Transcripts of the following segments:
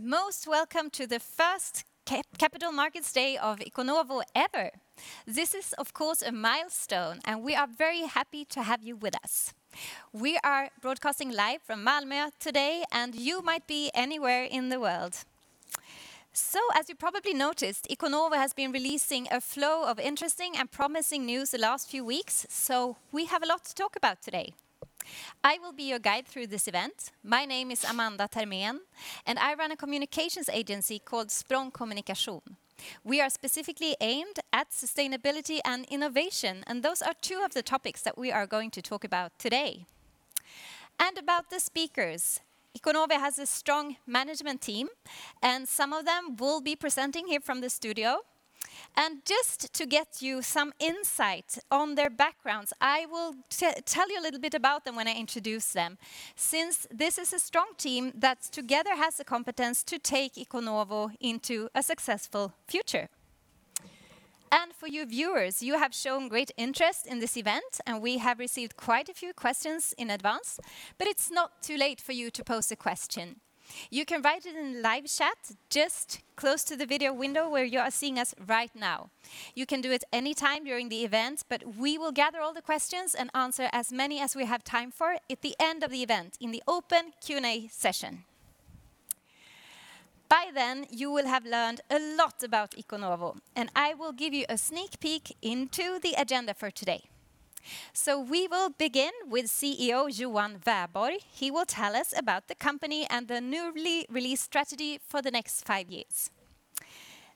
Most welcome to the first Capital Markets Day of Iconovo ever. This is of course a milestone, and we are very happy to have you with us. We are broadcasting live from Malmö today, and you might be anywhere in the world. As you probably noticed, Iconovo has been releasing a flow of interesting and promising news the last few weeks, so we have a lot to talk about today. I will be your guide through this event. My name is Amanda Tarmia, and I run a communications agency called Spring Kommunikation. We are specifically aimed at sustainability and innovation, and those are two of the topics that we are going to talk about today. About the speakers, Iconovo has a strong management team, and some of them will be presenting here from the studio. Just to get you some insight on their backgrounds, I will tell you a little bit about them when I introduce them, since this is a strong team that together has the competence to take Iconovo into a successful future. For you viewers, you have shown great interest in this event, and we have received quite a few questions in advance, but it's not too late for you to post a question. You can write it in the live chat just close to the video window where you are seeing us right now. You can do it anytime during the event, but we will gather all the questions and answer as many as we have time for at the end of the event in the open Q&A session. By then, you will have learned a lot about Iconovo, and I will give you a sneak peek into the agenda for today. We will begin with CEO Johan Wäborg. He will tell us about the company and the newly released strategy for the next five years.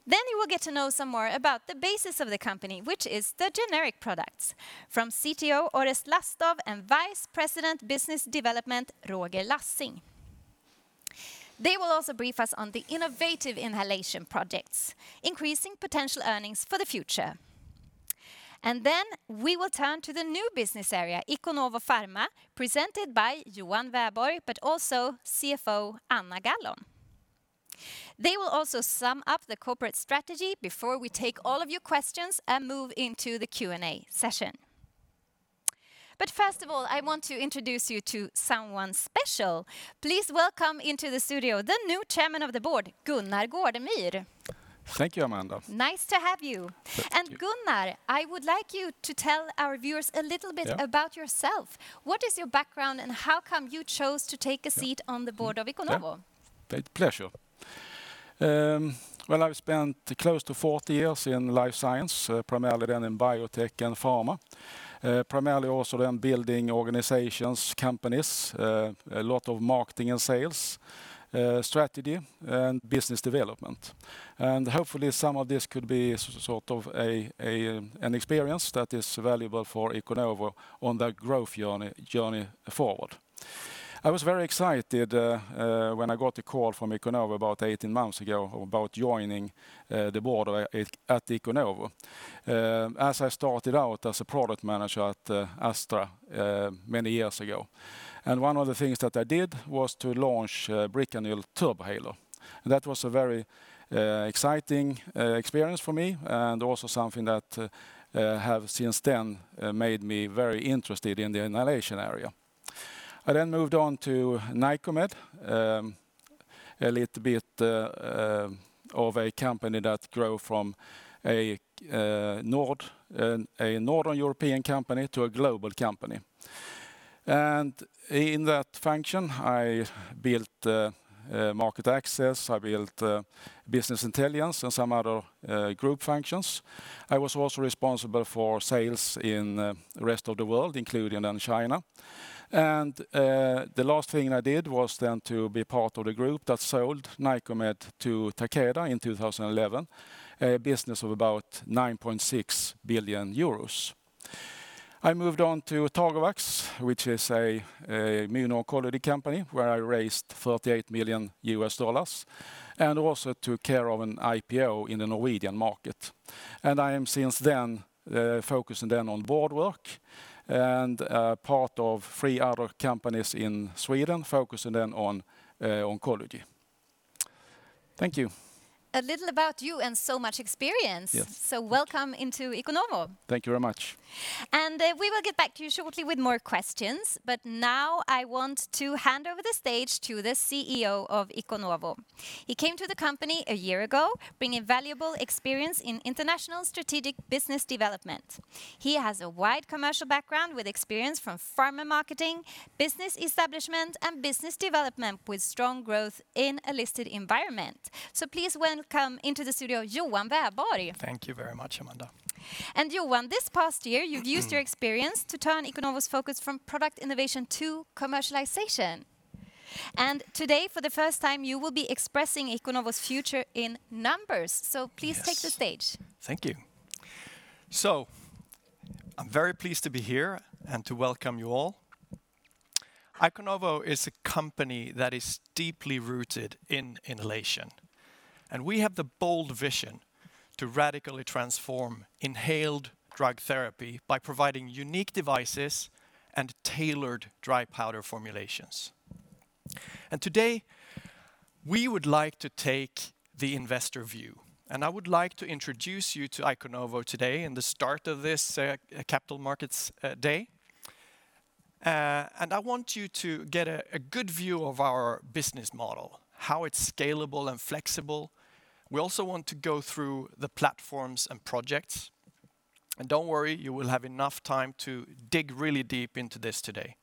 You will get to know some more about the basis of the company, which is the generic products from CTO Orest Lastow and Vice President Business Development, Roger Lassing. They will also brief us on the innovative inhalation projects, increasing potential earnings for the future. We will turn to the new business area, Iconovo Pharma, presented by Johan Wäborg, but also CFO Anna Gallon. They will also sum up the corporate strategy before we take all of your questions and move into the Q&A session. First of all, I want to introduce you to someone special. Please welcome into the studio, the new Chairman of the Board, Gunnar Gårdemyr. Thank you, Amanda. Nice to have you. Thank you. Gunnar, I would like you to tell our viewers a little bit. Yeah about yourself. What is your background, and how come you chose to take a seat on the board of Iconovo? My pleasure. I've spent close to 40 years in life science, primarily in biotech and pharma. Primarily also in building organizations, companies, a lot of marketing and sales, strategy, and business development. Hopefully, some of this could be sort of an experience that is valuable for Iconovo on that growth journey forward. I was very excited when I got the call from Iconovo about 18 months ago about joining the board at Iconovo. I started out as a product manager at Astra many years ago, and one of the things that I did was to launch Bricanyl Turbohaler. That was a very exciting experience for me, and also something that have since then made me very interested in the inhalation area. I moved on to Nycomed, a little bit of a company that grew from a Northern European company to a global company. In that function, I built market access, I built business intelligence and some other group functions. I was also responsible for sales in the rest of the world, including then China. The last thing I did was then to be part of the group that sold Nycomed to Takeda in 2011, a business of about 9.6 billion euros. I moved on to Torax, which is a immuno-oncology company where I raised $38 million and also took care of an IPO in the Norwegian market. I am since then focused then on board work and part of three other companies in Sweden, focusing then on oncology. Thank you. A little about you and so much experience. Yeah. Welcome into Iconovo. Thank you very much. We will get back to you shortly with more questions, but now I want to hand over the stage to the CEO of Iconovo. He came to the company a year ago, bringing valuable experience in international strategic business development. He has a wide commercial background with experience from pharma marketing, business establishment, and business development, with strong growth in a listed environment. Please welcome into the studio, Johan Wäborg. Thank you very much, Amanda. Johan, this past year, you've used your experience to turn Iconovo's focus from product innovation to commercialization. Today, for the first time, you will be expressing Iconovo's future in numbers. Yes. Please take the stage. Thank you. I'm very pleased to be here and to welcome you all. Iconovo is a company that is deeply rooted in inhalation, and we have the bold vision to radically transform inhaled drug therapy by providing unique devices and tailored dry powder formulations. Today, we would like to take the investor view, and I would like to introduce you to Iconovo today in the start of this Capital Markets Day. I want you to get a good view of our business model, how it's scalable and flexible. We also want to go through the platforms and projects. Don't worry, you will have enough time to dig really deep into this today.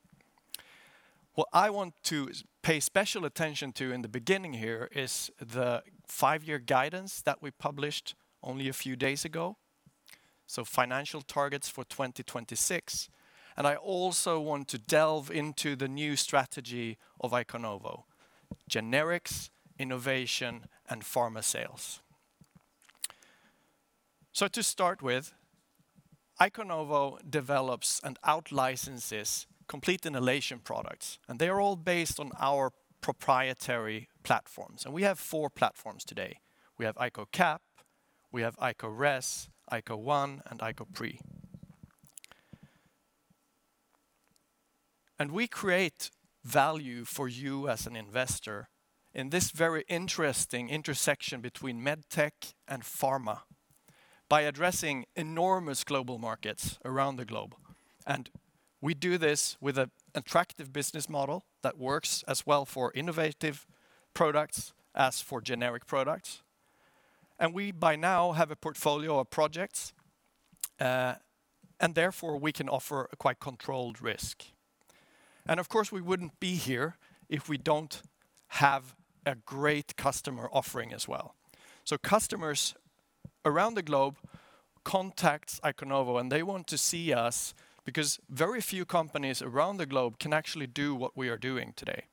What I want to pay special attention to in the beginning here is the five-year guidance that we published only a few days ago, so financial targets for 2026. I also want to delve into the new strategy of Iconovo: generics, innovation, and pharma sales. To start with, Iconovo develops and out-licenses complete inhalation products, and they're all based on our proprietary platforms. We have four platforms today. We have ICOcap, we have ICOres, ICOone, and ICOpre. We create value for you as an investor in this very interesting intersection between medtech and pharma by addressing enormous global markets around the globe. We do this with an attractive business model that works as well for innovative products as for generic products. We by now have a portfolio of projects, and therefore, we can offer a quite controlled risk. Of course, we wouldn't be here if we don't have a great customer offering as well. Customers around the globe contact Iconovo, and they want to see us because very few companies around the globe can actually do what we are doing today.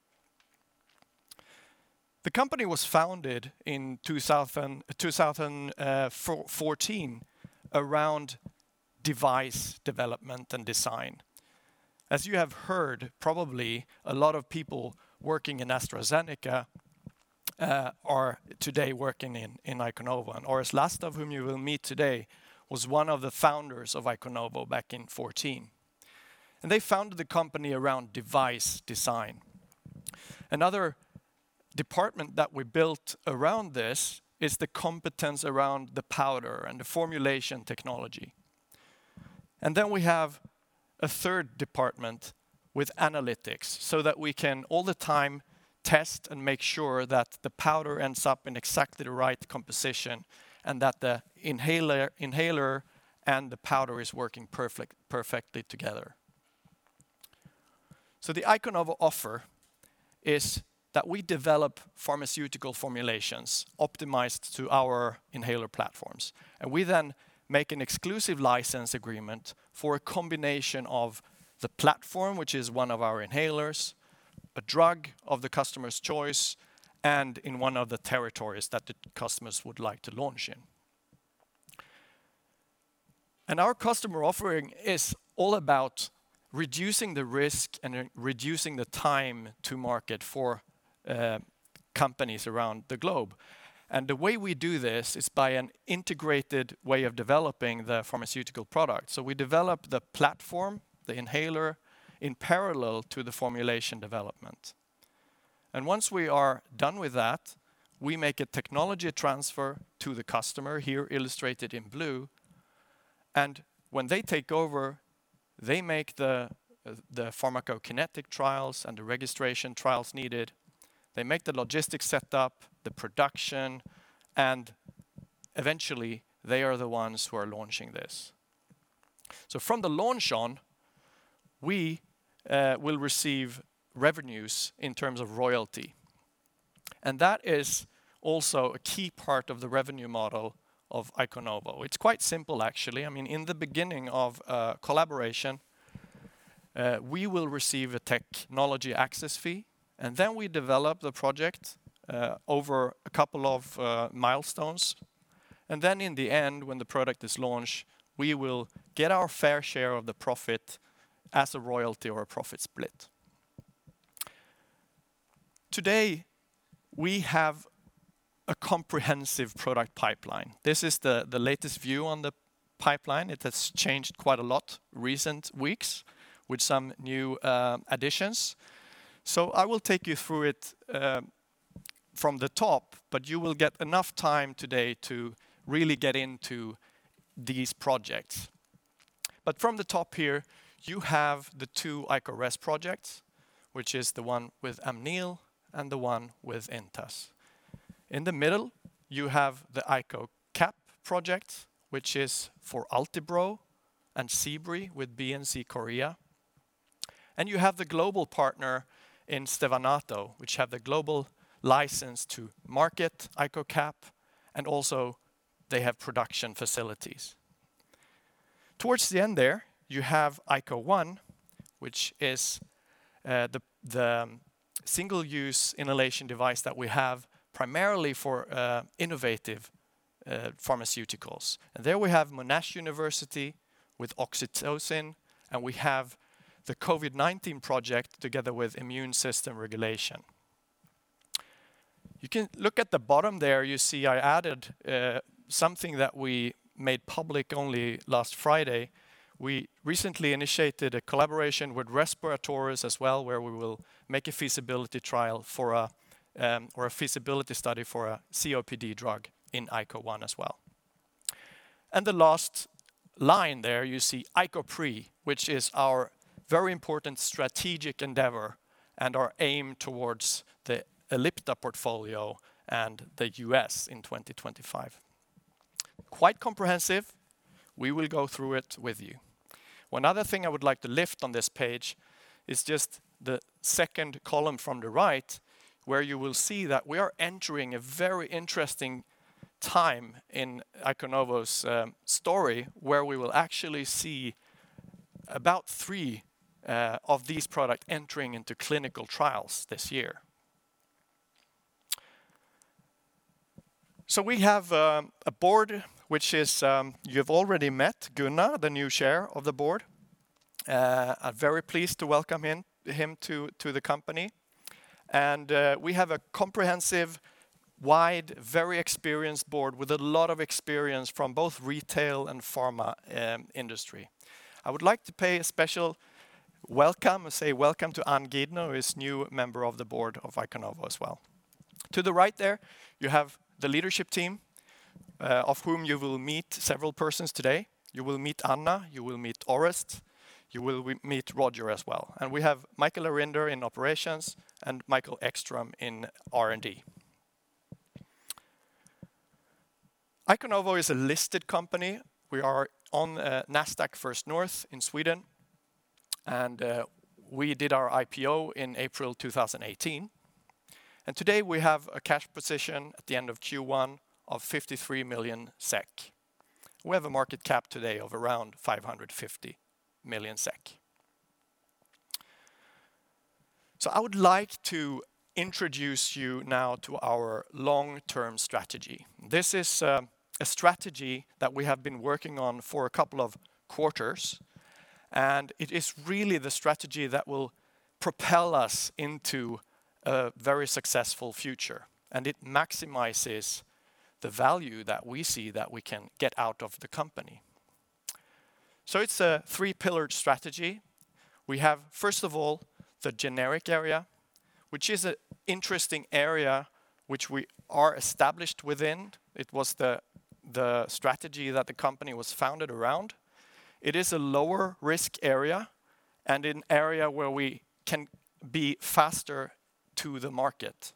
The company was founded in 2014 around device development and design. As you have heard, probably a lot of people working in AstraZeneca are today working in Iconovo. Orest Lastow, whom you will meet today, was one of the founders of Iconovo back in 2014. They founded the company around device design. Another department that we built around this is the competence around the powder and the formulation technology. We have a third department with analytics so that we can all the time test and make sure that the powder ends up in exactly the right composition and that the inhaler and the powder is working perfectly together. The Iconovo offer is that we develop pharmaceutical formulations optimized to our inhaler platforms, and we then make an exclusive license agreement for a combination of the platform, which is one of our inhalers, a drug of the customer's choice, and in one of the territories that the customers would like to launch in. Our customer offering is all about reducing the risk and reducing the time to market for companies around the globe. The way we do this is by an integrated way of developing the pharmaceutical product. We develop the platform, the inhaler, in parallel to the formulation development. Once we are done with that, we make a technology transfer to the customer, here illustrated in blue. When they take over, they make the Pharmacokinetic trials and the registration trials needed. They make the logistics set up, the production, and eventually, they are the ones who are launching this. From the launch on, we will receive revenues in terms of royalty. That is also a key part of the revenue model of Iconovo. It's quite simple, actually. In the beginning of a collaboration, we will receive a technology access fee, then we develop the project over a couple of milestones. Then in the end, when the product is launched, we will get our fair share of the profit as a royalty or a profit split. Today, we have a comprehensive product pipeline. This is the latest view on the pipeline. It has changed quite a lot recent weeks with some new additions. I will take you through it from the top, but you will get enough time today to really get into these projects. From the top here, you have the two ICOres projects, which is the one with Amneal and the one with Intas. In the middle, you have the ICOcap project, which is for Ultibro and Seebri with BNC Korea. You have the global partner in Stevanato, which have the global license to market ICOcap, and also they have production facilities. Towards the end there, you have ICOone, which is the single-use inhalation device that we have primarily for innovative pharmaceuticals. There we have Monash University with oxytocin, and we have the COVID-19 project together with Immune System Regulation. You can look at the bottom there, you see I added something that we made public only last Friday. We recently initiated a collaboration with Respiratorius as well, where we will make a feasibility trial or a feasibility study for a COPD drug in ICOone as well. The last line there you see ICOpre, which is our very important strategic endeavor and our aim towards the Ellipta portfolio and the U.S. in 2025. Quite comprehensive. We will go through it with you. One other thing I would like to lift on this page is just the second column from the right where you will see that we are entering a very interesting time in Iconovo's story, where we will actually see about three of these products entering into clinical trials this year. We have a board, which is, you've already met Gunnar, the new chair of the board. I'm very pleased to welcome him to the company. We have a comprehensive wide very experienced board with a lot of experience from both retail and pharma industry. I would like to pay a special welcome, say welcome to Ann Gidner, who is new member of the board of Iconovo as well. To the right there, you have the leadership team, of whom you will meet several persons today. You will meet Anna, you will meet Orest, you will meet Roger as well. We have Michael Arinder in operations and Mikael Ekström in R&D. Iconovo is a listed company. We are on Nasdaq First North in Sweden, and we did our IPO in April 2018. Today we have a cash position at the end of Q1 of 53 million SEK. We have a market cap today of around 550 million SEK. I would like to introduce you now to our long-term strategy. This is a strategy that we have been working on for a couple of quarters, and it is really the strategy that will propel us into a very successful future. It maximizes the value that we see that we can get out of the company. It's a three-pillared strategy. We have, first of all, the generic area, which is an interesting area which we are established within. It was the strategy that the company was founded around. It is a lower risk area and an area where we can be faster to the market.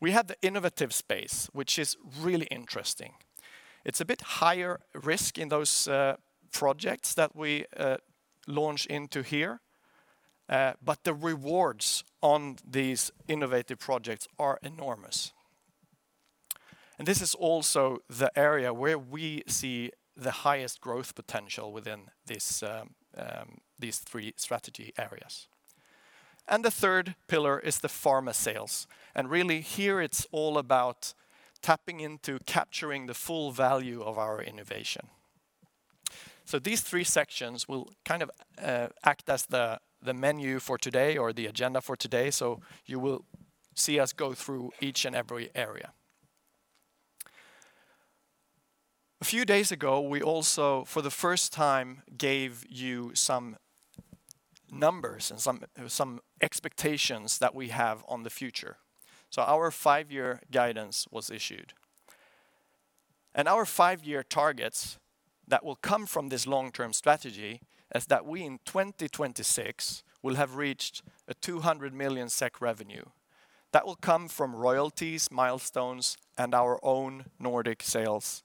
We have the innovative space, which is really interesting. It's a bit higher risk in those projects that we launch into here. The rewards on these innovative projects are enormous. This is also the area where we see the highest growth potential within these three strategy areas. The third pillar is the pharma sales. Really here it's all about tapping into capturing the full value of our innovation. These three sections will act as the menu for today or the agenda for today. You will see us go through each and every area. A few days ago, we also, for the first time, gave you some numbers and some expectations that we have on the future. Our five-year guidance was issued. Our five-year targets that will come from this long-term strategy is that we in 2026 will have reached a 200 million SEK revenue. That will come from royalties, milestones, and our own Nordic sales,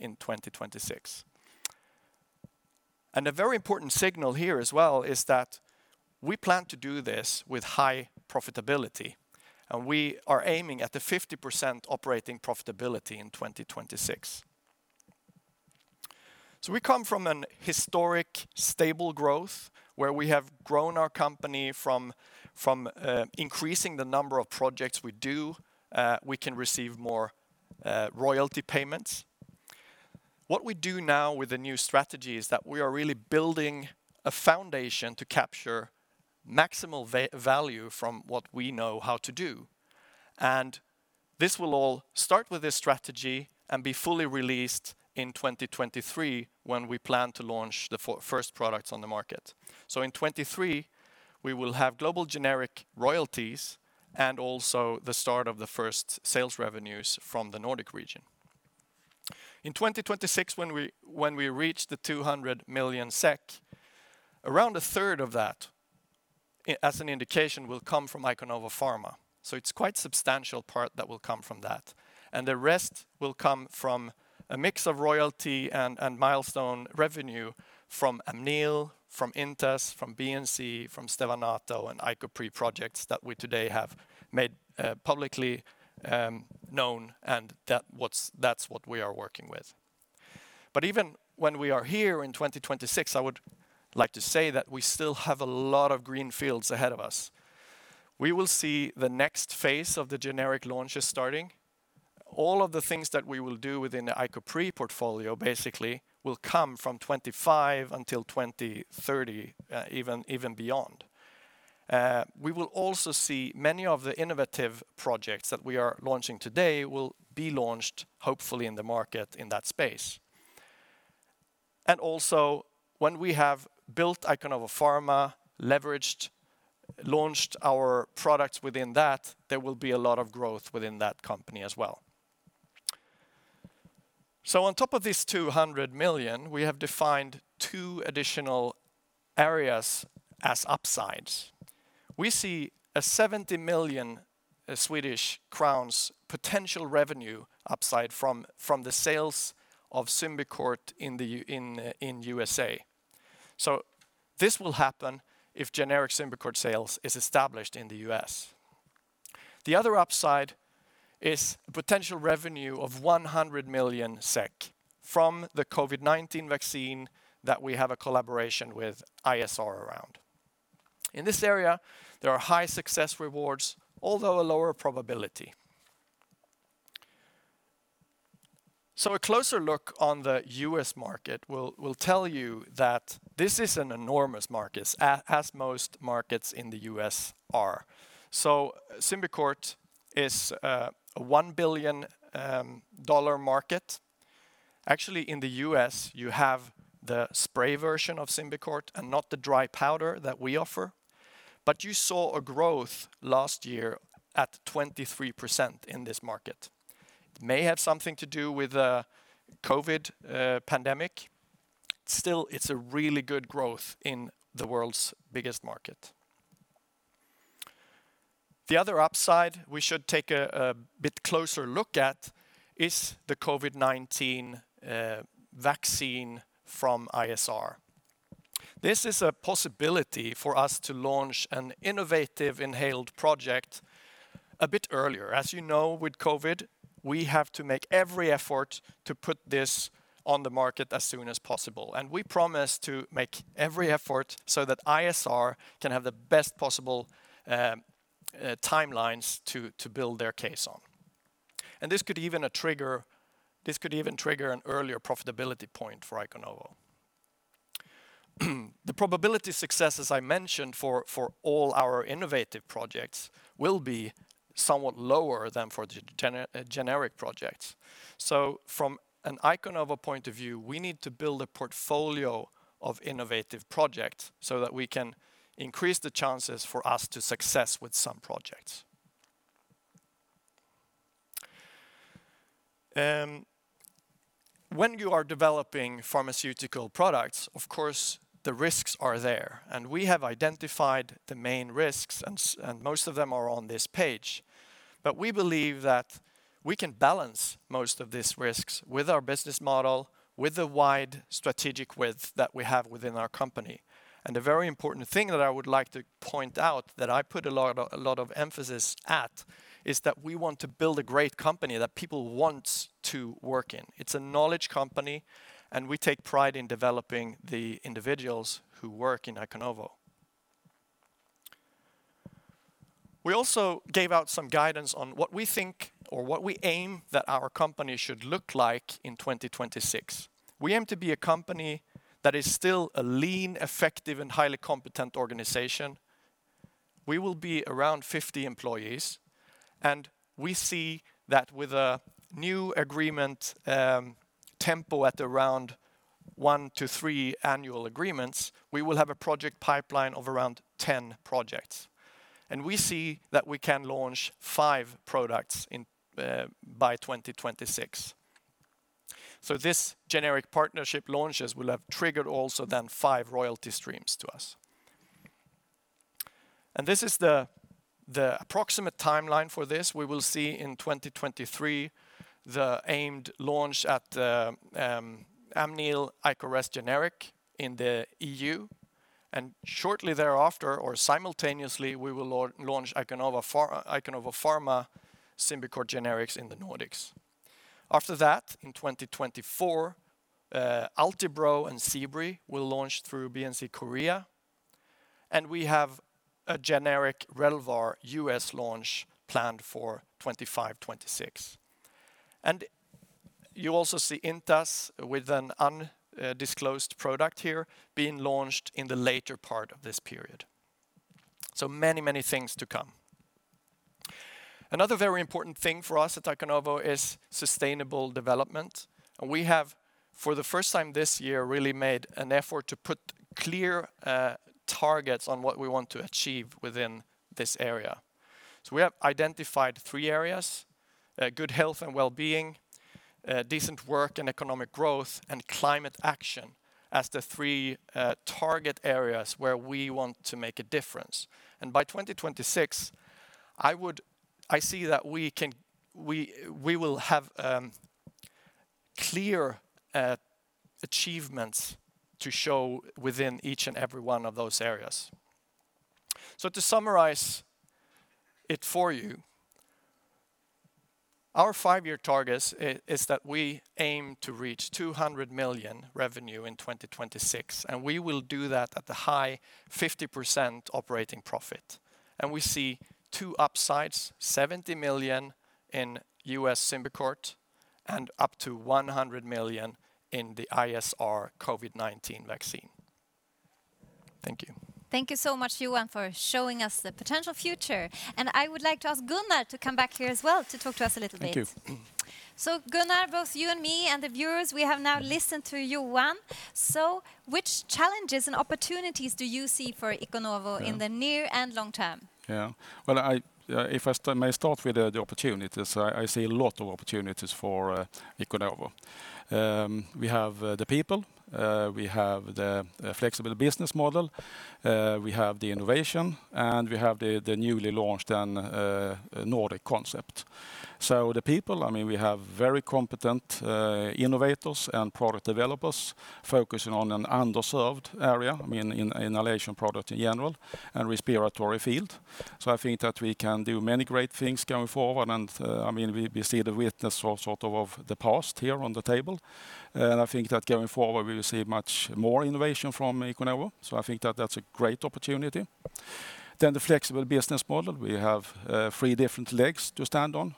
in 2026. A very important signal here as well is that we plan to do this with high profitability, and we are aiming at the 50% operating profitability in 2026. We come from an historic stable growth where we have grown our company from increasing the number of projects we do, we can receive more royalty payments. What we do now with the new strategy is that we are really building a foundation to capture maximal value from what we know how to do. This will all start with this strategy and be fully released in 2023 when we plan to launch the first products on the market. In 2023, we will have global generic royalties and also the start of the first sales revenues from the Nordic region. In 2026, when we reach the 200 million SEK, around a third of that, as an indication, will come from Iconovo Pharma. It's quite substantial part that will come from that. The rest will come from a mix of royalty and milestone revenue from Amneal, from Intas, from BNC, from Stevanato, and ICOpre projects that we today have made publicly known and that's what we are working with. Even when we are here in 2026, I would like to say that we still have a lot of green fields ahead of us. We will see the next phase of the generic launches starting. All of the things that we will do within the ICOpre portfolio basically will come from 2025 until 2030, even beyond. We will also see many of the innovative projects that we are launching today will be launched hopefully in the market in that space. Also, when we have built Iconovo Pharma, leveraged, launched our products within that, there will be a lot of growth within that company as well. On top of this 200 million, we have defined two additional areas as upsides. We see a 70 million Swedish crowns potential revenue upside from the sales of Symbicort in U.S.A. This will happen if generic Symbicort sales is established in the U.S. The other upside is potential revenue of 100 million SEK from the COVID-19 vaccine that we have a collaboration with ISR around. In this area, there are high success rewards, although a lower probability. A closer look on the U.S. market will tell you that this is an enormous market, as most markets in the U.S. are. Symbicort is a $1 billion market. Actually, in the U.S., you have the spray version of Symbicort and not the dry powder that we offer. You saw a growth last year at 23% in this market. It may have something to do with the COVID pandemic. Still, it's a really good growth in the world's biggest market. The other upside we should take a bit closer look at is the COVID-19 vaccine from ISR. This is a possibility for us to launch an innovative inhaled project a bit earlier. As you know, with COVID, we have to make every effort to put this on the market as soon as possible. We promise to make every effort so that ISR can have the best possible timelines to build their case on. This could even trigger an earlier profitability point for Iconovo. The probability of success, as I mentioned, for all our innovative projects will be somewhat lower than for the generic projects. From an Iconovo point of view, we need to build a portfolio of innovative projects so that we can increase the chances for us to success with some projects. When you are developing pharmaceutical products, of course, the risks are there, and we have identified the main risks, and most of them are on this page. We believe that we can balance most of these risks with our business model, with the wide strategic width that we have within our company. The very important thing that I would like to point out, that I put a lot of emphasis at, is that we want to build a great company that people want to work in. It's a knowledge company, and we take pride in developing the individuals who work in Iconovo. We also gave out some guidance on what we think or what we aim that our company should look like in 2026. We aim to be a company that is still a lean, effective, and highly competent organization. We will be around 50 employees, and we see that with a new agreement tempo at around one-three annual agreements, we will have a project pipeline of around 10 projects. We see that we can launch five products by 2026. These generic partnership launches will have triggered also then five royalty streams to us. This is the approximate timeline for this. We will see in 2023, the aimed launch at the Amneal ICOres generic in the E.U.. Shortly thereafter or simultaneously, we will launch Iconovo Pharma Symbicort generics in the Nordics. After that, in 2024, Ultibro and Seebri will launch through BNC Korea. We have a generic Relvar U.S. launch planned for 2025-2026. You also see Intas with an undisclosed product here being launched in the later part of this period. Many many things to come. Another very important thing for us at Iconovo is sustainable development. We have, for the first time this year, really made an effort to put clear targets on what we want to achieve within this area. We have identified three areas, Good Health and Well-being, Decent Work and Economic Growth, and Climate Action as the three target areas where we want to make a difference. By 2026, I see that we will have clear achievements to show within each and every one of those areas. To summarize it for you, our five-year target is that we aim to reach 200 million revenue in 2026, and we will do that at the high 50% operating profit. We see two upsides, 70 million in US Symbicort and up to 100 million in the ISR COVID-19 vaccine. Thank you. Thank you so much, Johan, for showing us the potential future. I would like to ask Gunnar to come back here as well to talk to us a little bit. Thank you. Gunnar, both you and me and the viewers, we have now listened to Johan. Which challenges and opportunities do you see for Iconovo in the near and long term? Yeah. Well, if I may start with the opportunities, I see a lot of opportunities for Iconovo. We have the people, we have the flexible business model, we have the innovation, and we have the newly launched Nordic concept. The people, we have very competent innovators and product developers focusing on an underserved area, inhalation product in general and respiratory field. I think that we can do many great things going forward. We see the witness of the past here on the table. I think that going forward, we'll see much more innovation from Iconovo. I think that's a great opportunity. The flexible business model, we have three different legs to stand on.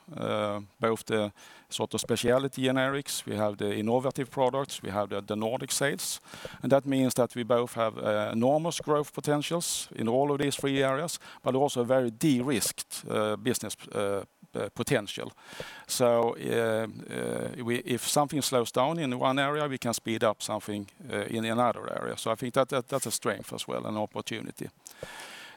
Both the specialty generics we have the innovative products, we have the Nordic sales. That means that we both have enormous growth potentials in all of these three areas, but also very de-risked business potential. If something slows down in one area, we can speed up something in another area. I think that's a strength as well, an opportunity.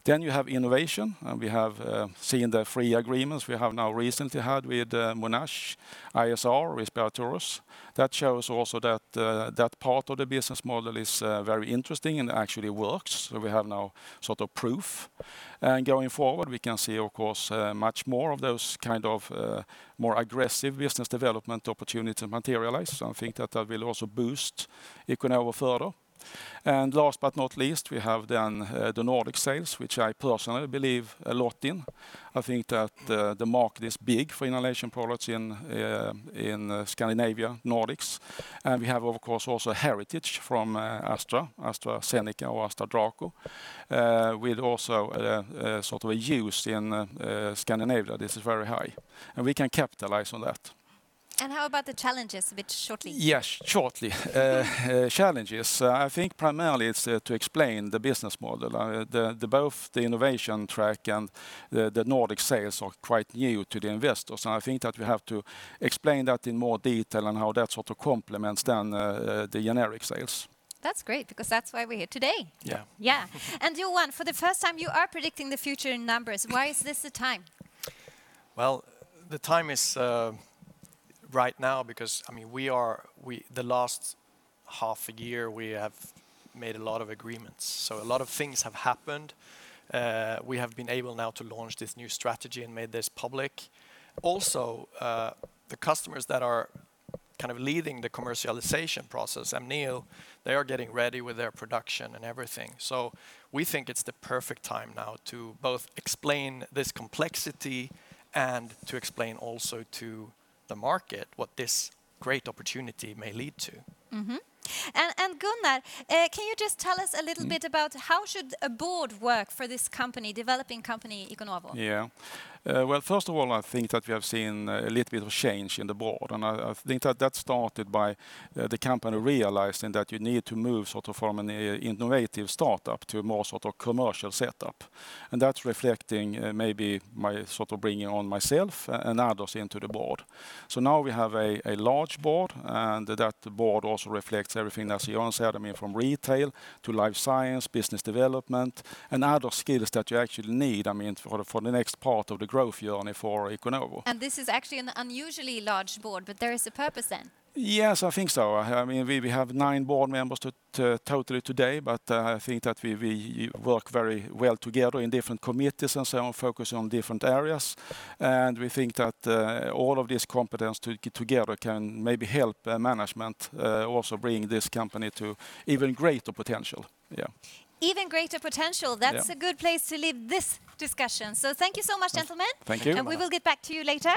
You have innovation, and we have seen the three agreements we have now recently had with Monash, ISR, Respiratorius. That shows also that part of the business model is very interesting and actually works. We have now proof. Going forward, we can see, of course, much more of those kind of more aggressive business development opportunities materialize. I think that will also boost Iconovo further. Last but not least, we have then the Nordic sales, which I personally believe a lot in. I think that the market is big for inhalation products in Scandinavia, Nordics. We have, of course, also heritage from AstraZeneca or Astra Draco, with also use in Scandinavia that is very high, and we can capitalize on that. How about the challenges? A bit shortly. Yes, shortly. Challenges, I think primarily it's to explain the business model. Both the innovation track and the Nordic sales are quite new to the investors. I think that we have to explain that in more detail and how that sort of complements then the generic sales. That's great, because that's why we're here today. Yeah. Yeah. Johan, for the first time you are predicting the future in numbers. Why is this the time? Well, the time is right now because the last half a year we have made a lot of agreements. A lot of things have happened. We have been able now to launch this new strategy and made this public. The customers that are kind of leading the commercialization process and Amneal, they are getting ready with their production and everything. We think it's the perfect time now to both explain this complexity and to explain also to the market what this great opportunity may lead to. Gunnar, can you just tell us a little bit about how should a board work for this developing company, Iconovo? Yeah. Well, first of all, I think that we have seen a little bit of change in the board. I think that that started by the company realizing that you need to move sort of from an innovative startup to a more sort of commercial setup. That's reflecting maybe my sort of bringing on myself and others into the board. Now we have a large board, and that board also reflects everything, as Johan said, from retail to life science, business development, and other skills that you actually need for the next part of the growth journey for Iconovo. This is actually an unusually large board, but there is a purpose then? Yes, I think so. We have nine board members totally today, but I think that we work very well together in different committees and so on, focus on different areas. We think that all of this competence together can maybe help the management also bring this company to even greater potential. Yeah. Even greater potential. Yeah. That's a good place to leave this discussion. Thank you so much, gentlemen. Thank you. We will get back to you later.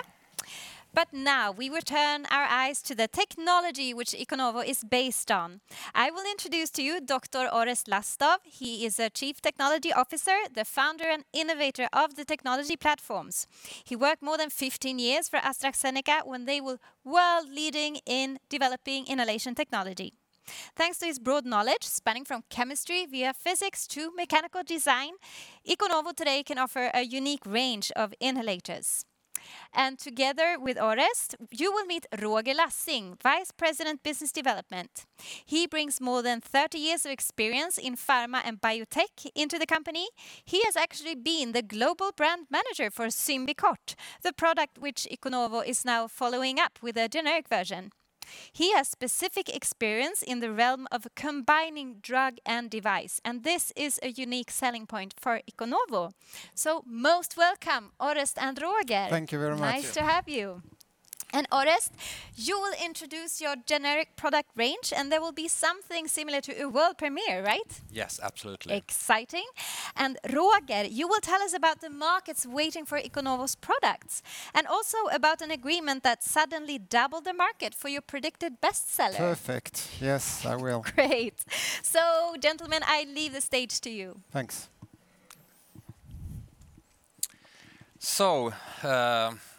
Now we will turn our eyes to the technology which Iconovo is based on. I will introduce to you Dr. Orest Lastow. He is the Chief Technology Officer, the founder, and innovator of the technology platforms. He worked more than 15 years for AstraZeneca when they were world leading in developing inhalation technology. Thanks to his broad knowledge spanning from chemistry via physics to mechanical design, Iconovo today can offer a unique range of inhalers. Together with Orest, you will meet Roger Lassing, Vice President, Business Development. He brings more than 30 years of experience in pharma and biotech into the company. He has actually been the global brand manager for Symbicort, the product which Iconovo is now following up with a generic version. He has specific experience in the realm of combining drug and device, and this is a unique selling point for Iconovo. Most welcome, Orest and Roger. Thank you very much. Thank you. Nice to have you. Orest, you will introduce your generic product range, and there will be something similar to a world premiere, right? Yes, absolutely. Exciting. Roger, you will tell us about the markets waiting for Iconovo's products, and also about an agreement that suddenly doubled the market for your predicted bestseller. Perfect. Yes, I will. Great. Gentlemen, I leave the stage to you. Thanks.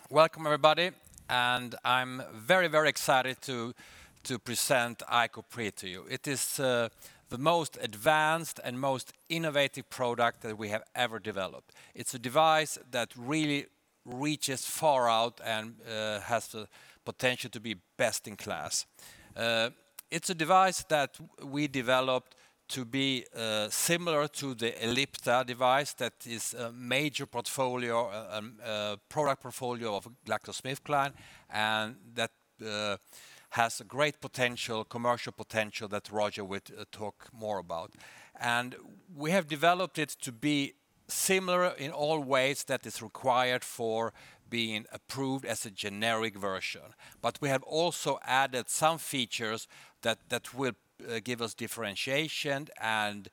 Welcome, everybody. I'm very excited to present ICOpre to you. It is the most advanced and most innovative product that we have ever developed. It's a device that really reaches far out and has the potential to be best in class. It's a device that we developed to be similar to the Ellipta device that is a major product portfolio of GlaxoSmithKline. That has great commercial potential that Roger will talk more about. We have developed it to be similar in all ways that is required for being approved as a generic version. We have also added some features that will give us differentiation and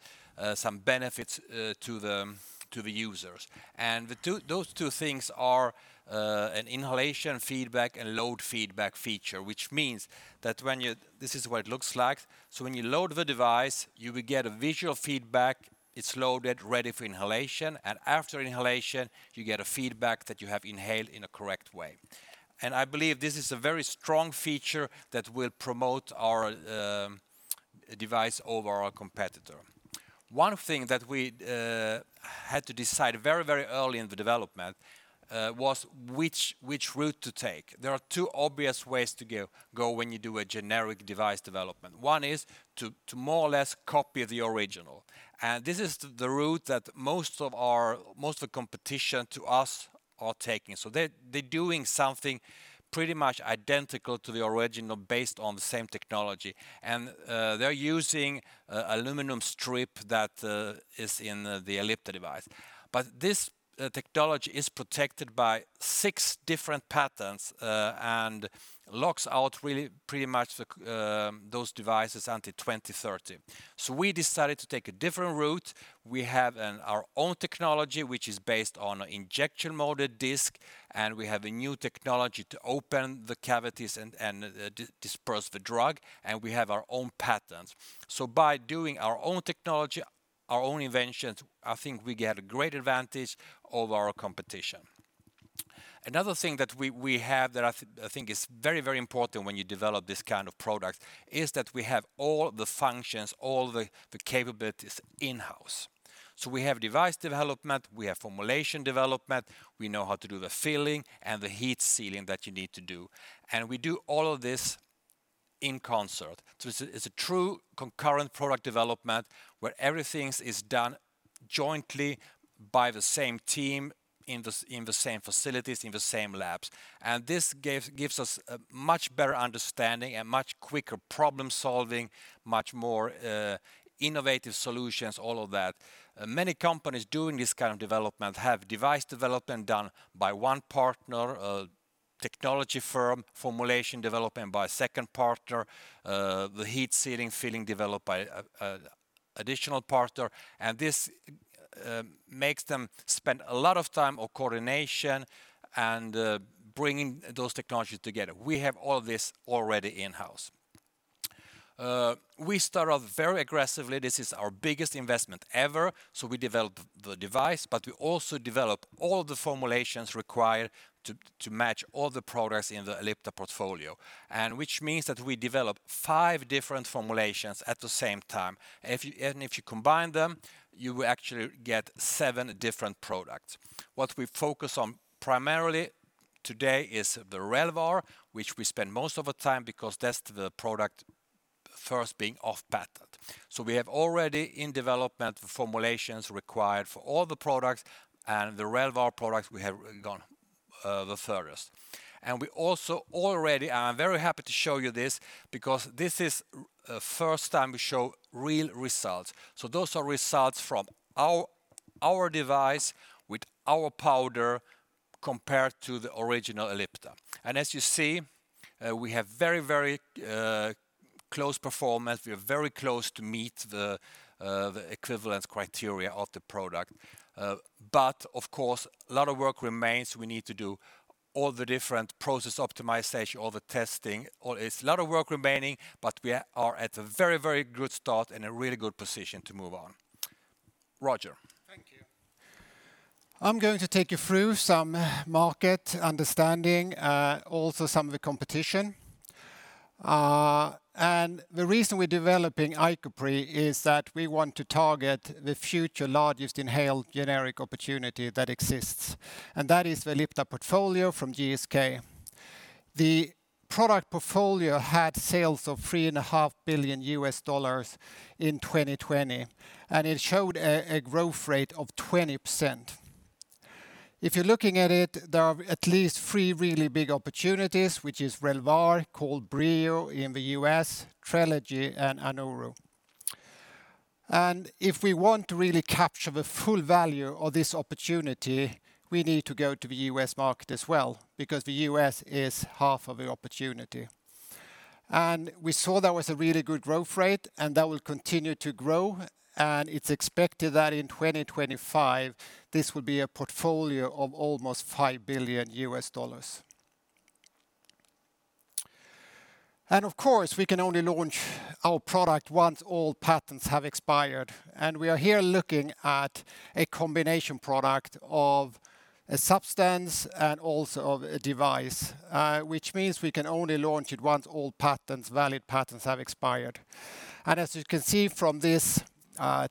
some benefits to the users. Those two things are an inhalation feedback and load feedback feature. This is what it looks like. When you load the device, you will get a visual feedback it's loaded, ready for inhalation, and after inhalation, you get a feedback that you have inhaled in a correct way. I believe this is a very strong feature that will promote our device over our competitor. One thing that we had to decide very early in the development was which route to take. There are two obvious ways to go when you do a generic device development. One is to more or less copy the original. This is the route that most of the competition to us are taking. They're doing something pretty much identical to the original based on the same technology. They're using an aluminum strip that is in the Ellipta device. This technology is protected by six different patents and locks out pretty much those devices until 2030. We decided to take a different route. We have our own technology, which is based on an injection-molded disc, and we have a new technology to open the cavities and disperse the drug, and we have our own patents. By doing our own technology, our own inventions, I think we get a great advantage over our competition. Another thing that we have that I think is very important when you develop this kind of product is that we have all the functions, all the capabilities in-house. We have device development, we have formulation development, we know how to do the filling and the heat sealing that you need to do, and we do all of this in concert. It's a true concurrent product development where everything is done jointly by the same team in the same facilities, in the same labs. This gives us a much better understanding and much quicker problem-solving, much more innovative solutions, all of that. Many companies doing this kind of development have device development done by one partner, a technology firm, formulation development by a second partner, the heat sealing filling developed by an additional partner. This makes them spend a lot of time on coordination and bringing those technologies together. We have all this already in-house. We start off very aggressively. This is our biggest investment ever. We develop the device, but we also develop all the formulations required to match all the products in the Ellipta portfolio. Which means that we develop five different formulations at the same time. If you combine them, you actually get seven different products. What we focus on primarily today is the Relvar, which we spend most of the time because that's the product first being off-patent. We have already in development the formulations required for all the products and the Relvar products we have gone the furthest. I'm very happy to show you this because this is the first time we show real results. Those are results from our device with our powder compared to the original Ellipta. As you see, we have very close performance. We are very close to meet the equivalent criteria of the product. Of course, a lot of work remains. We need to do all the different process optimization, all the testing. It's a lot of work remaining, but we are at a very good start and a really good position to move on. Roger. Thank you. I'm going to take you through some market understanding, also some of the competition. The reason we're developing ICOpre is that we want to target the future largest inhaled generic opportunity that exists, and that is the Ellipta portfolio from GSK. The product portfolio had sales of $3.5 billion in 2020, and it showed a growth rate of 20%. If you're looking at it, there are at least three really big opportunities, which is Relvar, called Breo in the U.S., Trelegy, and Anoro. If we want to really capture the full value of this opportunity, we need to go to the U.S. market as well, because the U.S. is half of the opportunity. We saw that was a really good growth rate, and that will continue to grow. It's expected that in 2025, this will be a portfolio of almost $5 billion. Of course, we can only launch our product once all patents have expired. We are here looking at a combination product of a substance and also of a device, which means we can only launch it once all valid patents have expired. As you can see from this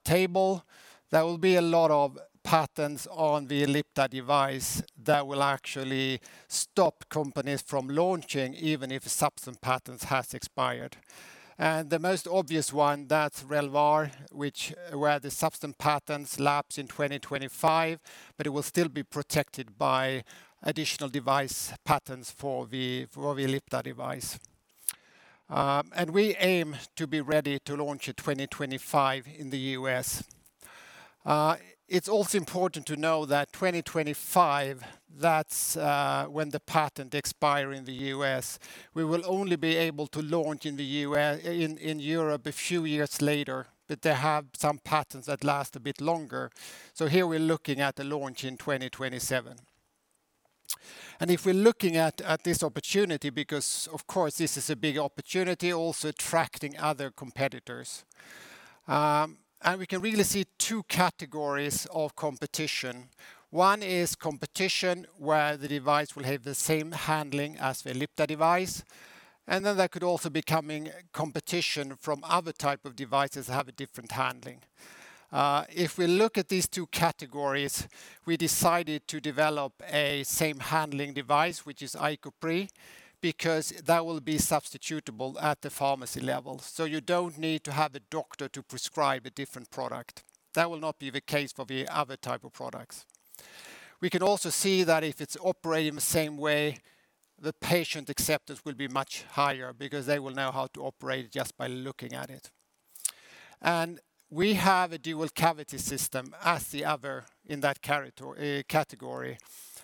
table, there will be a lot of patents on the Ellipta device that will actually stop companies from launching, even if substance patents have expired. The most obvious one, that's Relvar, where the substance patents lapse in 2025, but it will still be protected by additional device patents for the Ellipta device. We aim to be ready to launch in 2025 in the U.S. It's also important to know that 2025, that's when the patent expire in the U.S. We will only be able to launch in Europe a few years later. They have some patents that last a bit longer. Here we're looking at a launch in 2027. If we're looking at this opportunity, because of course this is a big opportunity, also attracting other competitors. We can really see two categories of competition. One is competition where the device will have the same handling as the Ellipta device. There could also be competition from other type of devices that have a different handling. If we look at these two categories, we decided to develop a same handling device, which is ICOpre, because that will be substitutable at the pharmacy level. You don't need to have a doctor to prescribe a different product. That will not be the case for the other type of products. We can also see that if it's operating the same way, the patient acceptance will be much higher because they will know how to operate just by looking at it. We have a dual cavity system as the other in that category.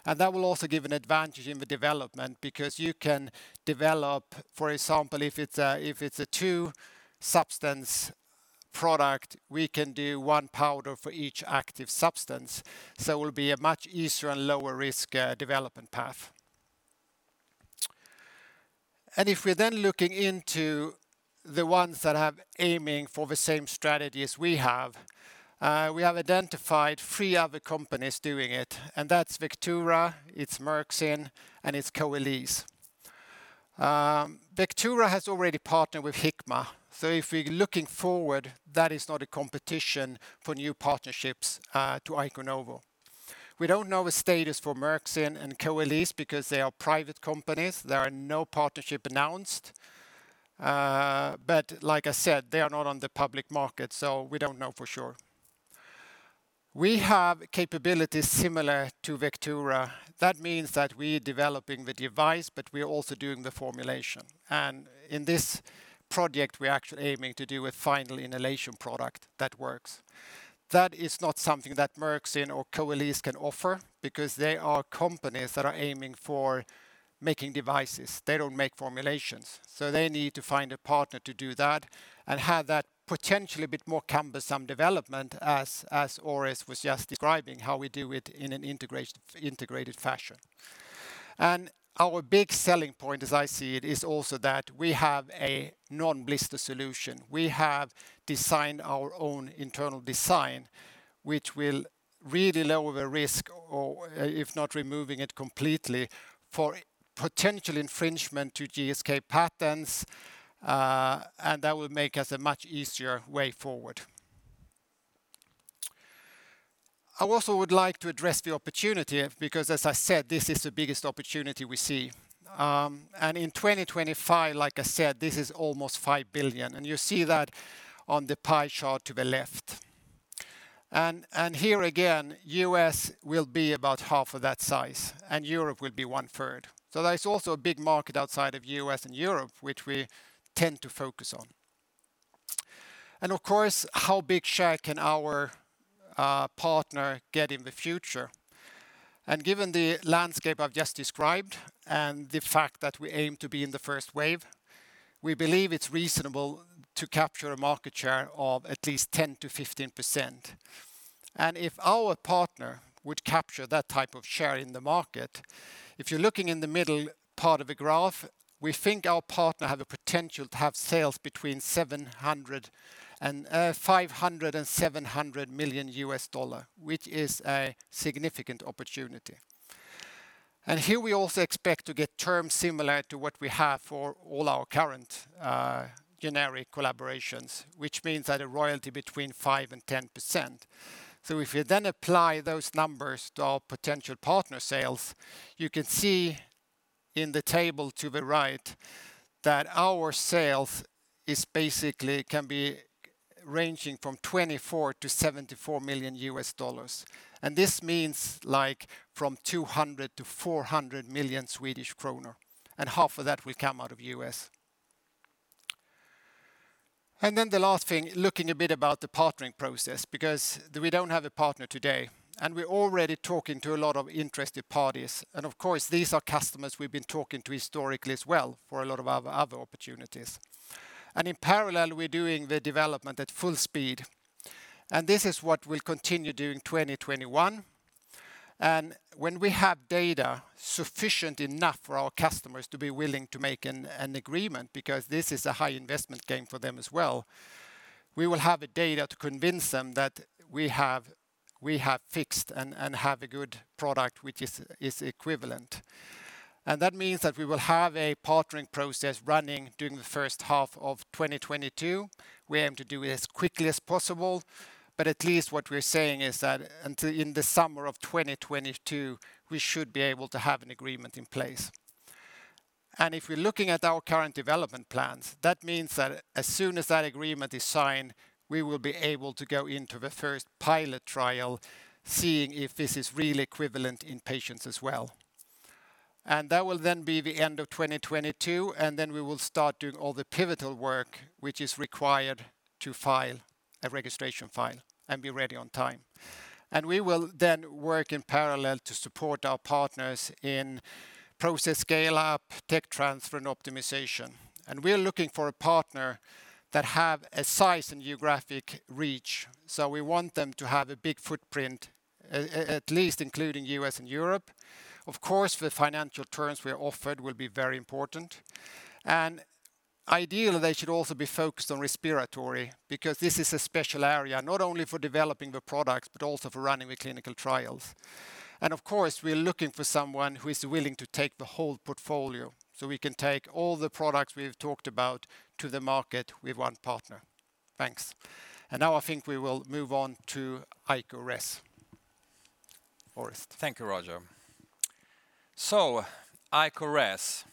That will also give an advantage in the development because you can develop, for example, if it's a two substance product, we can do one powder for each active substance. It will be a much easier and lower risk development path. If we're then looking into the ones that are aiming for the same strategy as we have, we have identified three other companies doing it, that's Vectura, it's Merck & Co., and it's Coalesce. Vectura has already partnered with Hikma, so if you're looking forward, that is not a competition for new partnerships to Iconovo. We don't know the status for Merck & Co. and Coalesce because they are private companies. There are no partnership announced. Like I said, they are not on the public market. We don't know for sure. We have capabilities similar to Vectura. That means that we are developing the device, but we are also doing the formulation. In this project, we are actually aiming to do a final inhalation product that works. That is not something that Merck & Co. or Coalesce can offer because they are companies that are aiming for making devices. They don't make formulations, so they need to find a partner to do that and have that potentially a bit more cumbersome development as Orest was just describing how we do it in an integrated fashion. Our big selling point, as I see it, is also that we have a non-blister solution. We have designed our own internal design, which will really lower the risk, if not removing it completely, for potential infringement to GSK patents. That will make us a much easier way forward. I also would like to address the opportunity because as I said, this is the biggest opportunity we see. In 2025, like I said, this is almost 5 billion, and you see that on the pie chart to the left. Here again, U.S. will be about half of that size and Europe will be 1/3. There's also a big market outside of U.S. and Europe, which we tend to focus on. Of course, how big share can our partner get in the future? Given the landscape I've just described and the fact that we aim to be in the first wave, we believe it's reasonable to capture a market share of at least 10%-15%. If our partner would capture that type of share in the market, if you're looking in the middle part of the graph, we think our partner had the potential to have sales between $500 million-$700 million, which is a significant opportunity. Here we also expect to get terms similar to what we have for all our current generic collaborations, which means at a royalty between 5%-10%. If you then apply those numbers to our potential partner sales, you can see in the table to the right that our sales basically can be ranging from $24 million-$74 million. This means from 200 million-400 million Swedish kronor, and half of that will come out of U.S. The last thing, looking a bit about the partnering process, because we don't have a partner today, and we're already talking to a lot of interested parties. Of course, these are customers we've been talking to historically as well for a lot of our other opportunities. In parallel, we're doing the development at full speed. This is what we'll continue doing 2021. When we have data sufficient enough for our customers to be willing to make an agreement, because this is a high investment game for them as well, we will have data to convince them that we have fixed and have a good product which is equivalent. That means that we will have a partnering process running during the first half of 2022. We aim to do it as quickly as possible, but at least what we're saying is that in the summer of 2022, we should be able to have an agreement in place. If you're looking at our current development plans, that means that as soon as that agreement is signed, we will be able to go into the first pilot trial, seeing if this is really equivalent in patients as well. That will then be the end of 2022, and then we will start doing all the pivotal work which is required to file a registration file and be ready on time. We will then work in parallel to support our partners in process scale-up, tech transfer, and optimization. We are looking for a partner that have a size and geographic reach. We want them to have a big footprint, at least including U.S. and Europe. Of course, the financial terms we are offered will be very important. Ideally, they should also be focused on respiratory, because this is a special area, not only for developing the product, but also for running the clinical trials. Of course, we are looking for someone who is willing to take the whole portfolio, so we can take all the products we've talked about to the market with one partner. Thanks. Now I think we will move on to ICOres. Thank you, Roger. ICOres,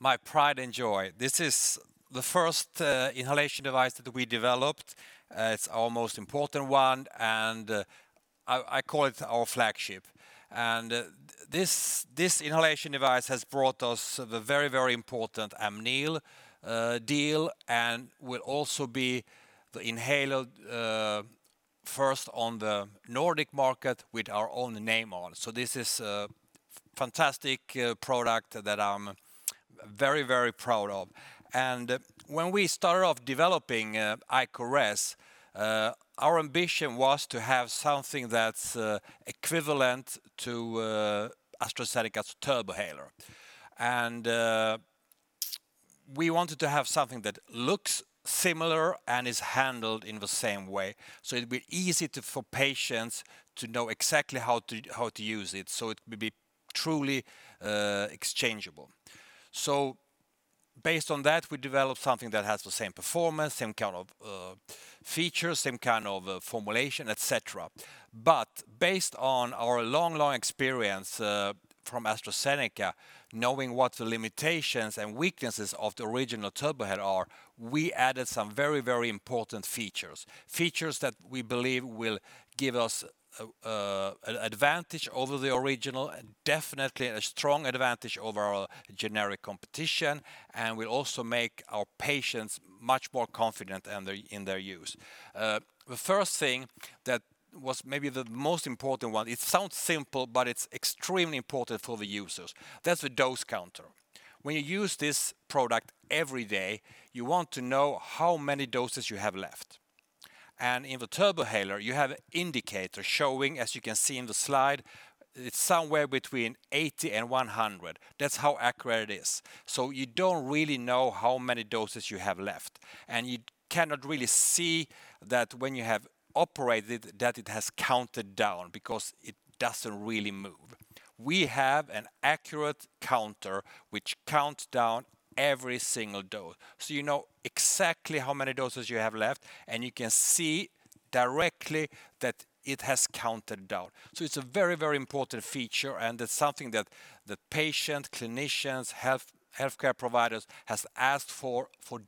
my pride and joy. This is the first inhalation device that we developed. It's our most important one, and I call it our flagship. This inhalation device has brought us the very, very important Amneal deal and will also be the inhaler first on the Nordic market with our own name on. This is a fantastic product that I'm very, very proud of. When we started off developing ICOres, our ambition was to have something that's equivalent to AstraZeneca's Turbohaler. We wanted to have something that looks similar and is handled in the same way, so it'd be easy for patients to know exactly how to use it, so it may be truly exchangeable. Based on that, we developed something that has the same performance, same kind of features, same kind of formulation, et cetera. Based on our long, long experience from AstraZeneca, knowing what the limitations and weaknesses of the original Turbohaler are, we added some very, very important features. Features that we believe will give us an advantage over the original, and definitely a strong advantage over our generic competition, and will also make our patients much more confident in their use. The first thing that was maybe the most important one, it sounds simple, but it's extremely important for the users. That's a dose counter. When you use this product every day, you want to know how many doses you have left. In the Turbohaler, you have an indicator showing, as you can see in the slide, it's somewhere between 80-100. That's how accurate it is. You don't really know how many doses you have left, and you cannot really see that when you have operated, that it has counted down because it doesn't really move. We have an accurate counter which counts down every single dose. You know exactly how many doses you have left, and you can see directly that it has counted down. It's a very, very important feature, and it's something that the patient, clinicians, healthcare providers have asked for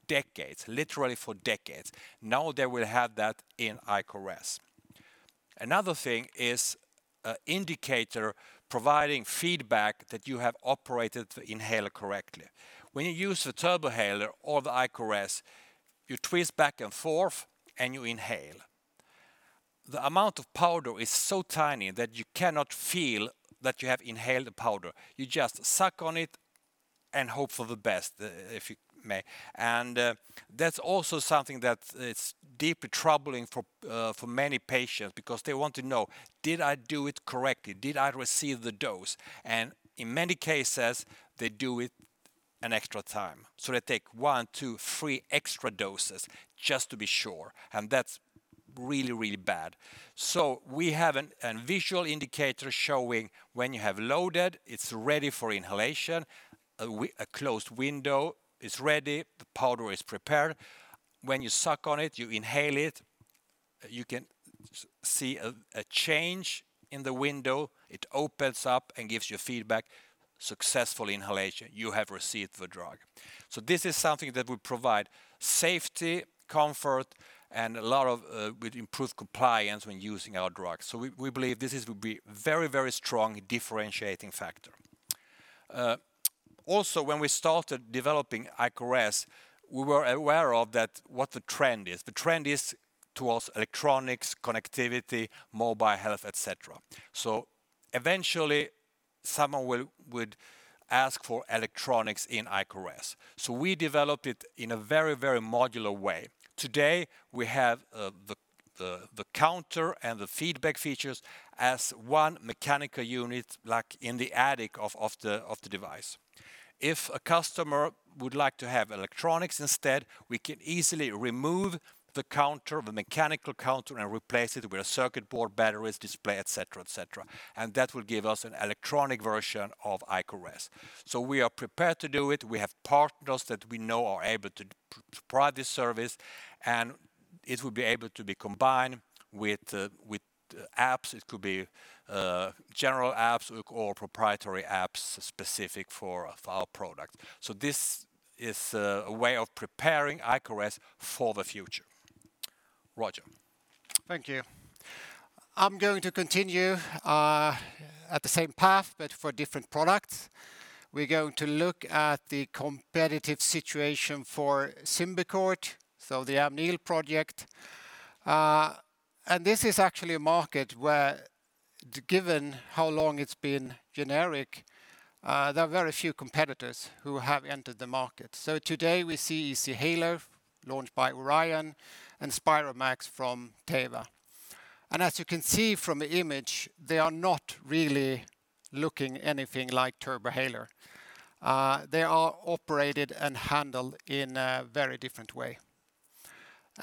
decades. Literally, for decades. Now they will have that in ICOres. Another thing is an indicator providing feedback that you have operated the inhaler correctly. When you use the Turbohaler or the ICOres, you twist back and forth and you inhale. The amount of powder is so tiny that you cannot feel that you have inhaled the powder. You just suck on it and hope for the best, if you may. That's also something that's deeply troubling for many patients because they want to know, "Did I do it correctly? Did I receive the dose?" In many cases, they do it an extra time. They take one, two, three extra doses just to be sure, and that's really, really bad. We have a visual indicator showing when you have loaded, it's ready for inhalation, a closed window, it's ready, the powder is prepared. When you suck on it, you inhale it, you can see a change in the window. It opens up and gives you feedback, successful inhalation. You have received the drug. This is something that will provide safety, comfort, and a lot of improved compliance when using our drug. We believe this will be a very, very strong differentiating factor. Also, when we started developing ICOres, we were aware of that what the trend is. The trend is towards electronics, connectivity, mobile health, et cetera. Someone would ask for electronics in ICOres. We developed it in a very modular way. Today, we have the counter and the feedback features as one mechanical unit in the attic of the device. If a customer would like to have electronics instead, we can easily remove the mechanical counter and replace it with a circuit board, batteries, display, et cetera. That will give us an electronic version of ICOres. We are prepared to do it. We have partners that we know are able to provide this service, and it will be able to be combined with apps. It could be general apps or proprietary apps specific for our product. This is a way of preparing ICOres for the future. Roger. Thank you. I'm going to continue at the same path, but for different products. We're going to look at the competitive situation for Symbicort, so the Amneal project. This is actually a market where, given how long it's been generic, there are very few competitors who have entered the market. Today we see Easyhaler, launched by Orion, and Spiromax from Teva. As you can see from the image, they are not really looking anything like Turbohaler. They are operated and handled in a very different way.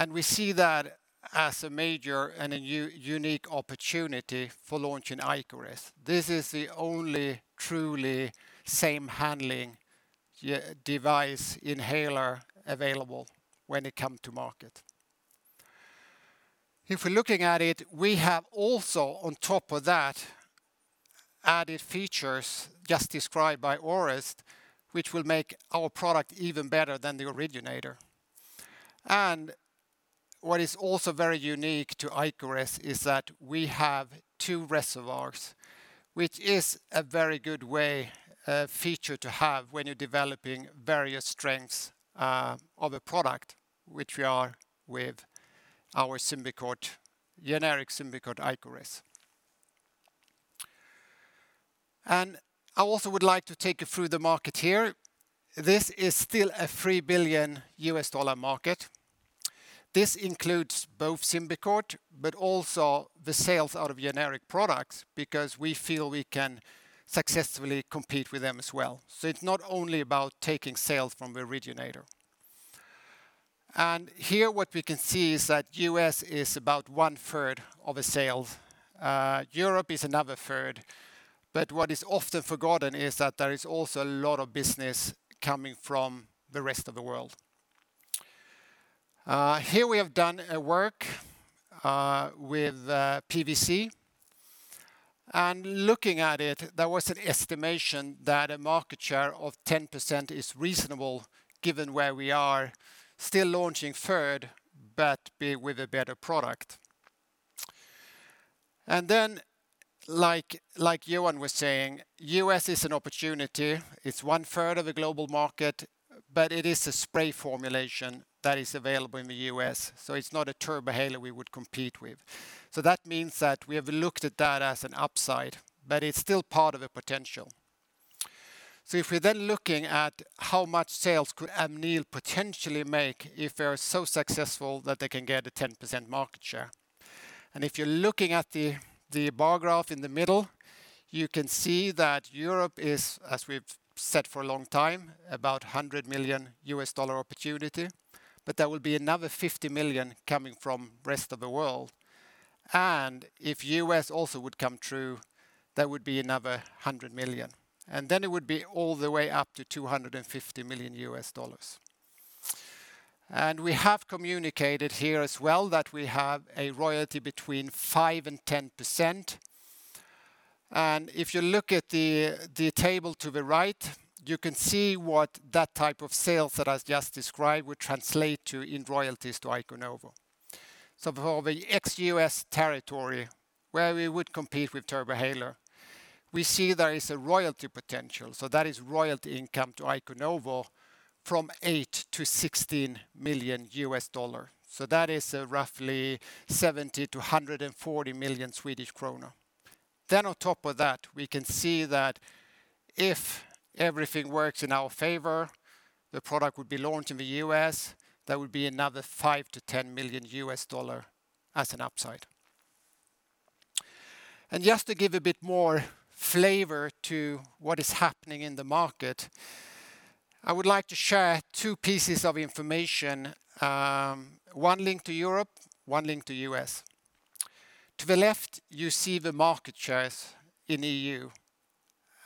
We see that as a major and a unique opportunity for launching ICOres. This is the only truly same handling device inhaler available when it come to market. If we're looking at it, we have also, on top of that, added features just described by Orest, which will make our product even better than the originator. What is also very unique to ICOres is that we have two reservoirs, which is a very good feature to have when you're developing various strengths of a product, which we are with our Symbicort, generic Symbicort ICOres. I also would like to take you through the market here. This is still a $3 billion U.S. dollar market. This includes both Symbicort, but also the sales of the generic products, because we feel we can successfully compete with them as well. It's not only about taking sales from the originator. Here what we can see is that U.S. is about 1/3 of the sales. Europe is another 1/3. What is often forgotten is that there is also a lot of business coming from the rest of the world. Here we have done work with PVC. Looking at it, there was an estimation that a market share of 10% is reasonable given where we are, still launching third, but with a better product. Like Johan was saying, U.S. is an opportunity. It's 1/3 of the global market, but it is a spray formulation that is available in the U.S., so it's not a Turbohaler we would compete with. That means that we have looked at that as an upside, but it's still part of the potential. If you're then looking at how much sales could Amneal potentially make if they are so successful that they can get a 10% market share. If you're looking at the bar graph in the middle, you can see that Europe is, as we've said for a long time, about $100 million U.S. dollar opportunity, but that would be another $50 million coming from rest of the world. If U.S. also would come true, that would be another $100 million. Then it would be all the way up to $250 million U.S. dollars. We have communicated here as well that we have a royalty between 5%-10%. If you look at the table to the right, you can see what that type of sales that I just described would translate to in royalties to Iconovo. For the ex-U.S. territory, where we would compete with Turbohaler, we see there is a royalty potential. That is royalty income to Iconovo from $8 million-$16 million. That is roughly 70 million-140 million Swedish kronor. On top of that, we can see that if everything works in our favor, the product would be launched in the U.S., that would be another $5 million-$10 million as an upside. Just to give a bit more flavor to what is happening in the market, I would like to share two pieces of information, one linked to Europe, one linked to U.S.. To the left, you see the market shares in E.U..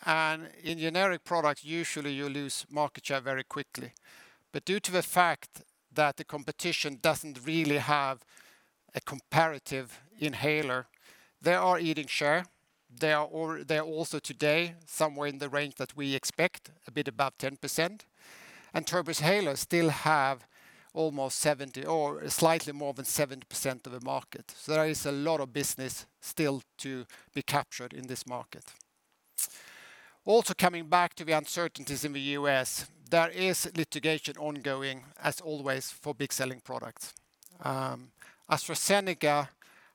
In generic product, usually you lose market share very quickly. Due to the fact that the competition doesn't really have a comparative inhaler, they are eating share. They are also today somewhere in the range that we expect, a bit above 10%. Turbohaler still have slightly more than 70% of the market. There is a lot of business still to be captured in this market. Also coming back to the uncertainties in the U.S., there is litigation ongoing, as always, for big selling products. AstraZeneca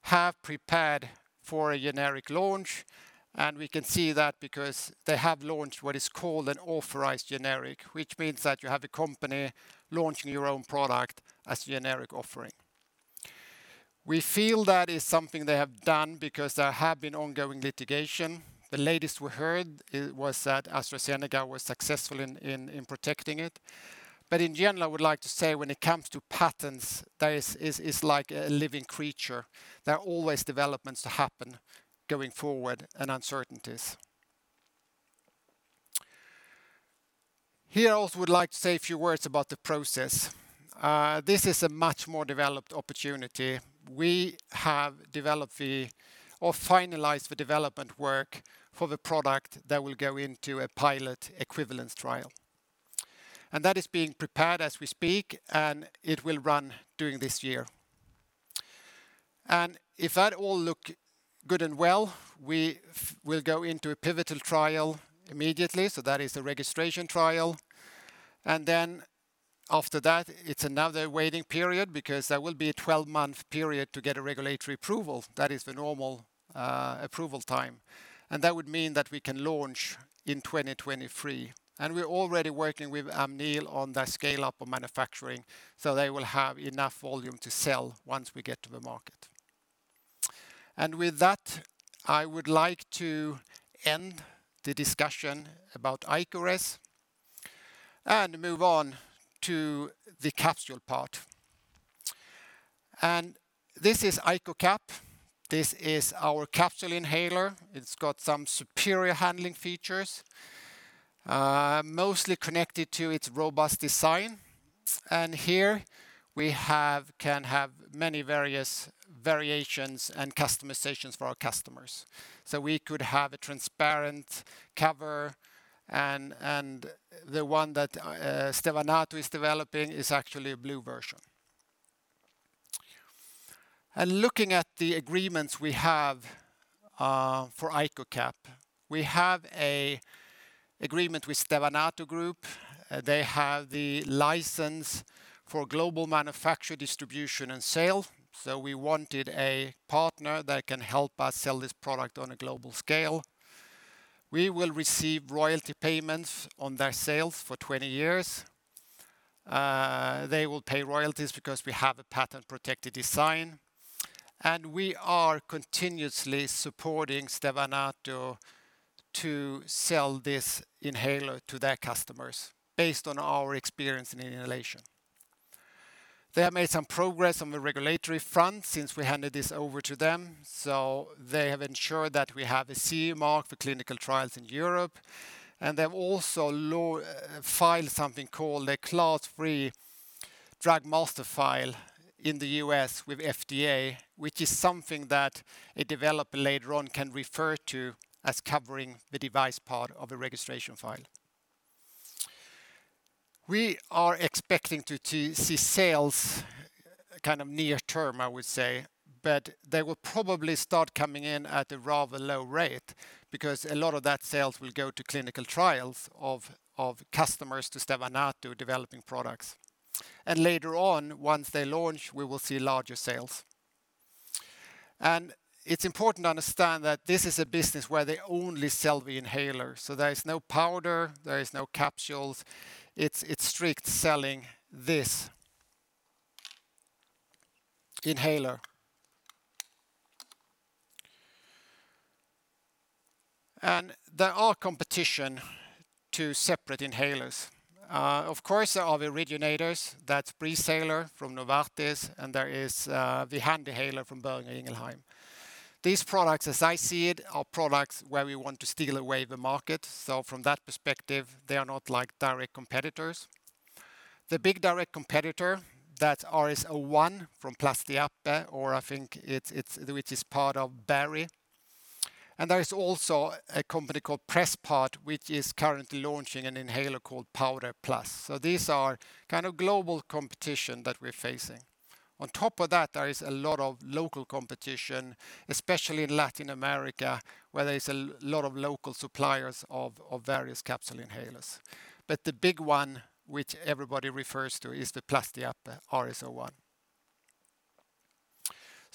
have prepared for a generic launch, and we can see that because they have launched what is called an authorized generic, which means that you have a company launching your own product as a generic offering. We feel that is something they have done because there has been ongoing litigation. The latest we heard was that AstraZeneca was successful in protecting it. In general, I would like to say when it comes to patents, that is like a living creature. There are always developments to happen going forward and uncertainties. Here, I also would like to say a few words about the process. This is a much more developed opportunity. We have finalized the development work for the product that will go into a pilot equivalence trial. That is being prepared as we speak, and it will run during this year. If that all looks good and well, we will go into a pivotal trial immediately. That is the registration trial. After that, it's another waiting period because there will be a 12-month period to get a regulatory approval. That is the normal approval time, and that would mean that we can launch in 2023. We're already working with Amneal on that scale-up of manufacturing, so they will have enough volume to sell once we get to the market. With that, I would like to end the discussion about ICOres and move on to the capsule part. This is ICOcap. This is our capsule inhaler. It's got some superior handling features, mostly connected to its robust design. Here we can have many variations and customizations for our customers. We could have a transparent cover, and the one that Stevanato is developing is actually a blue version. Looking at the agreements we have for ICOcap, we have an agreement with Stevanato Group. They have the license for global manufacture, distribution, and sale. We wanted a partner that can help us sell this product on a global scale. We will receive royalty payments on their sales for 20 years. They will pay royalties because we have a patent-protected design. We are continuously supporting Stevanato to sell this inhaler to their customers, based on our experience in inhalation. They have made some progress on the regulatory front since we handed this over to them. They have ensured that we have a CE mark for clinical trials in Europe, and they've also filed something called a Type III Drug Master File in the U.S. with FDA, which is something that a developer later on can refer to as covering the device part of the registration file. They will probably start coming in at a rather low rate because a lot of that sales will go to clinical trials of customers to Stevanato developing products. Later on, once they launch, we will see larger sales. It's important to understand that this is a business where they only sell the inhaler. There's no powder, there's no capsules. It's strictly selling this inhaler. There is competition to separate inhalers. Of course, there are the originators. That's Breezhaler from Novartis, and there is the HandiHaler from Boehringer Ingelheim. These products, as I see it, are products where we want to steal away the market. From that perspective, they are not direct competitors. The big direct competitor, that's RS01 from Plastiape, or I think which is part of Boehringer. There's also a company called Presspart, which is currently launching an inhaler called PowdAir Plus. These are global competition that we're facing. On top of that, there is a lot of local competition, especially in Latin America, where there's a lot of local suppliers of various capsule inhalers. The big one, which everybody refers to, is the Plastiape RS01.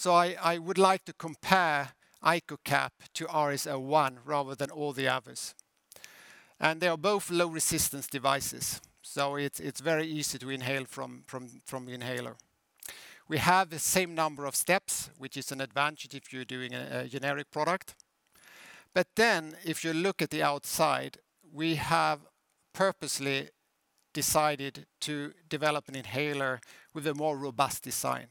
I would like to compare ICOcap to RS01 rather than all the others. They are both low-resistance devices, so it's very easy to inhale from the inhaler. We have the same number of steps, which is an advantage if you are doing a generic product. If you look at the outside, we have purposely decided to develop an inhaler with a more robust design.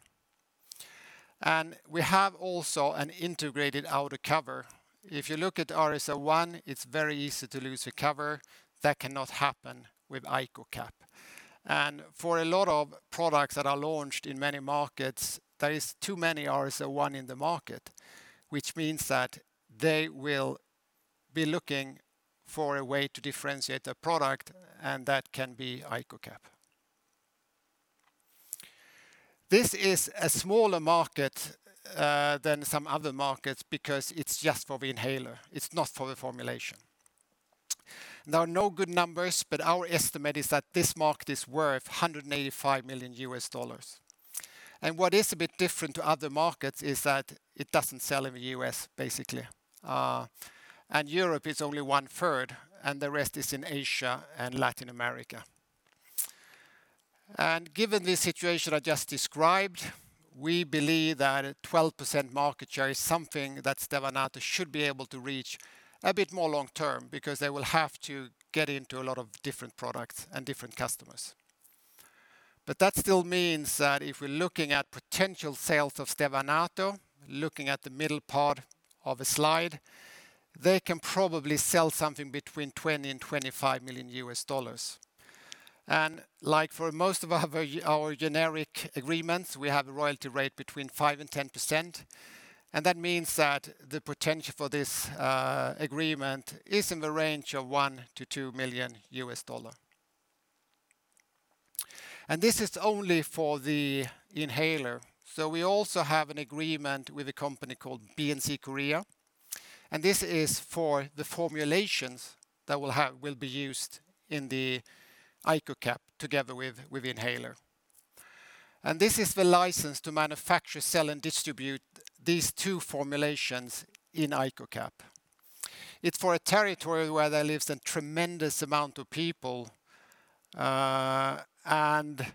We have also an integrated outer cover. If you look at RS01, it's very easy to lose your cover. That cannot happen with ICOcap. For a lot of products that are launched in many markets, there is too many RS01 in the market, which means that they will be looking for a way to differentiate their product, and that can be ICOcap. This is a smaller market than some other markets because it's just for the inhaler. It's not for the formulation. Now, no good numbers, but our estimate is that this market is worth $185 million. What is a bit different to other markets is that it doesn't sell in the U.S., basically. Europe is only 1/3, and the rest is in Asia and Latin America. Given the situation I just described, we believe that a 12% market share is something that Stevanato Group should be able to reach a bit more long-term, because they will have to get into a lot of different products and different customers. That still means that if we're looking at potential sales of Stevanato, looking at the middle part of the slide, they can probably sell something between $20 million-$25 million. Like for most of our generic agreements, we have a royalty rate between 5%-10%, and that means that the potential for this agreement is in the range of $1 million-$2 million. This is only for the inhaler. We also have an agreement with a company called BNC Korea, this is for the formulations that will be used in the ICOcap together with inhaler. This is the license to manufacture, sell, and distribute these two formulations in ICOcap. It's for a territory where there lives a tremendous amount of people, and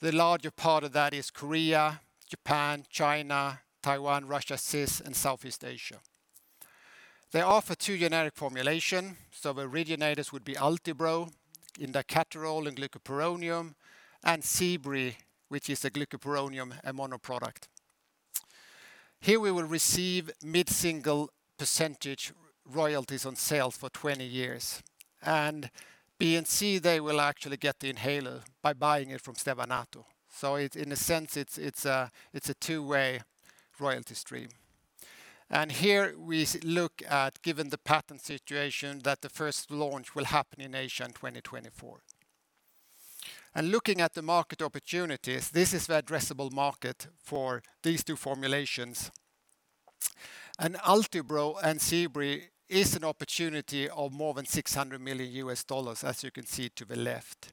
the larger part of that is Korea, Japan, China, Taiwan, Russia, CIS, and Southeast Asia. They offer two generic formulations, the originators would be Ultibro, indacaterol and glycopyrronium, and Seebri, which is a glycopyrronium, a mono product. Here we will receive mid-single percentage royalties on sales for 20 years. BNC, they will actually get the inhaler by buying it from Stevanato. In a sense, it's a two-way royalty stream. Here we look at, given the patent situation, that the first launch will happen in Asia in 2024. Looking at the market opportunities, this is the addressable market for these two formulations. Ultibro and Seebri is an opportunity of more than $600 million, as you can see to the left.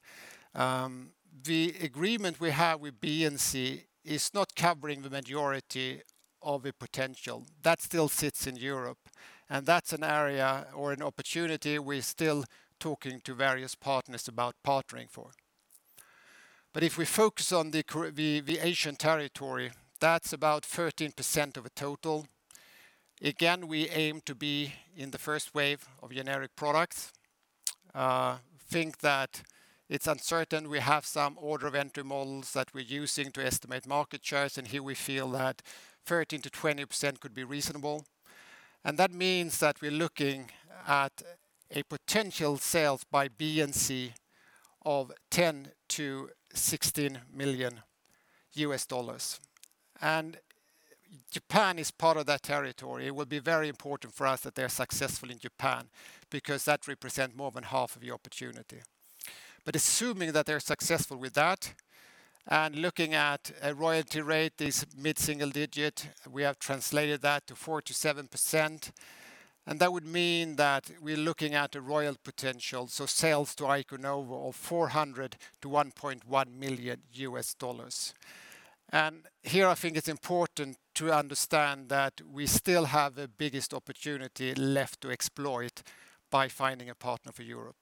The agreement we have with BNC is not covering the majority of the potential. That still sits in Europe, and that's an area or an opportunity we're still talking to various partners about partnering for. If we focus on the Asian territory, that's about 13% of the total. Again, we aim to be in the first wave of generic products. Think that it's uncertain. We have some order entry models that we're using to estimate market shares, and here we feel that 13%-20% could be reasonable. That means that we are looking at a potential sale by BNC of $10 million-$16 million. Japan is part of that territory. It will be very important for us that they are successful in Japan because that represents more than half of the opportunity. Assuming that they are successful with that, and looking at a royalty rate is mid-single digit, we have translated that to 47%, and that would mean that we are looking at a royalty potential, so sales to Iconovo of $400,000-$1.1 million. Here I think it is important to understand that we still have the biggest opportunity left to exploit by finding a partner for Europe.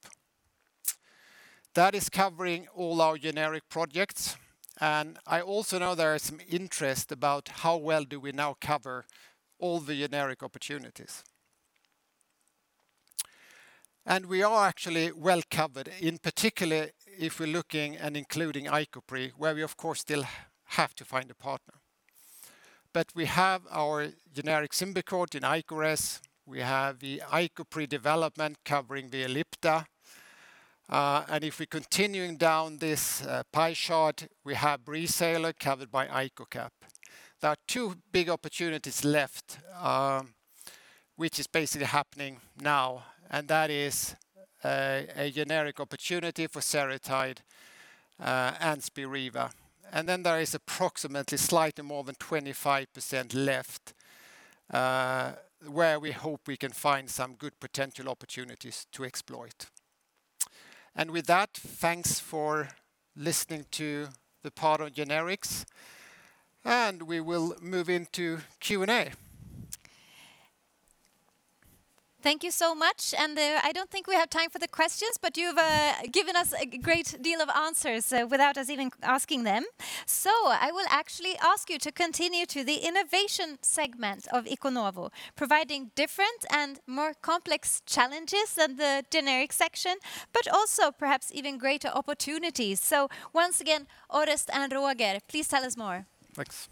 That is covering all our generic projects. I also know there is some interest about how well do we now cover all the generic opportunities. We are actually well covered, in particular if we're looking and including ICOpre, where we of course still have to find a partner. We have our generic Symbicort and ICOres. We have the ICOpre development covering the Ellipta. If we're continuing down this pie chart, we have Breezhaler covered by ICOcap. There are two big opportunities left, which is basically happening now, and that is a generic opportunity for Seretide and Spiriva. There is approximately slightly more than 25% left, where we hope we can find some good potential opportunities to exploit. With that, thanks for listening to the part on generics, and we will move into Q&A. Thank you so much. I don't think we have time for the questions, but you've given us a great deal of answers without us even asking them. I will actually ask you to continue to the innovation segment of Iconovo, providing different and more complex challenges than the generic section, but also perhaps even greater opportunities. Once again, Orest and Roger, please tell us more. Thanks.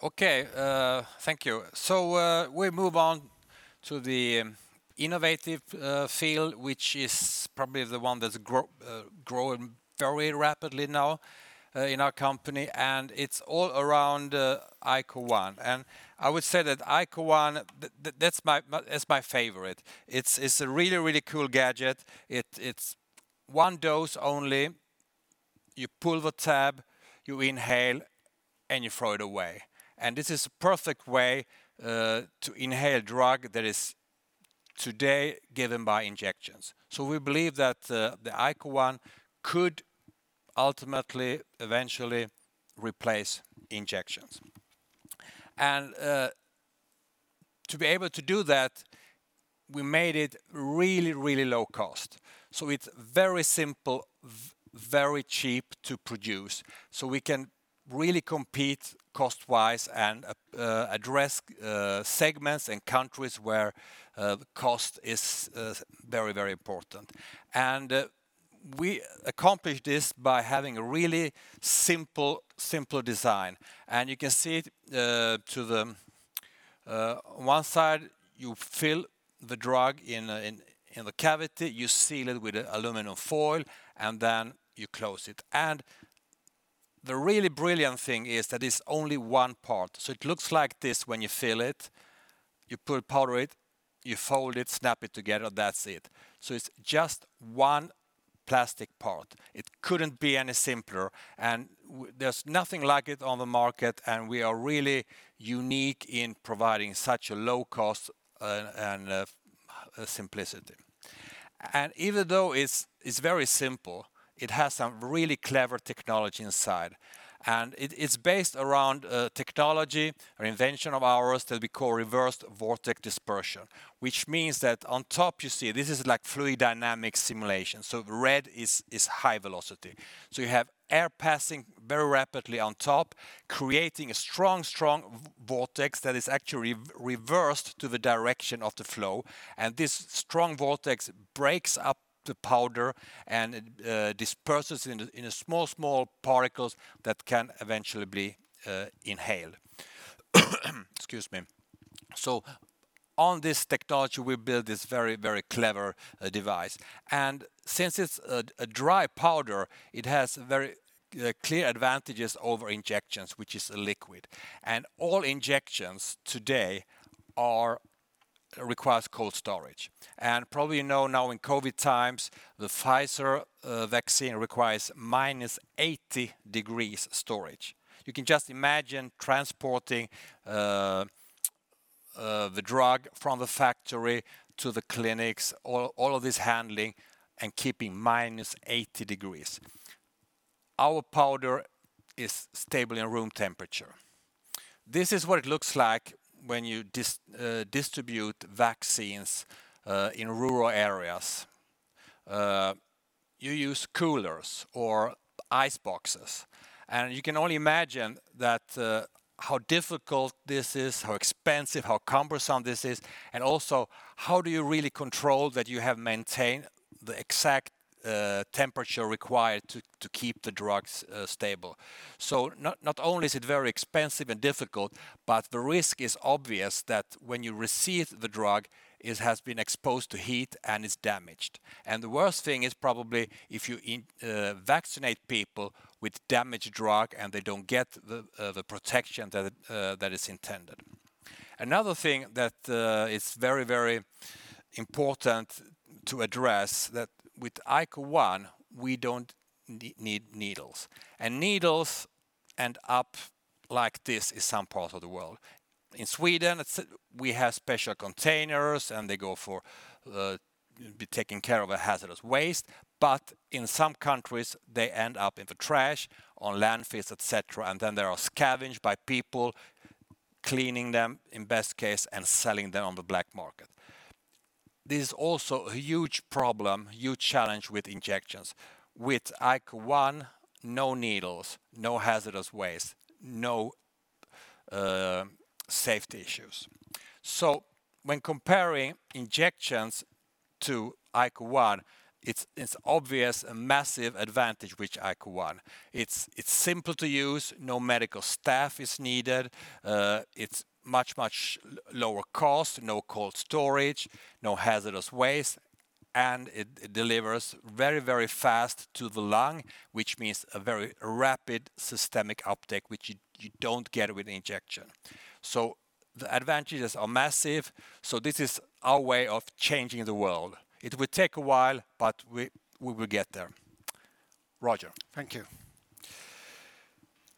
Okay, thank you. We move on to the innovative field, which is probably the one that's growing very rapidly now in our company, and it's all around ICOone. I would say that ICOone, that's my favorite. It's a really cool gadget. It's one dose only you pull the tab, you inhale, and you throw it away. This is a perfect way to inhale a drug that is today given by injections. We believe that the ICOone could ultimately eventually replace injections. To be able to do that, we made it really really low cost. It's very simple, very cheap to produce. We can really compete cost-wise and address segments and countries where the cost is very important. We accomplished this by having a really simple design. You can see to one side, you fill the drug in the cavity, you seal it with aluminum foil, and then you close it. The really brilliant thing is that it's only one part. It looks like this when you fill it, you put powder in it, you fold it, snap it together, that's it. It's just one plastic part. It couldn't be any simpler. There's nothing like it on the market, and we are really unique in providing such a low cost and simplicity. Even though it's very simple, it has some really clever technology inside. It is based around a technology, an invention of ours that we call reversed vortex dispersion, which means that on top, you see this is like fluid dynamic simulation, so the red is high velocity. You have air passing very rapidly on top, creating a strong, strong vortex that is actually reversed to the direction of the flow. This strong vortex breaks up the powder and disperses it into small small particles that can eventually be inhaled. Excuse me. On this technology, we built this very very clever device. Since it's a dry powder, it has very clear advantages over injections, which is a liquid and all injections today are require cold storage. Probably you know now in COVID times, the Pfizer vaccine requires -80 degrees storage. You can just imagine transporting the drug from the factory to the clinics, all of this handling, and keeping -80 degrees. Our powder is stable in room temperature. This is what it looks like when you distribute vaccines in rural areas. You use coolers or ice boxes, and you can only imagine how difficult this is, how expensive, how cumbersome this is, and also how do you really control that you have maintained the exact temperature required to keep the drugs stable. Not only is it very expensive and difficult, but the risk is obvious that when you receive the drug, it has been exposed to heat and is damaged. The worst thing is probably if you vaccinate people with damaged drug, and they don't get the protection that is intended. Another thing that is very important to address is that with ICOone, we don't need needles. Needles end up like this in some parts of the world. In Sweden, we have special containers, and they go to be taken care of as hazardous waste. In some countries, they end up in the trash, on landfills, et cetera. Then they are scavenged by people cleaning them in best case and selling them on the black market. This is also a huge problem, huge challenge with injections. With ICOone, no needles, no hazardous waste, no safety issues. When comparing injections to ICOone, it's obvious, a massive advantage with ICOone. It's simple to use. No medical staff is needed. It's much lower cost, no cold storage, no hazardous waste, and it delivers very fast to the lung, which means a very rapid systemic uptake, which you don't get with injection. The advantages are massive. This is our way of changing the world. It will take a while, but we will get there. Roger. Thank you.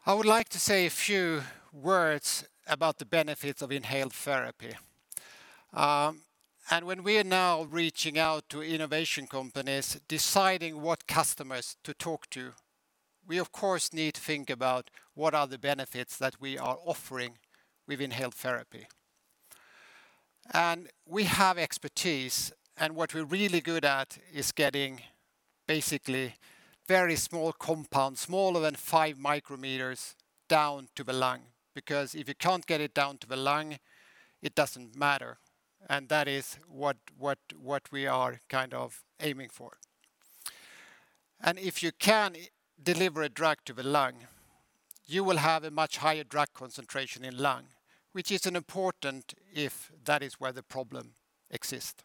I would like to say a few words about the benefits of inhaled therapy. When we are now reaching out to innovation companies, deciding what customers to talk to, we of course need to think about what are the benefits that we are offering with inhaled therapy. We have expertise, and what we're really good at is getting basically very small compounds, smaller than five micrometers, down to the lung. Because if you can't get it down to the lung, it doesn't matter. That is what we are aiming for. If you can deliver a drug to the lung, you will have a much higher drug concentration in lung, which is important if that is where the problem exists.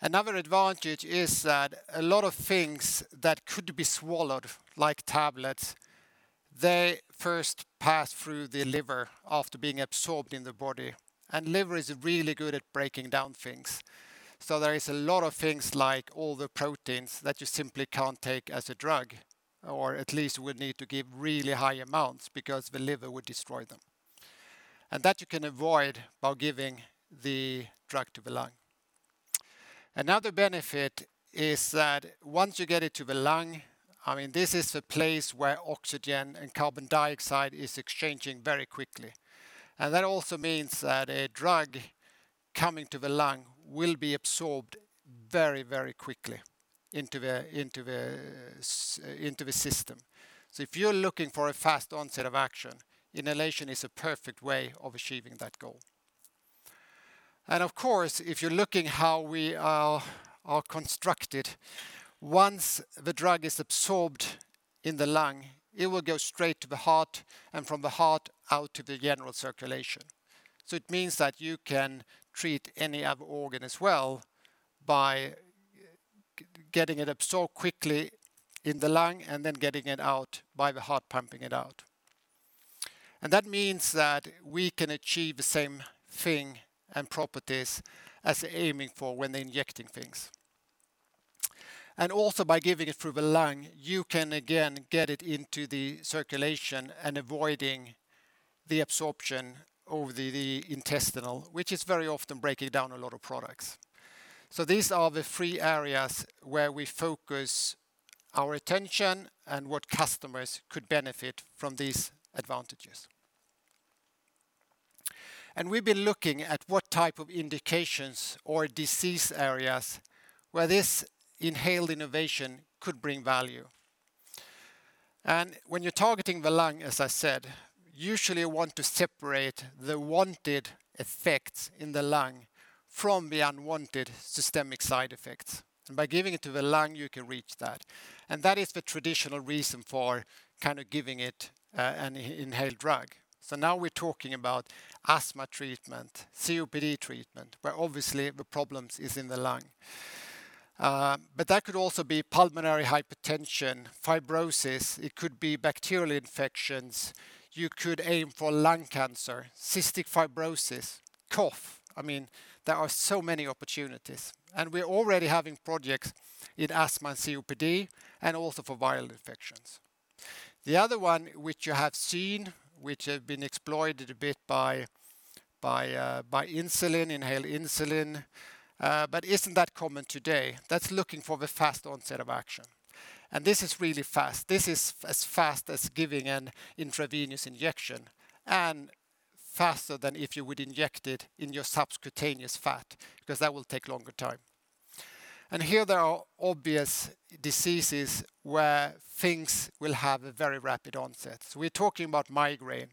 Another advantage is that a lot of things that could be swallowed like tablets. They first pass through the liver after being absorbed in the body, and liver is really good at breaking down things. There is a lot of things, like all the proteins, that you simply can't take as a drug, or at least we need to give really high amounts because the liver would destroy them. That you can avoid by giving the drug to the lung. Another benefit is that once you get it to the lung, this is a place where oxygen and carbon dioxide is exchanging very quickly. That also means that a drug coming to the lung will be absorbed very quickly into the system. If you're looking for a fast onset of action, inhalation is a perfect way of achieving that goal. Of course, if you're looking how we are constructed, once the drug is absorbed in the lung, it will go straight to the heart, and from the heart out to the general circulation. It means that you can treat any other organ as well by getting it absorbed quickly in the lung, and then getting it out by the heart pumping it out. That means that we can achieve the same thing and properties as we're aiming for when injecting things. Also by giving it through the lung, you can again get it into the circulation and avoiding the absorption of the intestinal, which is very often breaking down a lot of products. These are the three areas where we focus our attention, and what customers could benefit from these advantages. We've been looking at what type of indications or disease areas where this inhaled innovation could bring value. When you're targeting the lung, as I said, usually you want to separate the wanted effects in the lung from the unwanted systemic side effects. By giving it to the lung, you can reach that. That is the traditional reason for giving an inhaled drug. Now we're talking about asthma treatment, COPD treatment, where obviously the problem is in the lung. That could also be pulmonary hypertension, fibrosis. It could be bacterial infections. You could aim for lung cancer, cystic fibrosis, cough. There are so many opportunities, and we're already having projects in asthma COPD, and also for viral infections. The other one, which you have seen, which has been exploited a bit by inhaled insulin, but isn't that common today, that's looking for the fast onset of action. This is really fast. This is as fast as giving an intravenous injection, and faster than if you would inject it in your subcutaneous fat, because that will take longer time. Here there are obvious diseases where things will have a very rapid onset. We're talking about migraine.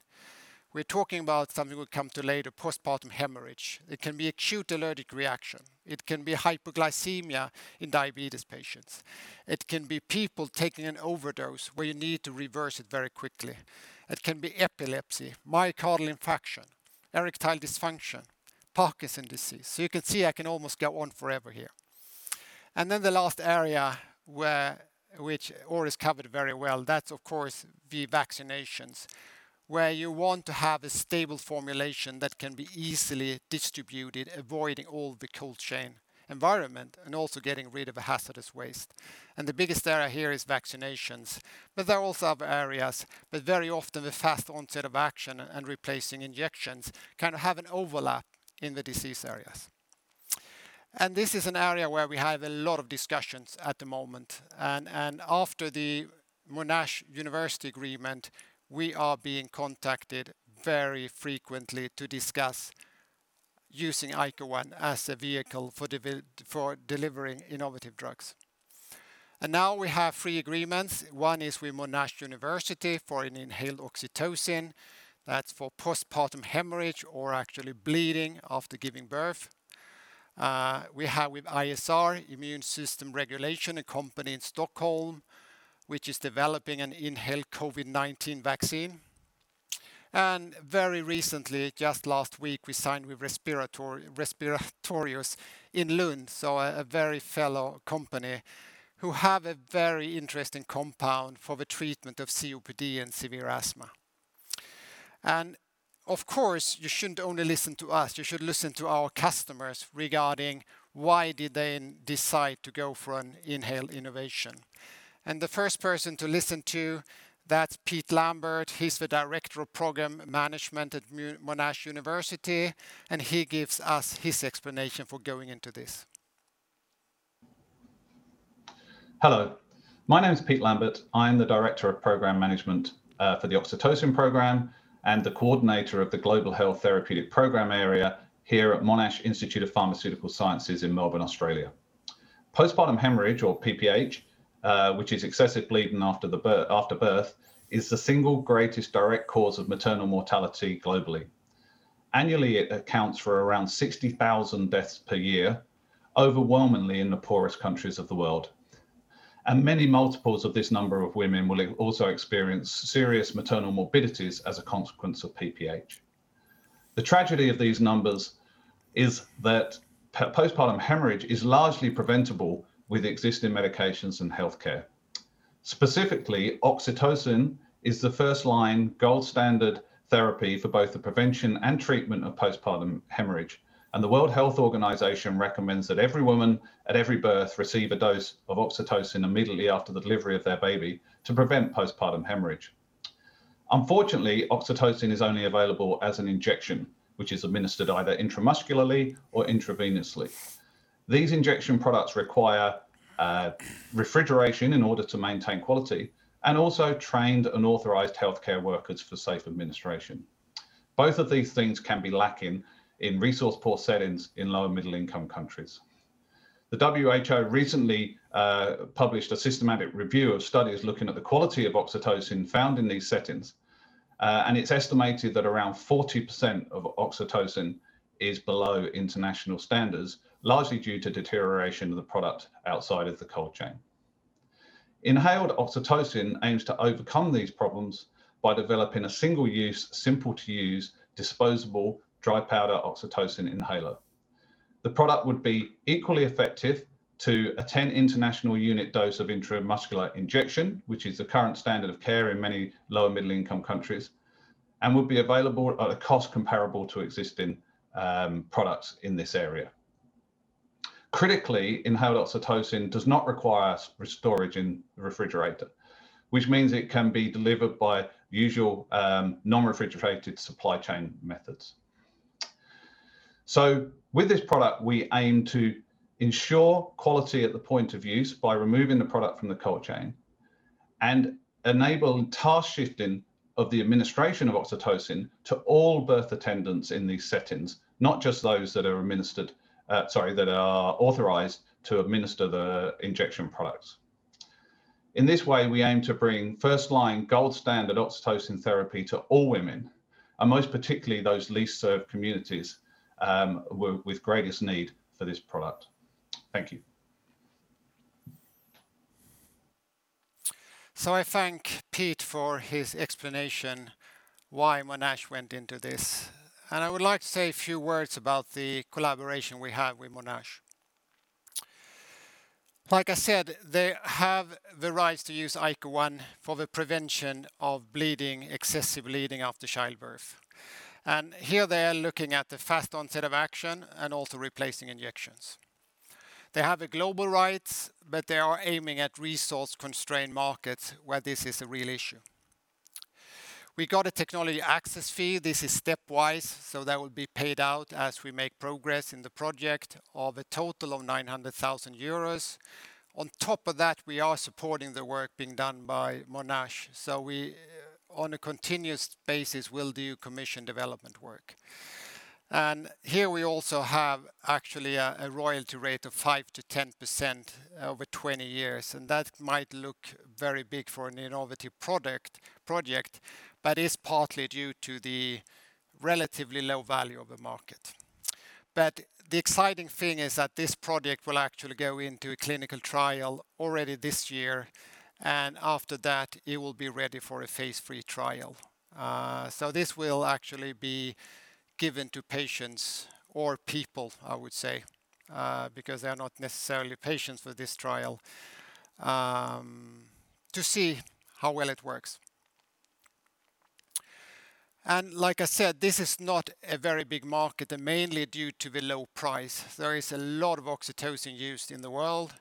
We're talking about something we'll come to later, postpartum hemorrhage. It can be acute allergic reaction. It can be hypoglycemia in diabetes patients. It can be people taking an overdose where you need to reverse it very quickly. It can be epilepsy, myocardial infarction, erectile dysfunction, Parkinson disease. You can see, I can almost go on forever here. The last area, which Orest covered very well, that's of course the vaccinations, where you want to have a stable formulation that can be easily distributed, avoiding all the cold chain environment, and also getting rid of hazardous waste. The biggest area here is vaccinations, but there are also other areas. Very often the fast onset of action and replacing injections can have an overlap in the disease areas. This is an area where we have a lot of discussions at the moment. After the Monash University agreement, we are being contacted very frequently to discuss using ICOone as a vehicle for delivering innovative drugs. Now we have three agreements. One is with Monash University for an inhaled oxytocin. That's for postpartum hemorrhage, or actually bleeding after giving birth. We have with ISR, Immune System Regulation, a company in Stockholm, which is developing an inhaled COVID-19 vaccine. Very recently, just last week, we signed with Respiratorius in Lund, so a very fellow company, who have a very interesting compound for the treatment of COPD and severe asthma. Of course, you shouldn't only listen to us, you should listen to our customers regarding why did they decide to go for an inhaled innovation. The first person to listen to, that's Peter Lambert. He's the Director of Program Management at Monash University, and he gives us his explanation for going into this. Hello, my name's Peter Lambert. I'm the Director of Program Management for the oxytocin program, and the coordinator of the Global Health Therapeutic program area here at Monash Institute of Pharmaceutical Sciences in Melbourne, Australia. Postpartum hemorrhage, or PPH, which is excessive bleeding after birth, is the single greatest direct cause of maternal mortality globally. Annually, it accounts for around 60,000 deaths per year, overwhelmingly in the poorest countries of the world. Many multiples of this number of women will also experience serious maternal morbidities as a consequence of PPH. The tragedy of these numbers is that postpartum hemorrhage is largely preventable with existing medications and healthcare. Specifically, oxytocin is the first-line gold standard therapy for both the prevention and treatment of postpartum hemorrhage. The World Health Organization recommends that every woman at every birth receive a dose of oxytocin immediately after the delivery of their baby to prevent postpartum hemorrhage. Unfortunately, oxytocin is only available as an injection, which is administered either intramuscularly or intravenously. These injection products require refrigeration in order to maintain quality and also trained and authorized healthcare workers for safe administration. Both of these things can be lacking in resource-poor settings in low and middle-income countries. The WHO recently published a systematic review of studies looking at the quality of oxytocin found in these settings, and it's estimated that around 40% of oxytocin is below international standards, largely due to deterioration of the product outside of the cold chain. Inhaled oxytocin aims to overcome these problems by developing a single-use, simple-to-use, disposable dry powder oxytocin inhaler. The product would be equally effective to a 10 international unit dose of intramuscular injection, which is the current standard of care in many low and middle-income countries, and would be available at a cost comparable to existing products in this area. Critically, inhaled oxytocin does not require storage in a refrigerator, which means it can be delivered by usual non-refrigerated supply chain methods. With this product, we aim to ensure quality at the point of use by removing the product from the cold chain and enabling task shifting of the administration of oxytocin to all birth attendants in these settings, not just those that are authorized to administer the injection products. In this way, we aim to bring first-line gold standard oxytocin therapy to all women, and most particularly those least served communities with greatest need for this product. Thank you. I thank Pete for his explanation why Monash went into this. I would like to say a few words about the collaboration we have with Monash. Like I said, they have the rights to use ICOone for the prevention of bleeding, excessive bleeding after childbirth. Here they are looking at the fast onset of action and also replacing injections. They have the global rights, but they are aiming at resource-constrained markets where this is a real issue. We got a technology access fee. This is stepwise, so that would be paid out as we make progress in the project of a total of 900,000 euros. On top of that, we are supporting the work being done by Monash. On a continuous basis, we'll do commission development work. Here we also have actually a royalty rate of 5%-10% over 20 years. That might look very big for an innovative project, but it's partly due to the relatively low value of the market. The exciting thing is that this project will actually go into a clinical trial already this year. After that, it will be ready for a phase III trial. This will actually be given to patients or people, I would say, because they're not necessarily patients for this trial, to see how well it works. Like I said, this is not a very big market, mainly due to the low price. There is a lot of oxytocin used in the world,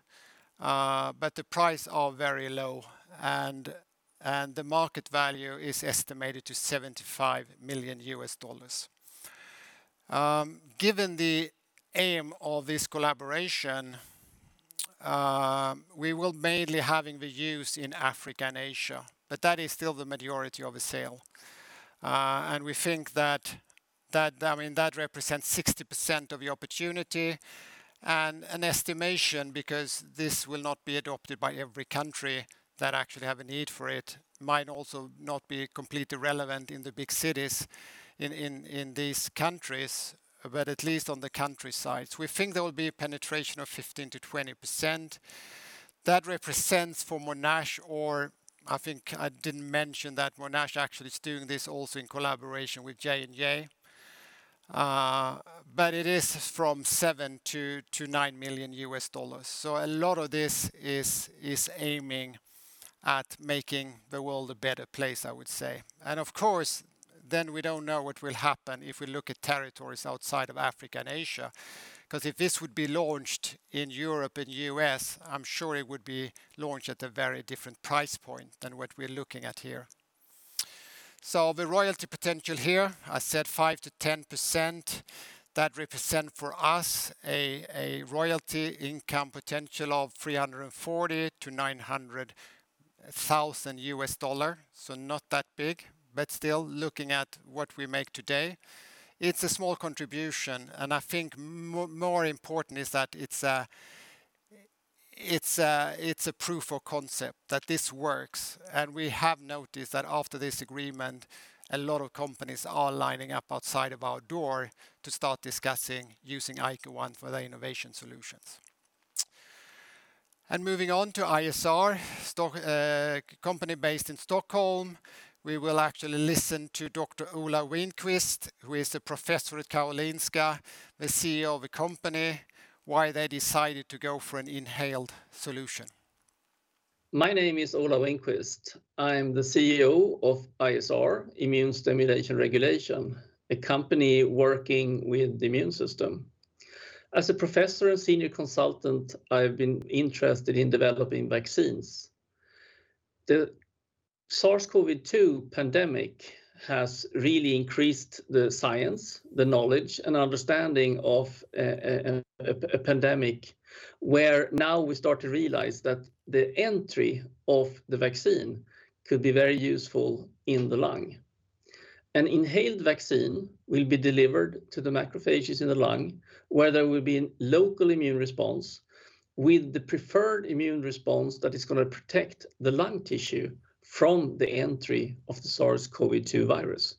the price are very low, the market value is estimated to $75 million. Given the aim of this collaboration, we will mainly have the use in Africa and Asia, but that is still the majority of the sale. We think that represents 60% of the opportunity and an estimation because this will not be adopted by every country that actually have a need for it. Might also not be completely relevant in the big cities in these countries, but at least on the countrysides. We think there will be a penetration of 15%-20%. That represents for Monash or I think I didn't mention that Monash actually is doing this also in collaboration with J&J, but it is from $7 million-$9 million. A lot of this is aiming at making the world a better place, I would say. Of course, then we do not know what will happen if we look at territories outside of Africa and Asia, because if this would be launched in Europe and U.S., I am sure it would be launched at a very different price point than what we are looking at here. The royalty potential here, I said 5%-10%, that represent for us a royalty income potential of $340,000-$900,000. Not that big, but still looking at what we make today, it is a small contribution, and I think more important is that it is a proof of concept that this works. We have noticed that after this agreement, a lot of companies are lining up outside of our door to start discussing using ICOone for their innovation solutions. Moving on to ISR, a company based in Stockholm. We will actually listen to Dr. Ola Winqvist, who is a professor at Karolinska Institute, the CEO of a company, why they decided to go for an inhaled solution. My name is Ola Winqvist. I am the CEO of ISR, Immune System Regulation, a company working with the immune system. As a professor and senior consultant, I've been interested in developing vaccines. The SARS-CoV-2 pandemic has really increased the science, the knowledge, and understanding of a pandemic, where now we start to realize that the entry of the vaccine could be very useful in the lung. An inhaled vaccine will be delivered to the macrophages in the lung, where there will be local immune response with the preferred immune response that is going to protect the lung tissue from the entry of the SARS-CoV-2 virus.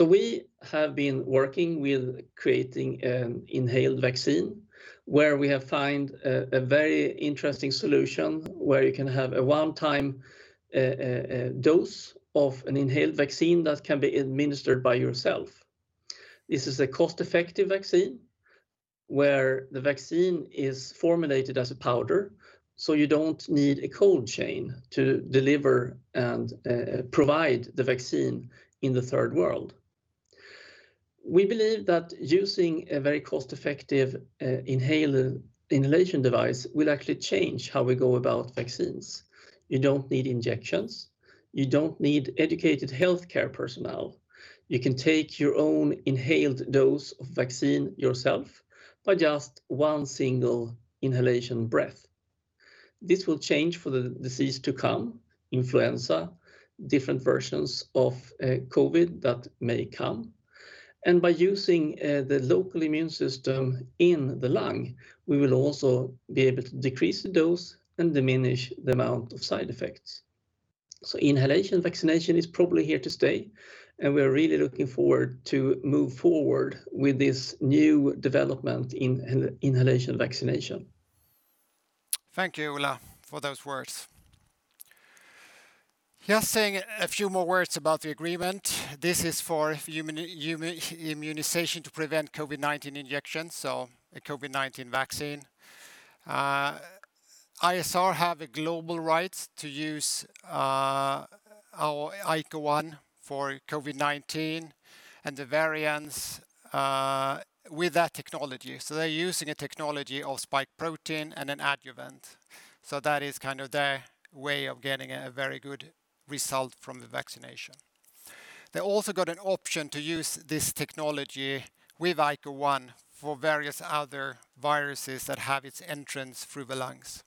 We have been working with creating an inhaled vaccine, where we have found a very interesting solution, where you can have a one-time dose of an inhaled vaccine that can be administered by yourself. This is a cost-effective vaccine, where the vaccine is formulated as a powder, so you don't need a cold chain to deliver and provide the vaccine in the third world. We believe that using a very cost-effective inhalation device will actually change how we go about vaccines. You don't need injections. You don't need educated healthcare personnel. You can take your own inhaled dose of vaccine yourself by just one single inhalation breath. This will change for the disease to come, influenza, different versions of COVID that may come. By using the local immune system in the lung, we will also be able to decrease the dose and diminish the amount of side effects. Inhalation vaccination is probably here to stay, and we're really looking forward to move forward with this new development in inhalation vaccination. Thank you, Ola, for those words. Just saying a few more words about the agreement. This is for immunization to prevent COVID-19 infection, so a COVID-19 vaccine. ISR have the global rights to use our ICOone for COVID-19 and the variants with that technology. They're using a technology of spike protein and an adjuvant. That is kind of their way of getting a very good result from the vaccination. They also got an option to use this technology with ICOone for various other viruses that have its entrance through the lungs.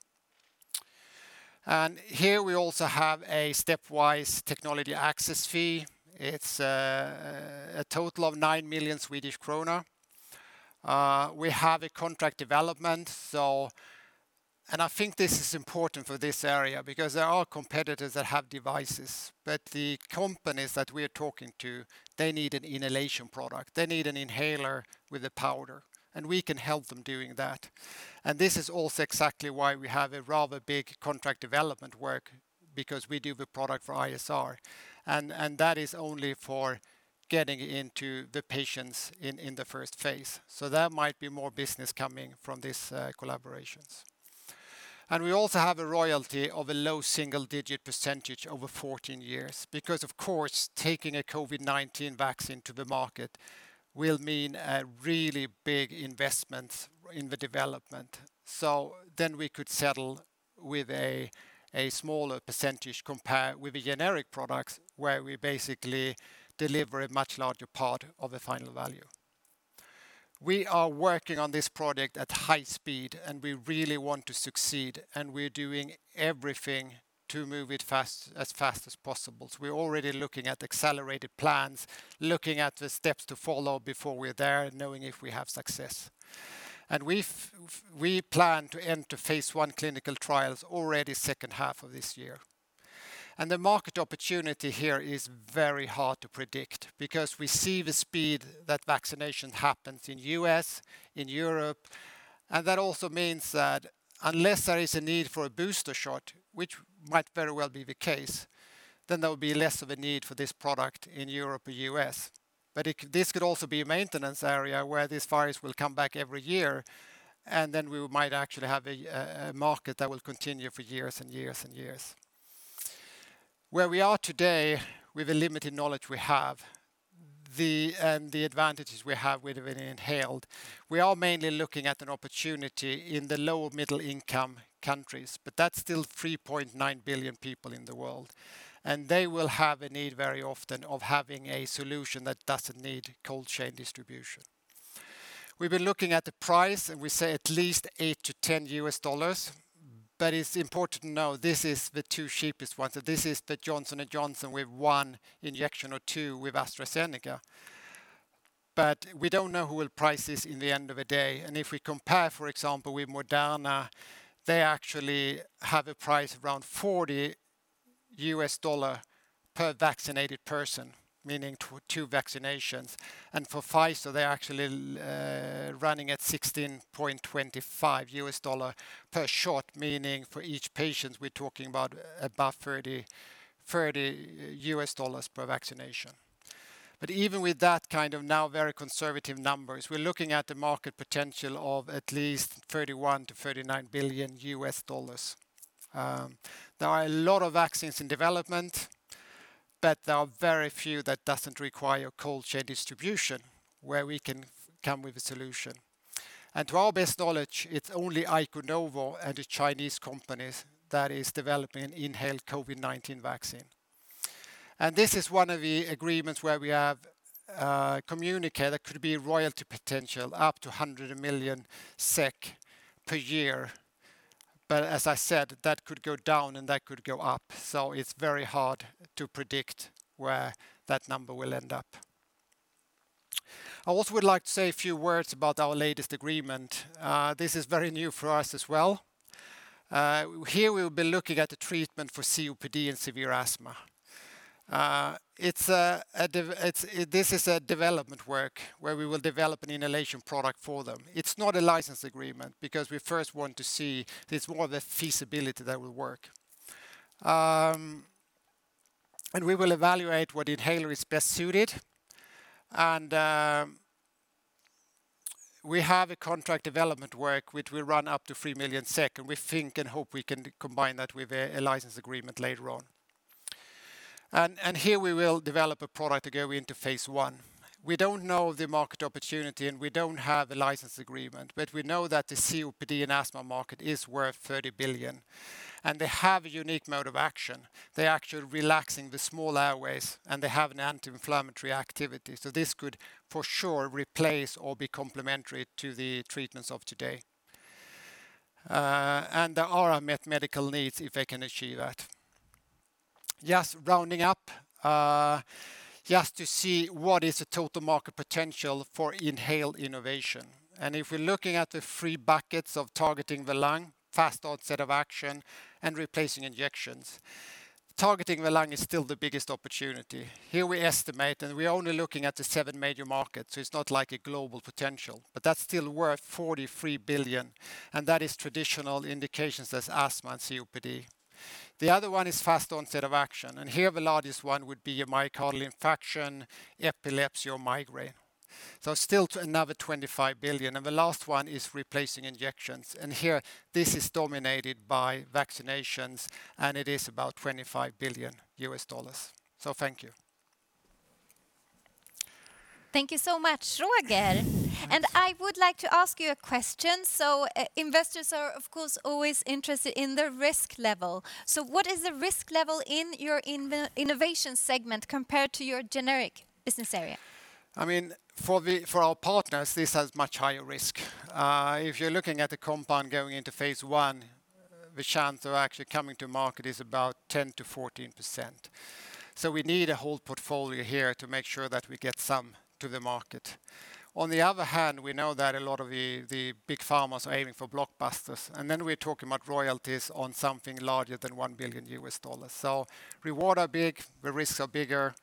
Here we also have a stepwise technology access fee. It's a total of 9 million Swedish krona. We have a contract development. I think this is important for this area because there are competitors that have devices, but the companies that we're talking to, they need an inhalation product. They need an inhaler with a powder, we can help them doing that. This is also exactly why we have a rather big contract development work because we do the product for ISR, and that is only for getting into the patients in the first phase. There might be more business coming from these collaborations. We also have a royalty of a low single-digit % over 14 years because, of course, taking a COVID-19 vaccine to the market will mean a really big investment in the development. We could settle with a smaller % compared with the generic products, where we basically deliver a much larger part of the final value. We are working on this product at high speed, and we really want to succeed, and we're doing everything to move it as fast as possible. We're already looking at accelerated plans, looking at the steps to follow before we're there and knowing if we have success. We plan to enter phase I clinical trials already second half of this year. The market opportunity here is very hard to predict because we see the speed that vaccination happens in U.S., in Europe, and that also means that unless there is a need for a booster shot, which might very well be the case, then there'll be less of a need for this product in Europe or U.S. This could also be a maintenance area where this virus will come back every year, we might actually have a market that will continue for years and years and years. Where we are today, with the limited knowledge we have, and the advantages we have with inhaled, we are mainly looking at an opportunity in the lower middle-income countries, but that's still 3.9 billion people in the world, and they will have a need very often of having a solution that doesn't need cold chain distribution. We've been looking at the price, and we say at least $8-$10, but it's important to know this is the two cheapest ones. This is the Johnson & Johnson with one injection or two with AstraZeneca, but we don't know who will price this in the end of the day. If we compare, for example, with Moderna, they actually have a price around $40 per vaccinated person, meaning two vaccinations. For Pfizer, they're actually running at $16.25 per shot, meaning for each patient, we're talking about above $30 per vaccination. Even with that kind of now very conservative numbers, we're looking at the market potential of at least $31 billion-$39 billion. There are a lot of vaccines in development, but there are very few that doesn't require cold chain distribution, where we can come with a solution. To our best knowledge, it's only Iconovo and the Chinese companies that is developing inhaled COVID-19 vaccine. This is one of the agreements where we have communicated there could be royalty potential up to 100 million SEK per year. As I said, that could go down and that could go up. It's very hard to predict where that number will end up. I also would like to say a few words about our latest agreement. This is very new for us as well. Here, we will be looking at the treatment for COPD and severe asthma. This is a development work where we will develop an inhalation product for them. It is not a license agreement because we first want to see if all the feasibility that we work. We will evaluate what inhaler is best suited. We have a contract development work, which will run up to 3 million SEK, and we think and hope we can combine that with a license agreement later on. Here we will develop a product to go into phase I. We do not know the market opportunity, and we do not have the license agreement, but we know that the COPD and asthma market is worth 30 billion. They have a unique mode of action. They're actually relaxing the small airways, and they have an anti-inflammatory activity. This could, for sure, replace or be complementary to the treatments of today. There are medical needs if they can achieve that. Just rounding up, just to see what is the total market potential for inhaled innovation. If we're looking at the three buckets of targeting the lung, fast onset of action, and replacing injections, targeting the lung is still the biggest opportunity. Here we estimate, and we're only looking at the seven major markets, so it's not like a global potential, but that's still worth 43 billion, and that is traditional indications as asthma and COPD. The other one is fast onset of action, and here the largest one would be a myocardial infarction, epilepsy or migraine. Still to another 25 billion. The last one is replacing injections. Here, this is dominated by vaccinations, and it is about $25 billion. Thank you. Thank you so much, Roger. I would like to ask you a question. Investors are, of course, always interested in the risk level. What is the risk level in your innovation segment compared to your generic business area? For our partners, this has much higher risk. If you're looking at the compound going into phase I, the chance of actually coming to market is about 10%-14%. We need a whole portfolio here to make sure that we get some to the market. On the other hand, we know that a lot of the big pharmas are aiming for blockbusters, and then we're talking about royalties on something larger than $1 billion. Rewards are big, the risks are bigger,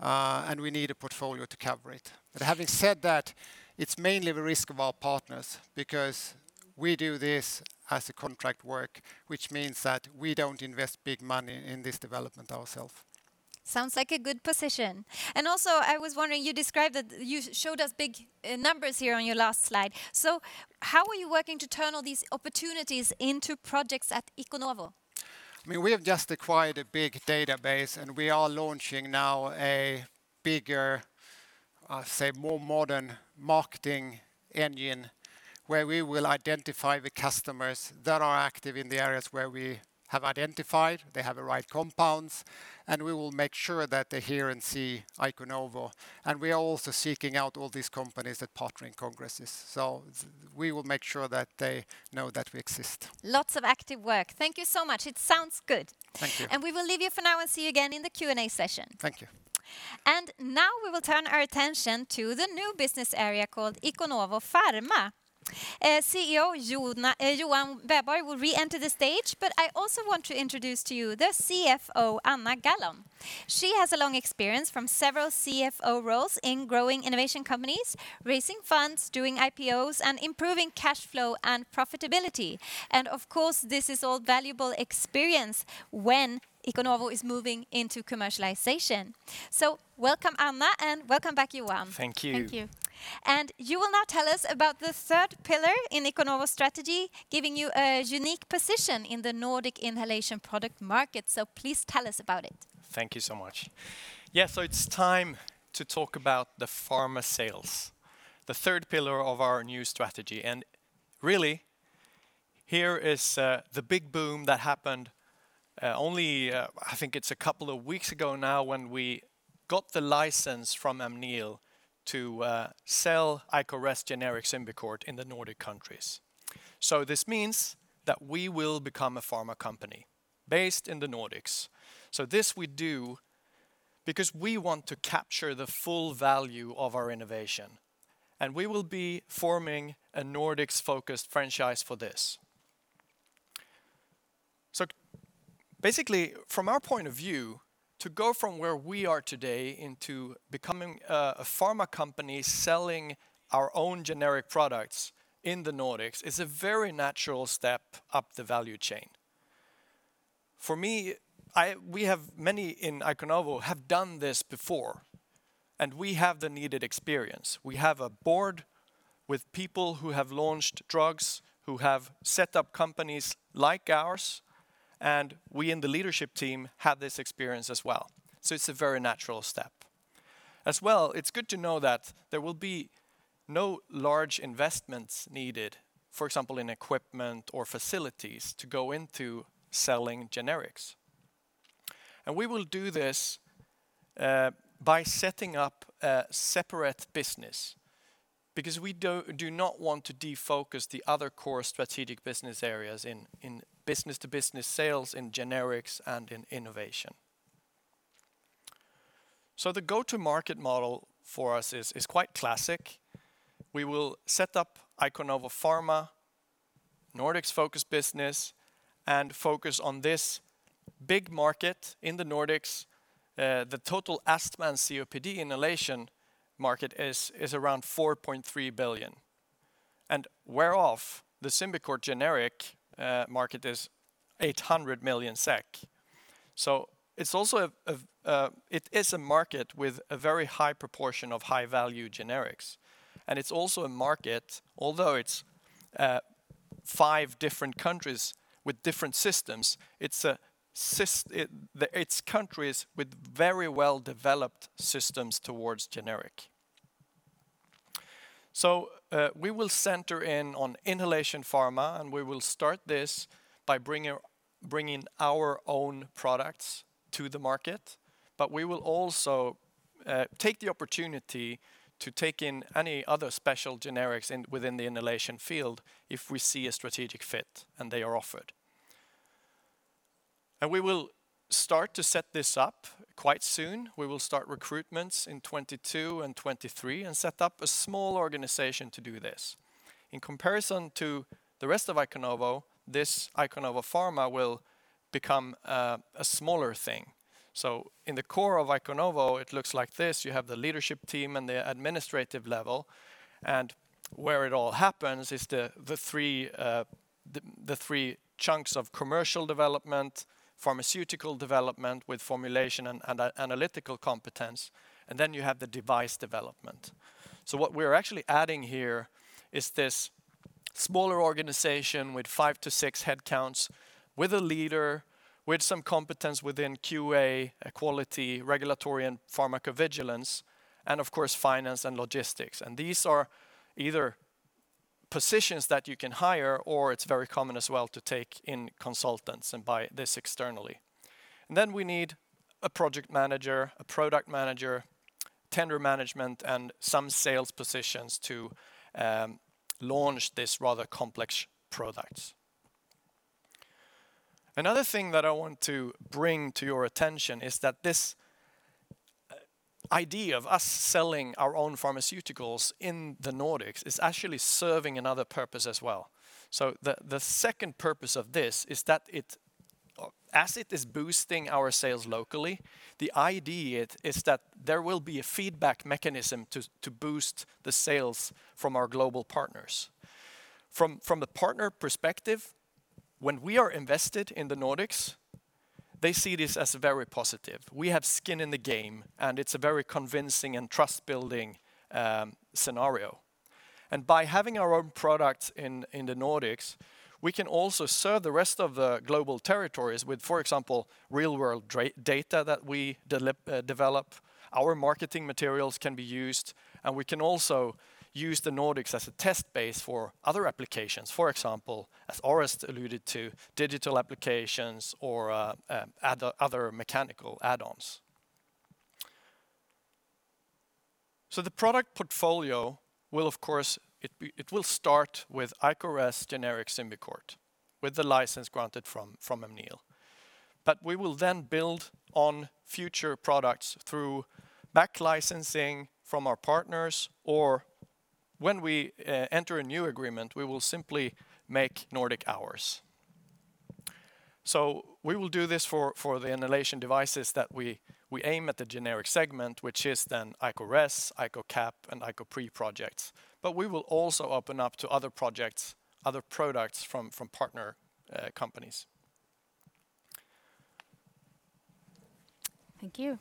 and we need a portfolio to cover it. Having said that, it's mainly the risk of our partners because we do this as a contract work, which means that we don't invest big money in this development ourself. Sounds like a good position. Also, I was wondering, you showed us big numbers here on your last slide. How are you working to turn all these opportunities into projects at Iconovo? We have just acquired a big database, and we are launching now a bigger, say, more modern marketing engine where we will identify the customers that are active in the areas where we have identified, they have the right compounds, and we will make sure that they hear and see Iconovo. We are also seeking out all these companies at partnering congresses. We will make sure that they know that we exist. Lots of active work. Thank you so much. It sounds good. Thank you. We will leave you for now and see you again in the Q&A session. Thank you. Now we will turn our attention to the new business area called Iconovo Pharma. CEO Johan Wäborg will reenter the stage, but I also want to introduce to you the CFO, Anna Gallon. She has a long experience from several CFO roles in growing innovation companies, raising funds, doing IPOs, and improving cash flow and profitability. Of course, this is all valuable experience when Iconovo is moving into commercialization. Welcome, Anna, and welcome back, Johan. Thank you. Thank you. You will now tell us about the third pillar in Iconovo's strategy, giving you a unique position in the Nordic inhalation product market. Please tell us about it. Thank you so much. It's time to talk about the pharma sales, the third pillar of our new strategy. Really, here is the big boom that happened only, I think it's a couple of weeks ago now, when we got the license from Amneal to sell ICOres generic Symbicort in the Nordic countries. This means that we will become a pharma company based in the Nordics. This we do because we want to capture the full value of our innovation, and we will be forming a Nordics-focused franchise for this. Basically, from our point of view, to go from where we are today into becoming a pharma company selling our own generic products in the Nordics is a very natural step up the value chain. For me, we have many in Iconovo have done this before, and we have the needed experience. We have a board with people who have launched drugs, who have set up companies like ours, and we in the leadership team have this experience as well. It's a very natural step. It's good to know that there will be no large investments needed, for example, in equipment or facilities to go into selling generics. We will do this by setting up a separate business because we do not want to defocus the other core strategic business areas in business-to-business sales, in generics, and in innovation. The go-to-market model for us is quite classic. We will set up Iconovo Pharma, Nordics-focused business, and focus on this big market in the Nordics. The total asthma and COPD inhalation market is around 4.3 billion, and whereof the Symbicort generic market is 800 million SEK. It is a market with a very high proportion of high-value generics, and it's also a market, although it's five different countries with different systems, it's countries with very well-developed systems towards generic. We will center in on inhalation pharma, and we will start this by bringing our own products to the market. We will also take the opportunity to take in any other special generics within the inhalation field if we see a strategic fit and they are offered. We will start to set this up quite soon. We will start recruitments in 2022 and 2023 and set up a small organization to do this. In comparison to the rest of Iconovo, this Iconovo Pharma will become a smaller thing. In the core of Iconovo, it looks like this. You have the leadership team and the administrative level, and where it all happens is the three chunks of commercial development, pharmaceutical development with formulation and analytical competence, and then you have the device development. What we're actually adding here is this smaller organization with five-six headcounts, with a leader, with some competence within QA, quality, regulatory, and pharmacovigilance, and of course, finance and logistics. These are either positions that you can hire, or it's very common as well to take in consultants and buy this externally. We need a project manager, a product manager, tender management, and some sales positions to launch this rather complex product. Another thing that I want to bring to your attention is that this idea of us selling our own pharmaceuticals in the Nordics is actually serving another purpose as well. The second purpose of this is that as it is boosting our sales locally, the idea is that there will be a feedback mechanism to boost the sales from our global partners. From the partner perspective, when we are invested in the Nordics, they see this as very positive. We have skin in the game, and it's a very convincing and trust-building scenario. By having our own products in the Nordics, we can also serve the rest of the global territories with, for example, real-world data that we develop. Our marketing materials can be used, and we can also use the Nordics as a test base for other applications. For example, as Orest alluded to, digital applications or other mechanical add-ons. The product portfolio will of course, it will start with ICOres generic Symbicort, with the license granted from Amneal. We will then build on future products through back licensing from our partners, or when we enter a new agreement, we will simply make Nordic ours. We will do this for the inhalation devices that we aim at the generic segment, which is then ICOres, ICOcap, and ICOpre projects. We will also open up to other projects, other products from partner companies. Thank you.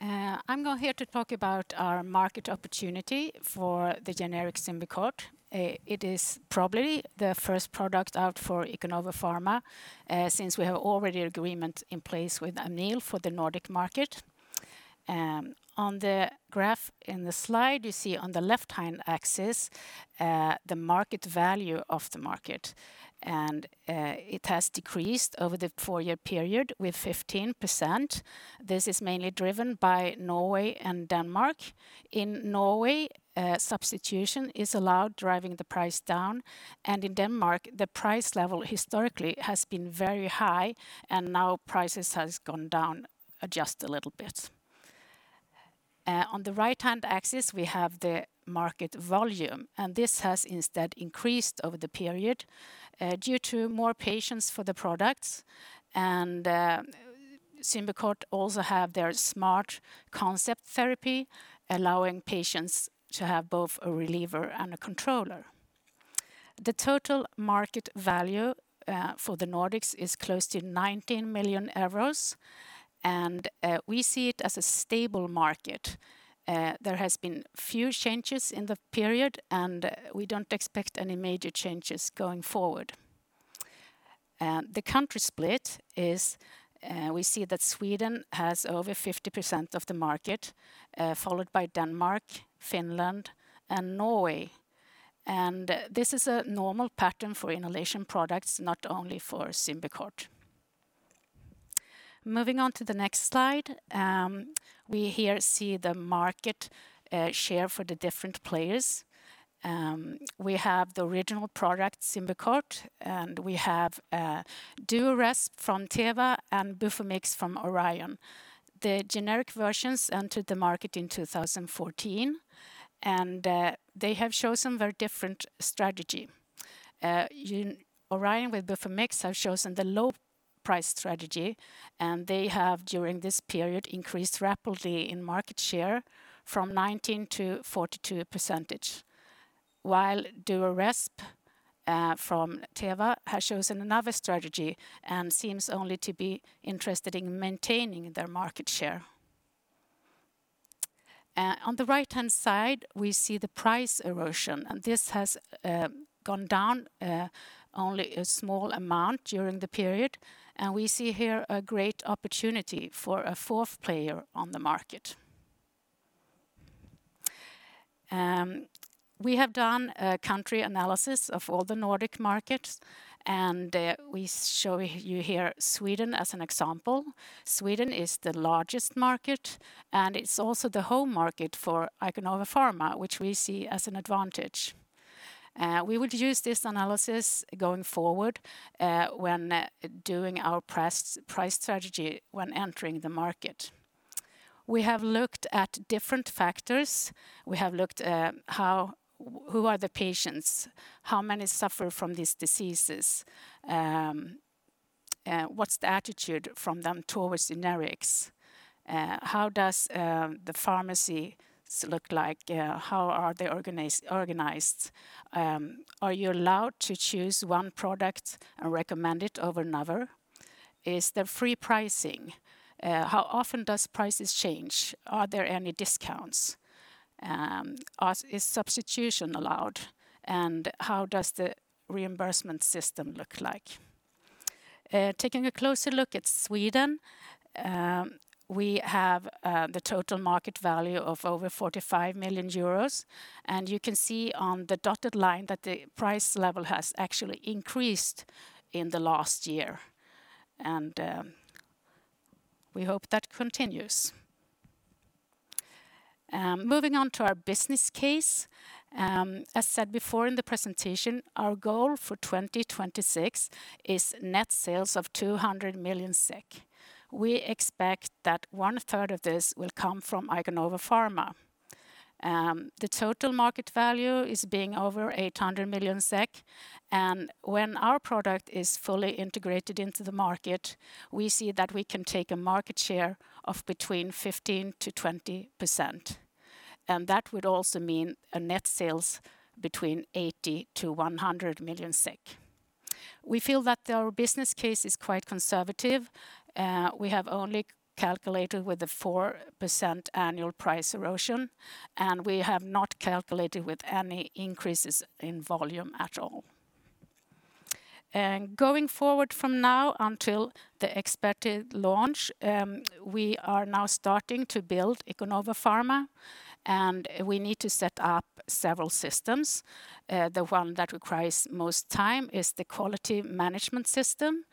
I'm now here to talk about our market opportunity for the generic Symbicort. It is probably the first product out for Iconovo Pharma, since we have already agreement in place with Amneal for the Nordic market. On the graph in the slide, you see on the left-hand axis, the market value of the market, and it has decreased over the four-year period with 15%. This is mainly driven by Norway and Denmark. In Norway, substitution is allowed, driving the price down, and in Denmark, the price level historically has been very high, and now prices has gone down just a little bit. On the right-hand axis, we have the market volume, and this has instead increased over the period due to more patients for the products. Symbicort also have their SMART concept therapy, allowing patients to have both a reliever and a controller. The total market value for the Nordics is close to 19 million euros. We see it as a stable market. There has been few changes in the period. We don't expect any major changes going forward. The country split is we see that Sweden has over 50% of the market, followed by Denmark, Finland, and Norway. This is a normal pattern for inhalation products, not only for Symbicort. Moving on to the next slide, we here see the market share for the different players. We have the original product, Symbicort, and we have DuoResp from Teva and Bufomix from Orion. The generic versions entered the market in 2014. They have chosen very different strategy. Orion, with Bufomix, have chosen the low-price strategy, and they have, during this period, increased rapidly in market share from 19%-42%, while DuoResp from Teva has chosen another strategy and seems only to be interested in maintaining their market share. On the right-hand side, we see the price erosion. This has gone down only a small amount during the period. We see here a great opportunity for a fourth player on the market. We have done a country analysis of all the Nordic markets. We show you here Sweden as an example. Sweden is the largest market. It's also the home market for Iconovo Pharma, which we see as an advantage. We would use this analysis going forward when doing our price strategy when entering the market. We have looked at different factors. We have looked at who are the patients? How many suffer from these diseases? What's the attitude from them towards generics? How does the pharmacies look like? How are they organized? Are you allowed to choose one product and recommend it over another? Is there free pricing? How often does prices change? Are there any discounts? Is substitution allowed? How does the reimbursement system look like? Taking a closer look at Sweden, we have the total market value of over 45 million euros, and you can see on the dotted line that the price level has actually increased in the last year, and we hope that continues. Moving on to our business case. As said before in the presentation, our goal for 2026 is net sales of 200 million SEK. We expect that 1/3 of this will come from Iconovo Pharma. The total market value is being over 800 million SEK, and when our product is fully integrated into the market, we see that we can take a market share of between 15%-20%, and that would also mean a net sales between 80 million-100 million SEK. We feel that our business case is quite conservative. We have only calculated with a 4% annual price erosion, and we have not calculated with any increases in volume at all. Going forward from now until the expected launch, we are now starting to build Iconovo Pharma, and we need to set up several systems. The one that requires most time is the quality management system.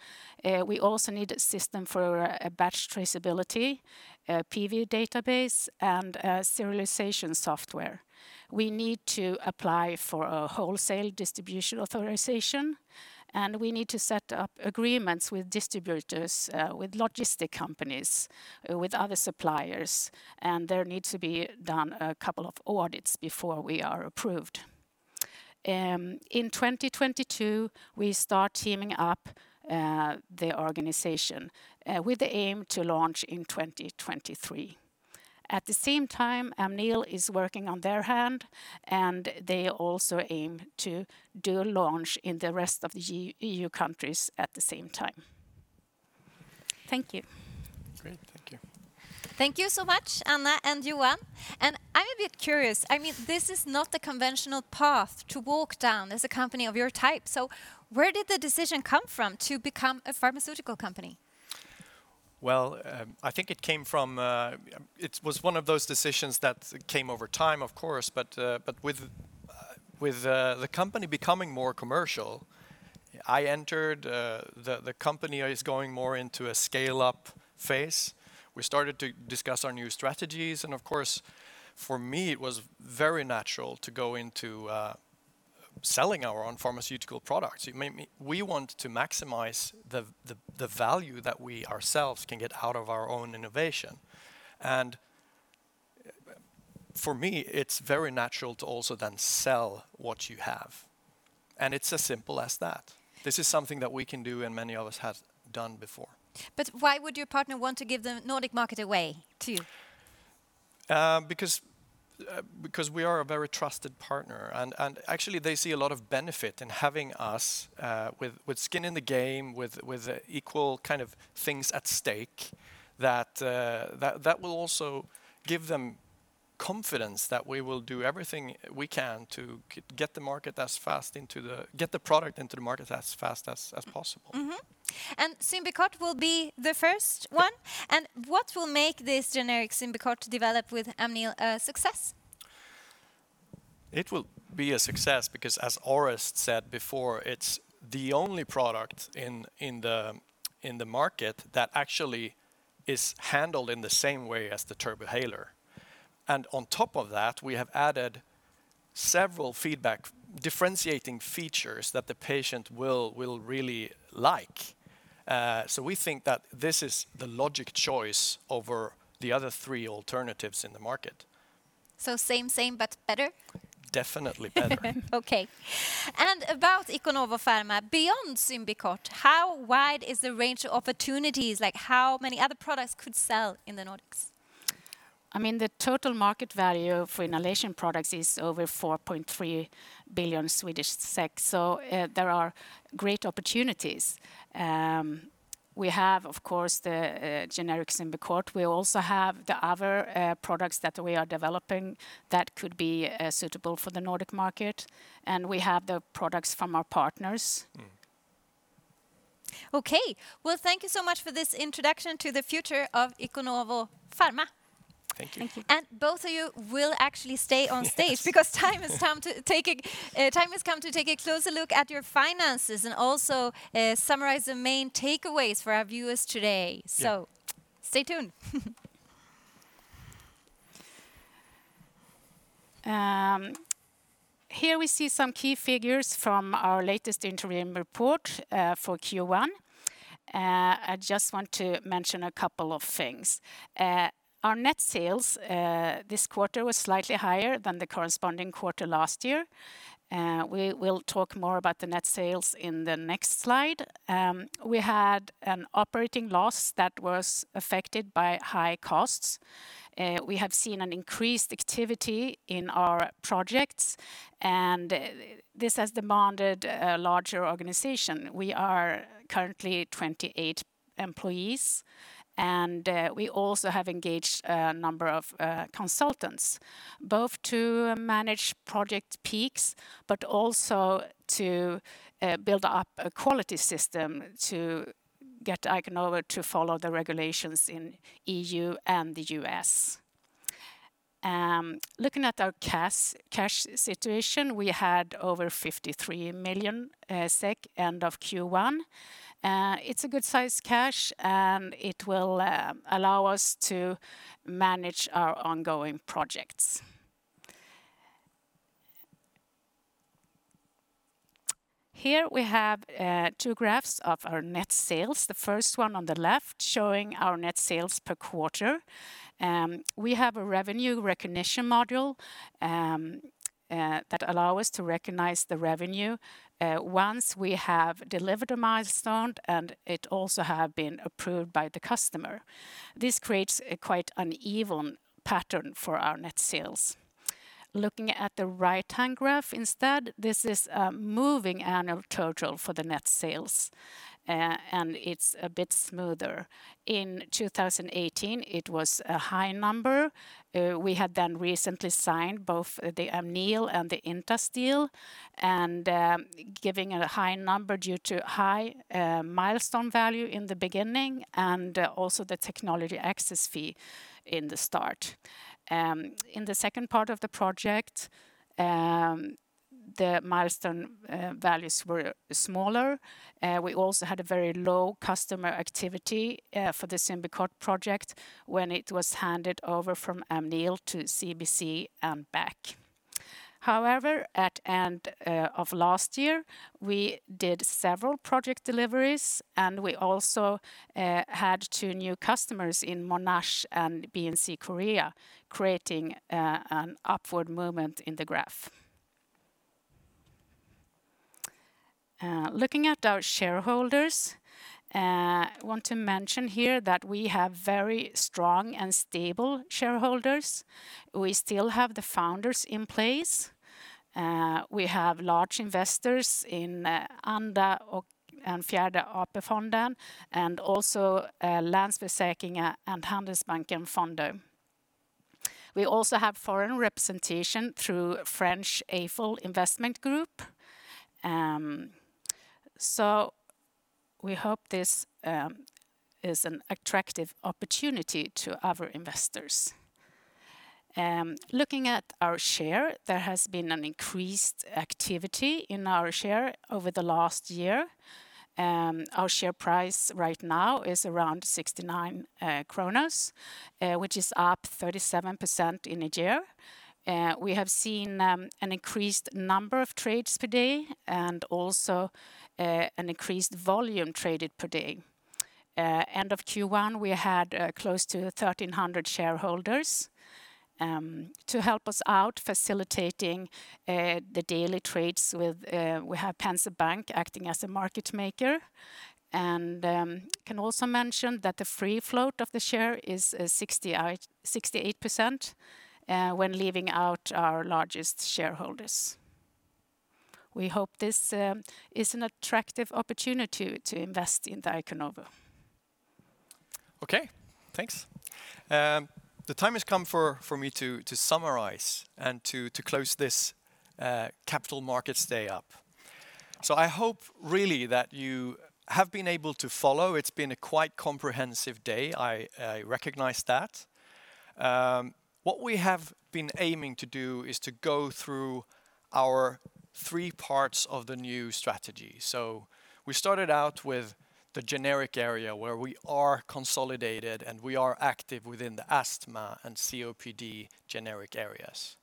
We also need a system for batch traceability, PV database, and serialization software. We need to apply for a Wholesale Distribution Authorisation, we need to set up agreements with distributors, with logistic companies, with other suppliers, there needs to be done a couple of audits before we are approved. In 2022, we start teaming up the organization with the aim to launch in 2023. At the same time, Amneal is working on their end, they also aim to do a launch in the rest of the E.U. countries at the same time. Thank you. Great. Thank you. Thank you so much, Anna and Johan. I'm a bit curious. This is not the conventional path to walk down as a company of your type. Where did the decision come from to become a pharmaceutical company? Well, I think it came from a, it was one of those decisions that came over time, of course, but with the company becoming more commercial. I entered the company is going more into a scale-up phase. We started to discuss our new strategies, and of course, for me, it was very natural to go into selling our own pharmaceutical products. We want to maximize the value that we ourselves can get out of our own innovation. For me, it's very natural to also then sell what you have, and it's as simple as that. This is something that we can do and many others have done before. Why would your partner want to give the Nordic market away to you? We are a very trusted partner, and actually they see a lot of benefit in having us with skin in the game, with equal kind of things at stake. That will also give them confidence that we will do everything we can to get the product into the market as fast as possible. Mm-hmm. Symbicort will be the first one. What will make this generic Symbicort developed with Amneal a success? It will be a success because, as Orest said before, it's the only product in the market that actually is handled in the same way as the Turbohaler. On top of that, we have added several feedback differentiating features that the patient will really like. We think that this is the logic choice over the other three alternatives in the market. Same same, but better? Definitely better. Okay. About Iconovo Pharma, beyond Symbicort, how wide is the range of opportunities? How many other products could sell in the Nordics? The total market value for inhalation products is over 4.3 billion Swedish SEK, so there are great opportunities. We have, of course, the generic Symbicort. We also have the other products that we are developing that could be suitable for the Nordic market, and we have the products from our partners. Okay. Well, thank you so much for this introduction to the future of Iconovo Pharma. Thank you. Thank you. Both of you will actually stay on stage because time has come to take a closer look at your finances and also summarize the main takeaways for our viewers today. Stay tuned. Here we see some key figures from our latest interim report for Q1. I just want to mention a couple of things. Our net sales this quarter were slightly higher than the corresponding quarter last year. We'll talk more about the net sales in the next slide. We had an operating loss that was affected by high costs. We have seen an increased activity in our projects, and this has demanded a larger organization. We are currently 28 employees, and we also have engaged a number of consultants, both to manage project peaks, but also to build up a quality system to get Iconovo to follow the regulations in E.U. and the U.S. Looking at our cash situation, we had over 53 million end of Q1. It's a good size cash, it will allow us to manage our ongoing projects. Here we have two graphs of our net sales, the first one on the left showing our net sales per quarter. We have a revenue recognition model that allows us to recognize the revenue once we have delivered a milestone, and it also has been approved by the customer. This creates quite an even pattern for our net sales. Looking at the right-hand graph instead, this is a moving annual total for the net sales, and it's a bit smoother. In 2018, it was a high number. We had then recently signed both the Amneal and the Intas deal and giving it a high number due to high milestone value in the beginning, and also the technology access fee in the start. In the second part of the project, the milestone values were smaller. We also had a very low customer activity for the Symbicort project when it was handed over from Amneal to CBC and back. However, at the end of last year, we did several project deliveries, and we also had two new customers in Monash and BNC Korea, creating an upward movement in the graph. Looking at our shareholders, I want to mention here that we have very strong and stable shareholders. We still have the founders in place. We have large investors in ANDA and Fjärde AP-fonden, and also Länsförsäkringar and Handelsbanken Fonder. We also have foreign representation through French AFO Investment Group. We hope this is an attractive opportunity to other investors. Looking at our share, there has been an increased activity in our share over the last year. Our share price right now is around 69, which is up 37% in a year. We have seen an increased number of trades per day and also an increased volume traded per day. End of Q1, we had close to 1,300 shareholders. To help us out facilitating the daily trades, we have Penser Bank acting as a market maker. Can also mention that the free float of the share is 68% when leaving out our largest shareholders. We hope this is an attractive opportunity to invest in Iconovo. Okay, thanks. The time has come for me to summarize and to close this Capital Markets Day up. I hope really that you have been able to follow. It's been a quite comprehensive day, I recognize that. What we have been aiming to do is to go through our three parts of the new strategy. We started out with the generic area where we are consolidated, and we are active within the asthma and COPD generic areas.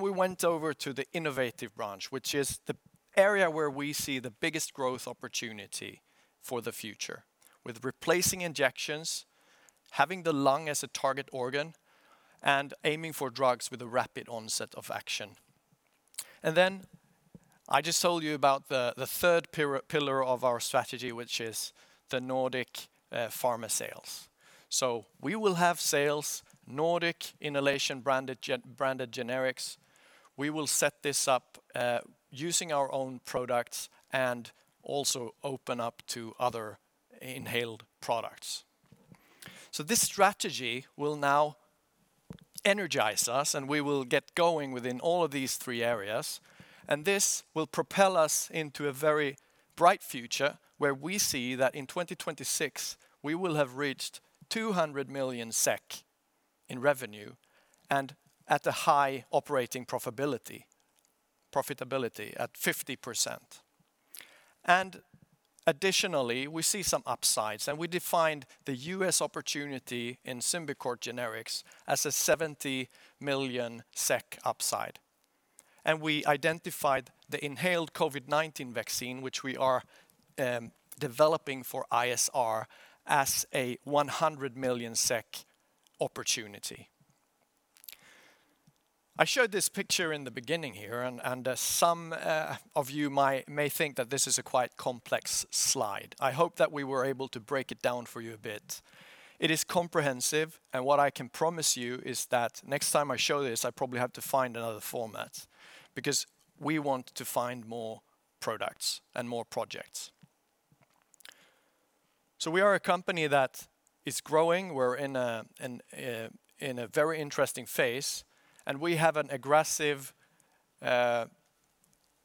We went over to the innovative branch, which is the area where we see the biggest growth opportunity for the future with replacing injections, having the lung as a target organ, and aiming for drugs with a rapid onset of action. I just told you about the third pillar of our strategy, which is the Nordic pharma sales. We will have sales, Nordic inhalation-branded generics. We will set this up using our own products and also open up to other inhaled products. This strategy will now energize us, and we will get going within all of these three areas, and this will propel us into a very bright future where we see that in 2026, we will have reached 200 million SEK in revenue and at a high operating profitability at 50%. Additionally, we see some upsides, and we defined the U.S. opportunity in Symbicort generics as a 70 million SEK upside. We identified the inhaled COVID-19 vaccine, which we are developing for ISR, as a 100 million SEK opportunity. I showed this picture in the beginning here, and some of you may think that this is a quite complex slide. I hope that we were able to break it down for you a bit. It is comprehensive, and what I can promise you is that next time I show this, I probably have to find another format because we want to find more products and more projects. We are a company that is growing. We're in a very interesting phase, and we have an aggressive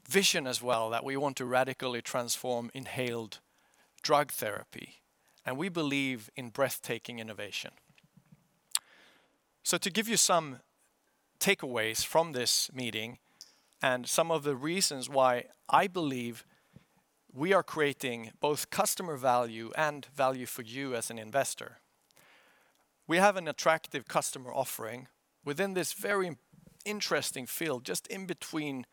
vision as well that we want to radically transform inhaled drug therapy, and we believe in breathtaking innovation. To give you some takeaways from this meeting and some of the reasons why I believe we are creating both customer value and value for you as an investor, we have an attractive customer offering within this very interesting field, just in between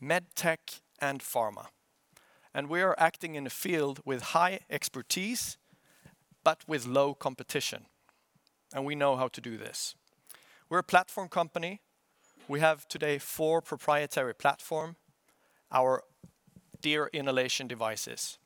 med tech and pharma. We are acting in a field with high expertise but with low competition, and we know how to do this. We're a platform company. We have today four proprietary platforms, our dry inhalation devices.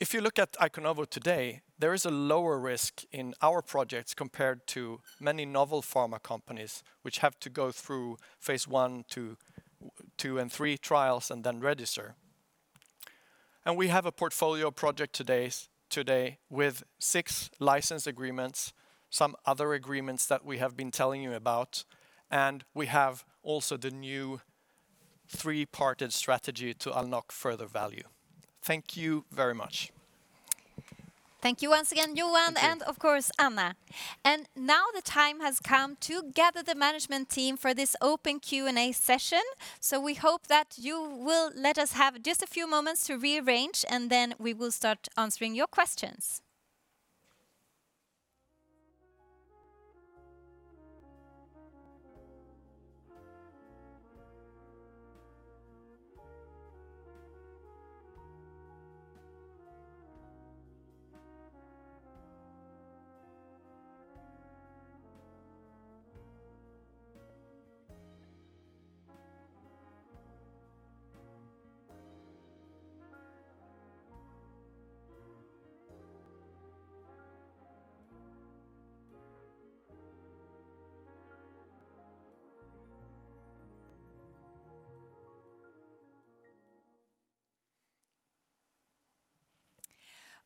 If you look at Iconovo today, there is a lower risk in our projects compared to many novel pharma companies, which have to go through phase I, II, and III trials and then register. We have a portfolio project today with six license agreements, some other agreements that we have been telling you about, and we have also the new three-parted strategy to unlock further value. Thank you very much. Thank you once again, Johan and of course, Anna. Now the time has come to gather the management team for this open Q&A session. We hope that you will let us have just a few moments to rearrange, and then we will start answering your questions.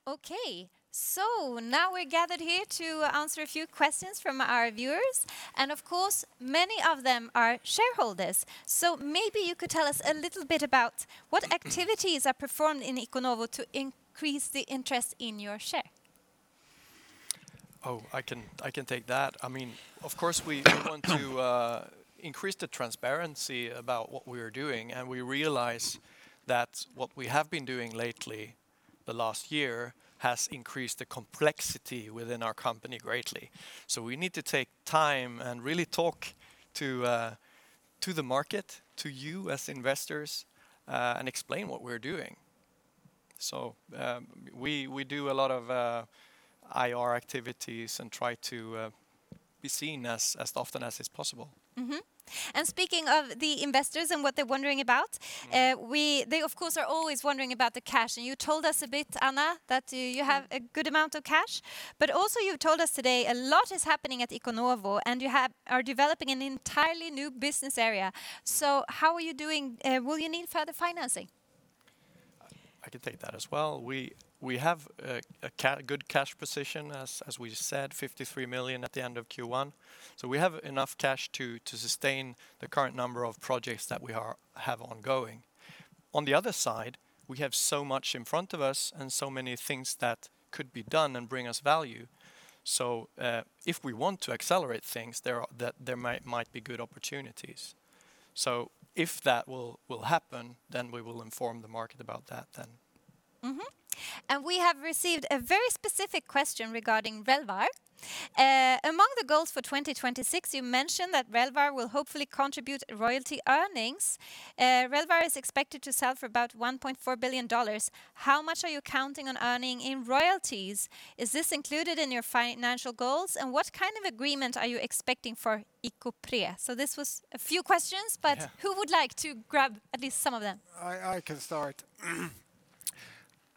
Okay, now we're gathered here to answer a few questions from our viewers, and of course, many of them are shareholders. Maybe you could tell us a little bit about what activities are performed in Iconovo to increase the interest in your share? Oh, I can take that. Of course, we want to increase the transparency about what we are doing. We realize that what we have been doing lately, the last year, has increased the complexity within our company greatly. We need to take time and really talk to the market, to you as investors, and explain what we're doing. We do a lot of IR activities and try to be seen as often as is possible. Speaking of the investors and what they're wondering about, they, of course, are always wondering about the cash. You told us a bit, Anna, that you have a good amount of cash, but also you've told us today a lot is happening at Iconovo, and you are developing an entirely new business area. How are you doing? Will you need further financing? I can take that as well. We have a good cash position as we said, 53 million at the end of Q1. We have enough cash to sustain the current number of projects that we have ongoing. On the other side, we have so much in front of us and so many things that could be done and bring us value. If we want to accelerate things, there might be good opportunities. If that will happen, then we will inform the market about that then. Mm-hmm. We have received a very specific question regarding Relvar. Among the goals for 2026, you mentioned that Relvar will hopefully contribute royalty earnings. Relvar is expected to sell for about $1.4 billion. How much are you counting on earning in royalties? Is this included in your financial goals, and what kind of agreement are you expecting for ICOpre? This was a few questions, but who would like to grab at least some of them? I can start.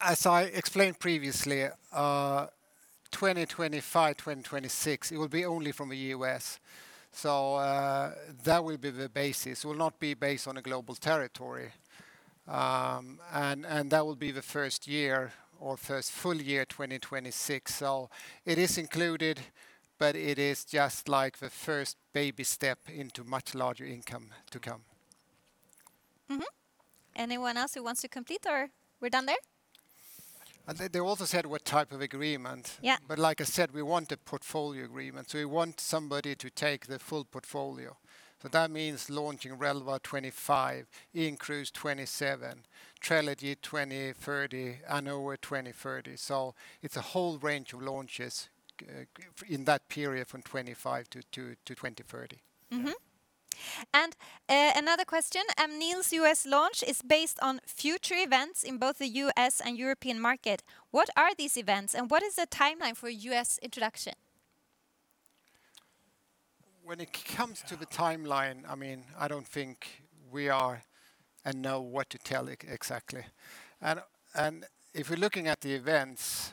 As I explained previously, 2025, 2026, it will be only from the U.S. That will be the basis. It will not be based on a global territory. That will be the first year or first full year, 2026. It is included, but it is just like the first baby step into much larger income to come. Mm-hmm. Anyone else who wants to compete, or we're done there? They also said what type of agreement. Yeah. Like I said, we want a portfolio agreement. We want somebody to take the full portfolio. That means launching Relvar 2025, Incruse 2027, Trelegy 2030, Anoro 2030. It's a whole range of launches in that period from 2025-2030. Another question, Amneal's U.S. launch is based on future events in both the U.S. and European market. What are these events, and what is the timeline for U.S. introduction? When it comes to the timeline, I don't think we are, and know what to tell exactly. If you're looking at the events,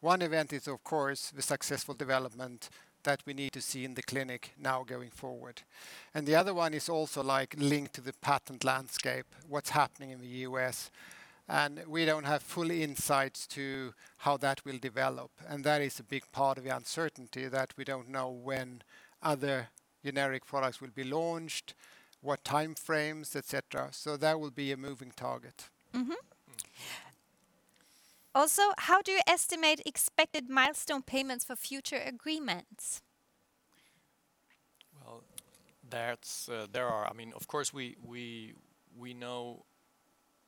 one event is, of course, the successful development that we need to see in the clinic now going forward. The other one is also linked to the patent landscape, what's happening in the U.S., and we don't have full insights to how that will develop. That is a big part of the uncertainty that we don't know when other generic products will be launched, what time frames, et cetera. That will be a moving target. Mm-hmm. Also, how do you estimate expected milestone payments for future agreements? Well, of course, we know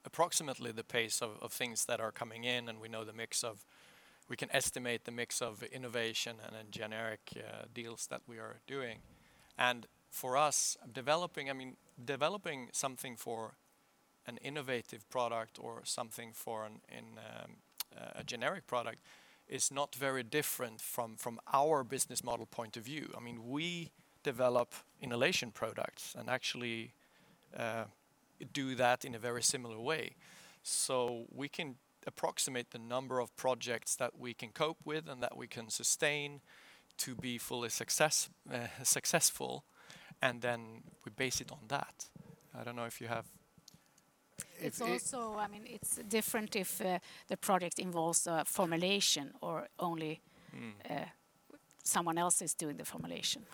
approximately the pace of things that are coming in, we can estimate the mix of innovation and generic deals that we are doing. For us, developing something for an innovative product or something for a generic product is not very different from our business model point of view. We develop inhalation products actually do that in a very similar way. We can approximate the number of projects that we can cope with that we can sustain to be fully successful, then we base it on that. I don't know if you have It's also different if the product involves a formulation or only someone else is doing the formulation.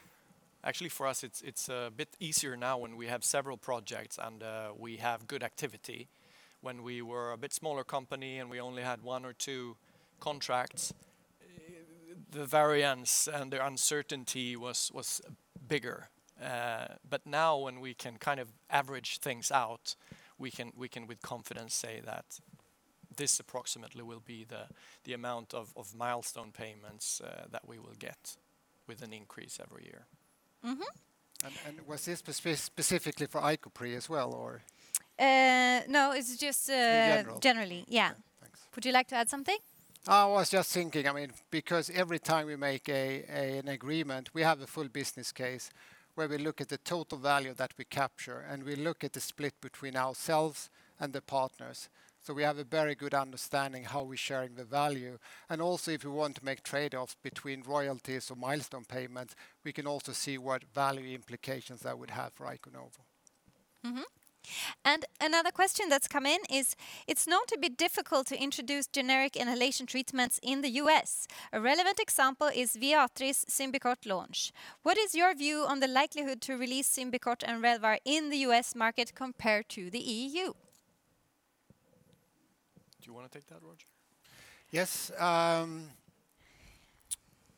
Actually, for us, it's a bit easier now when we have several projects and we have good activity. When we were a bit smaller company and we only had one or two contracts, the variance and the uncertainty was bigger. Now when we can average things out, we can with confidence say that this approximately will be the amount of milestone payments that we will get with an increase every year. Was this specifically for ICOpre as well, or? No, it's just- In general. generally, yeah. Would you like to add something? I was just thinking, because every time we make an agreement, we have the full business case where we look at the total value that we capture, and we look at the split between ourselves and the partners. We have a very good understanding how we're sharing the value. Also, if we want to make trade-offs between royalties or milestone payments, we can also see what value implications that would have for Iconovo. Another question that's come in is, it's known to be difficult to introduce generic inhalation treatments in the U.S. A relevant example is Viatris Symbicort launch. What is your view on the likelihood to release Symbicort and Relvar in the U.S. market compared to the E.U.? Do you want to take that, Roger? Yes.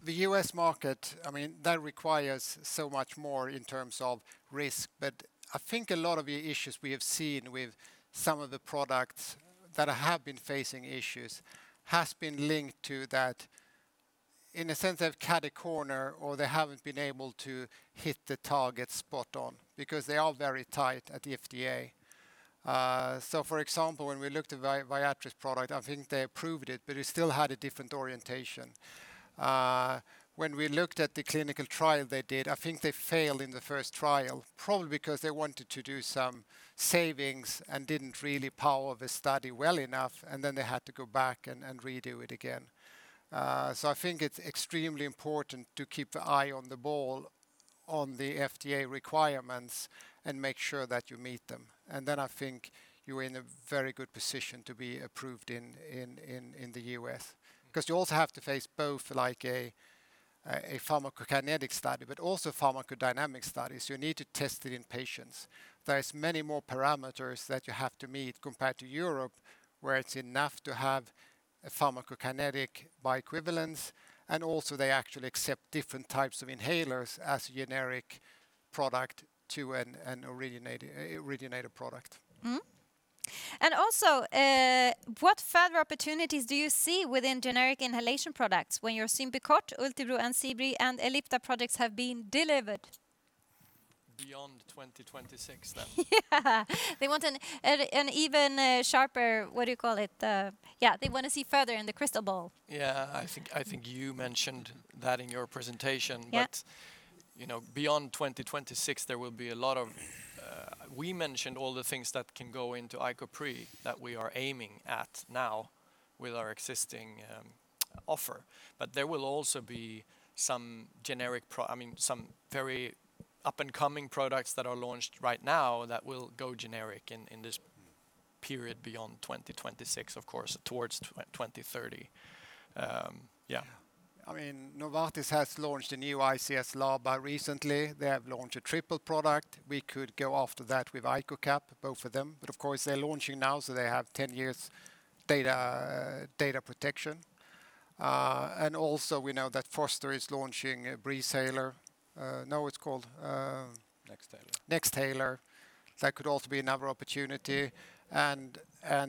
The U.S. market, that requires so much more in terms of risk. I think a lot of the issues we have seen with some of the products that have been facing issues has been linked to that. In a sense, they've cut a corner or they haven't been able to hit the target spot on because they are very tight at the FDA. For example, when we looked at a Viatris product, I think they approved it, but it still had a different orientation. When we looked at the clinical trial they did, I think they failed in the first trial probably because they wanted to do some savings and didn't really power the study well enough, and then they had to go back and redo it again. I think it's extremely important to keep an eye on the ball on the FDA requirements and make sure that you meet them, then I think you're in a very good position to be approved in the U.S.. You also have to face both a pharmacokinetic study but also pharmacodynamic studies. You need to test it in patients. There's many more parameters that you have to meet compared to Europe, where it's enough to have pharmacokinetic bioequivalence, they actually accept different types of inhalers as a generic product to an originator product. Also, what further opportunities do you see within generic inhalation products when your Symbicort, Ultibro and Seebri and Ellipta products have been delivered? Beyond 2026 then? Yeah. They want an even sharper, what do you call it? Yeah, they want to see further in the crystal ball. Yeah, I think you mentioned that in your presentation. Yeah Beyond 2026. We mentioned all the things that can go into ICOpre that we are aiming at now with our existing offer. There will also be some very up-and-coming products that are launched right now that will go generic in this period beyond 2026, of course, towards 2030. Yeah. Novartis has launched a new ICS/LABA recently. They have launched a triple product. We could go after that with ICOcap, both of them. Of course, they're launching now, so they have 10 years data protection. Also we know that Foster is launching Breezhaler. NEXThaler NEXThaler. That could also be another opportunity, and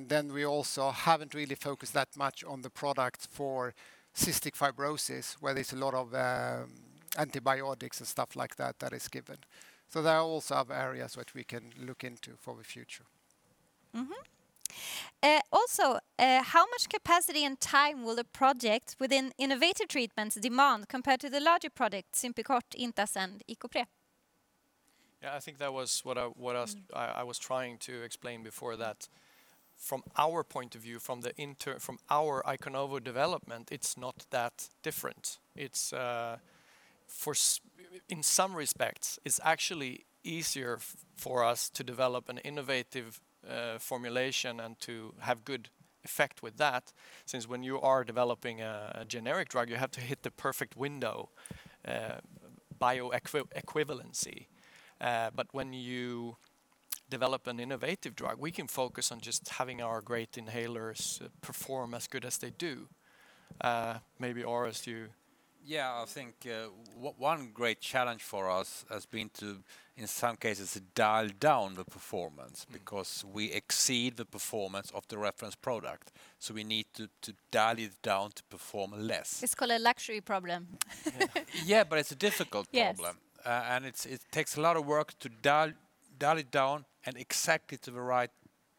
then we also haven't really focused that much on the product for cystic fibrosis, where there's a lot of antibiotics and stuff like that that is given. There are also other areas that we can look into for the future. How much capacity and time will a project within innovative treatments demand compared to the larger products, Symbicort, Intal, and ICOpre? Yeah, I think that was what I was trying to explain before that from our point of view, from our Iconovo development, it's not that different. In some respects, it's actually easier for us to develop an innovative formulation and to have good effect with that, since when you are developing a generic drug, you have to hit the perfect window bioequivalence. When you develop an innovative drug, we can focus on just having our great inhalers perform as good as they do. Maybe Orest. I think one great challenge for us has been to, in some cases, dial down the performance because we exceed the performance of the reference product, so we need to dial it down to perform less. It's called a luxury problem. Yeah, it's a difficult problem. Yes. It takes a lot of work to dial it down and exactly to the right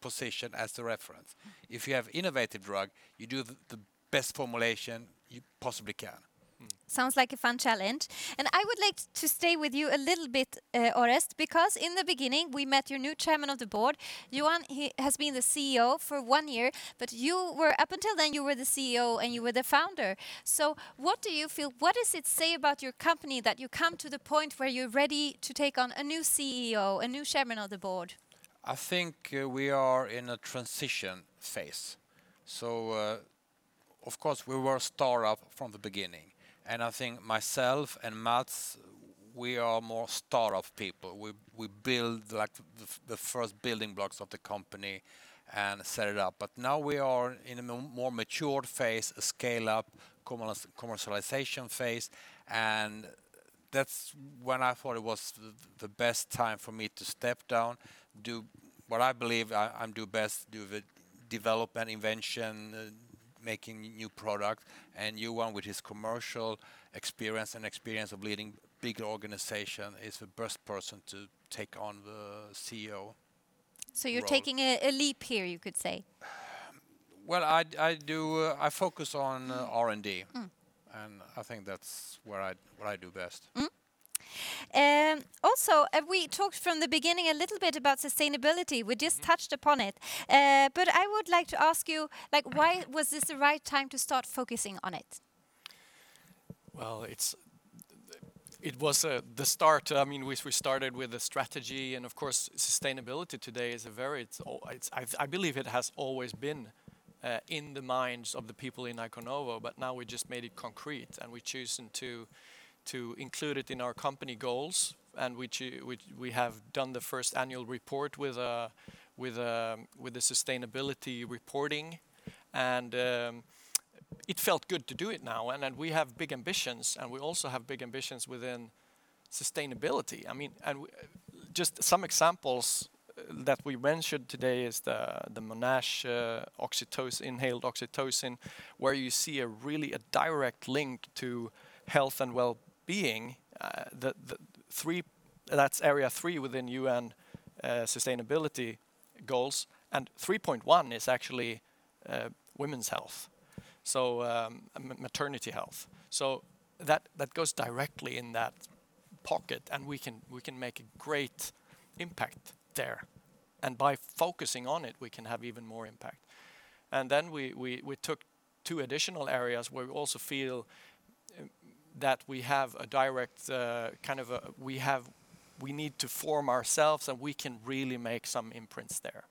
position as the reference. If you have innovative drug, you do the best formulation you possibly can. Sounds like a fun challenge. I would like to stay with you a little bit, Orest, because in the beginning, we met your new Chairman of the Board. Johan has been the CEO for one year, but up until then you were the CEO and you were the founder. What do you feel? What does it say about your company that you come to the point where you're ready to take on a new CEO, a new Chairman of the Board? I think we are in a transition phase. Of course, we were a startup from the beginning, and I think myself and Mats, we are more startup people. We build the first building blocks of the company and set it up. Now we are in a more mature phase, a scale-up, commercialization phase, and that's when I thought it was the best time for me to step down, do what I believe I do best, do the development, invention, making new product, and Johan with his commercial experience and experience of leading big organization is the best person to take on the CEO role. You're taking a leap here, you could say. Well, I do. I focus on R&D. I think that's what I do best. We talked from the beginning a little bit about sustainability. We just touched upon it. I would like to ask you, why was this the right time to start focusing on it? Well, we started with a strategy. Of course, sustainability today is I believe it has always been in the minds of the people in Iconovo, but now we just made it concrete and we've chosen to include it in our company goals. We have done the first annual report with the sustainability reporting, and it felt good to do it now. We have big ambitions, and we also have big ambitions within sustainability. Some examples that we mentioned today is the Monash oxytocin, inhaled oxytocin, where you see a really direct link to health and wellbeing. That's Area 3 within UN Sustainability Goals, 3.1 is actually women's health, maternity health. That goes directly in that pocket, and we can make a great impact there. By focusing on it, we can have even more impact. Then we took two additional areas where we also feel that we need to form ourselves, and we can really make some imprints there.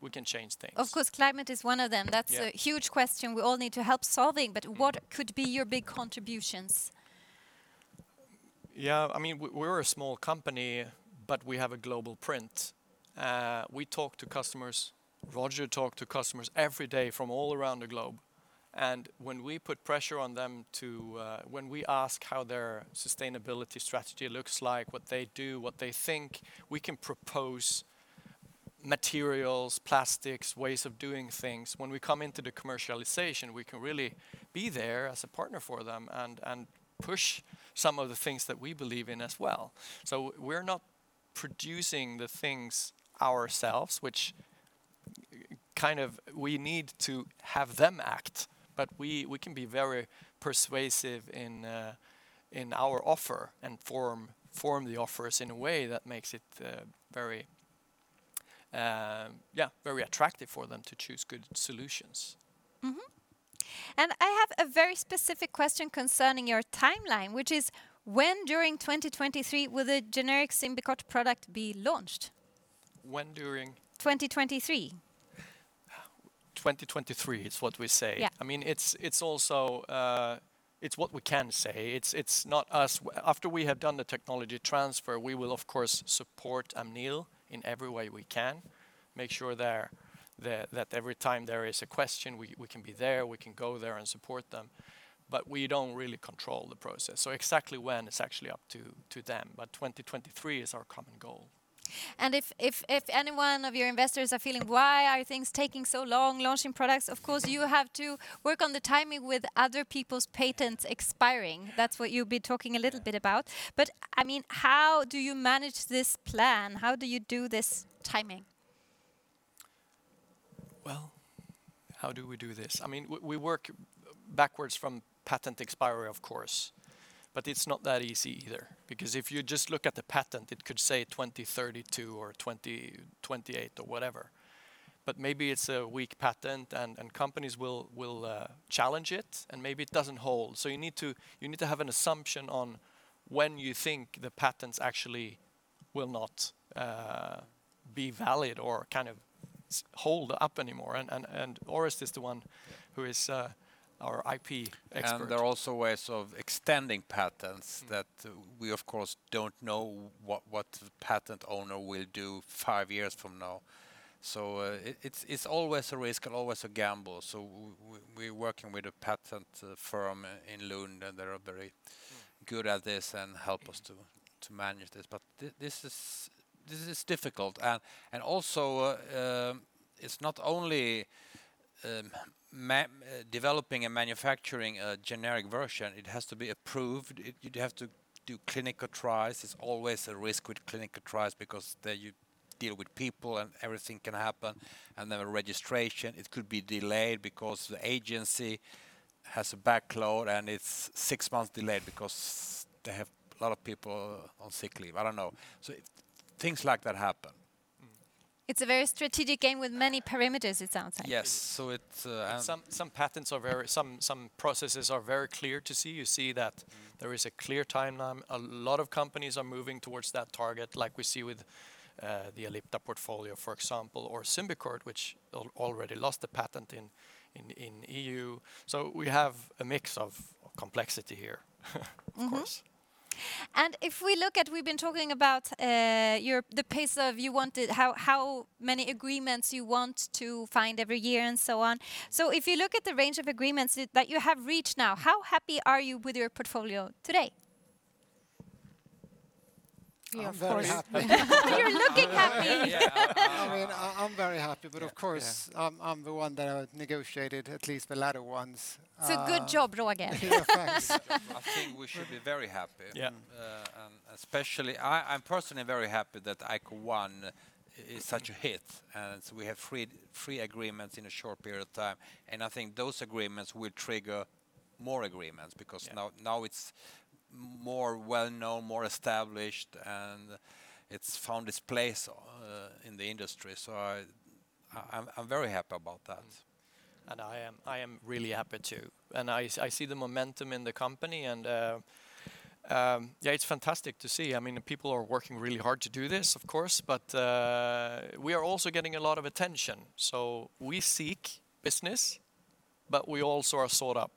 We can change things. Of course, climate is one of them. Yeah. That's a huge question we all need to help solving, but what could be your big contributions? We're a small company. We have a global print. Roger talks to customers every day from all around the globe. When we ask how their sustainability strategy looks like, what they do, what they think, we can propose materials, plastics, ways of doing things. When we come into the commercialization, we can really be there as a partner for them and push some of the things that we believe in as well. We're not producing the things ourselves, we need to have them act. We can be very persuasive in our offer and form the offers in a way that makes it very attractive for them to choose good solutions. I have a very specific question concerning your timeline, which is when during 2023 will the generic Symbicort product be launched? When during? 2023. 2023 is what we say. Yeah. It's what we can say. After we have done the technology transfer, we will of course support Amneal in every way we can, make sure that every time there is a question, we can be there, we can go there and support them, but we don't really control the process. Exactly when is actually up to them, but 2023 is our common goal. If any one of your investors are feeling, "Why are things taking so long launching products?" Of course, you have to work on the timing with other people's patents expiring. That's what you've been talking a little bit about. How do you manage this plan? How do you do this timing? Well, how do we do this? We work backwards from patent expiry, of course, but it's not that easy either, because if you just look at the patent, it could say 2032 or 2028 or whatever, but maybe it's a weak patent and companies will challenge it, and maybe it doesn't hold. You need to have an assumption on when you think the patents actually will not be valid or hold up anymore. Orest is the one who is our IP expert. There are also ways of extending patents that we of course don't know what the patent owner will do five years from now. It's always a risk, always a gamble. We're working with a patent firm in Lund, and they are very good at this and help us to manage it, but this is difficult. Also, it's not only developing and manufacturing a generic version. It has to be approved. You'd have to do clinical trials. There's always a risk with clinical trials because you deal with people and anything can happen. Then registration, it could be delayed because the agency has a backlog, and it's six months delayed because they have a lot of people on sick leave. I don't know. Things like that happen. It's a very strategic game with many parameters, it sounds like. Yes. Some processes are very clear to see. You see that there is a clear timeline. A lot of companies are moving towards that target like we see with the Ellipta portfolio, for example, or Symbicort, which already lost the patent in E.U.. We have a mix of complexity here. Of course. Mm-hmm. We've been talking about the pace of how many agreements you want to find every year and so on. If you look at the range of agreements that you have reached now, how happy are you with your portfolio today? I'm very happy. Of course. Why are you looking at me. I'm very happy, but of course, I'm the one that negotiated at least the latter ones. Good job, Roger. Of course. I think we should be very happy. Yeah. I'm personally very happy that ICOone is such a hit. We have three agreements in a short period of time, I think those agreements will trigger more agreements because now it's more well-known, more established, and it's found its place in the industry. I'm very happy about that. I am really happy, too. I see the momentum in the company, and it's fantastic to see. People are working really hard to do this, of course, but we are also getting a lot of attention. We seek business, but we also are sought up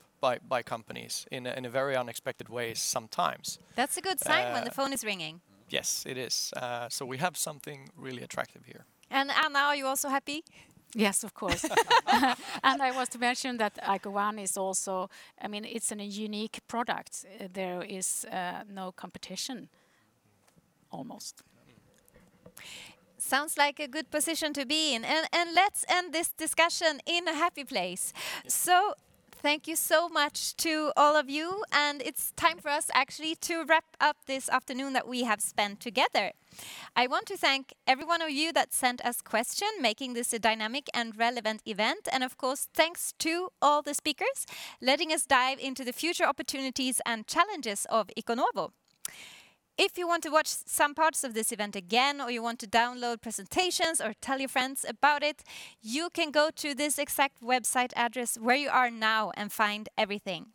by companies in a very unexpected way sometimes. That's a good sign when the phone is ringing. Yes, it is. We have something really attractive here. Anna, are you also happy? Yes, of course. I must mention that ICOone is also a unique product. There is no competition, almost. Sounds like a good position to be in, and let's end this discussion in a happy place. Thank you so much to all of you, and it's time for us actually to wrap up this afternoon that we have spent together. I want to thank every one of you that sent us questions, making this a dynamic and relevant event. Of course, thanks to all the speakers letting us dive into the future opportunities and challenges of Iconovo. If you want to watch some parts of this event again, or you want to download presentations, or tell your friends about it, you can go to this exact website address where you are now and find everything.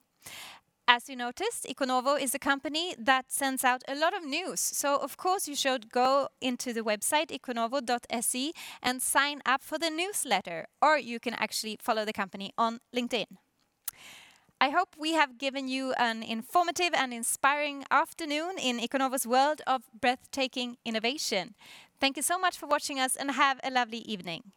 As you noticed, Iconovo is a company that sends out a lot of news, so of course, you should go into the website, iconovo.se, and sign up for the newsletter, or you can actually follow the company on LinkedIn. I hope we have given you an informative and inspiring afternoon in Iconovo's world of breathtaking innovation. Thank you so much for watching us, and have a lovely evening.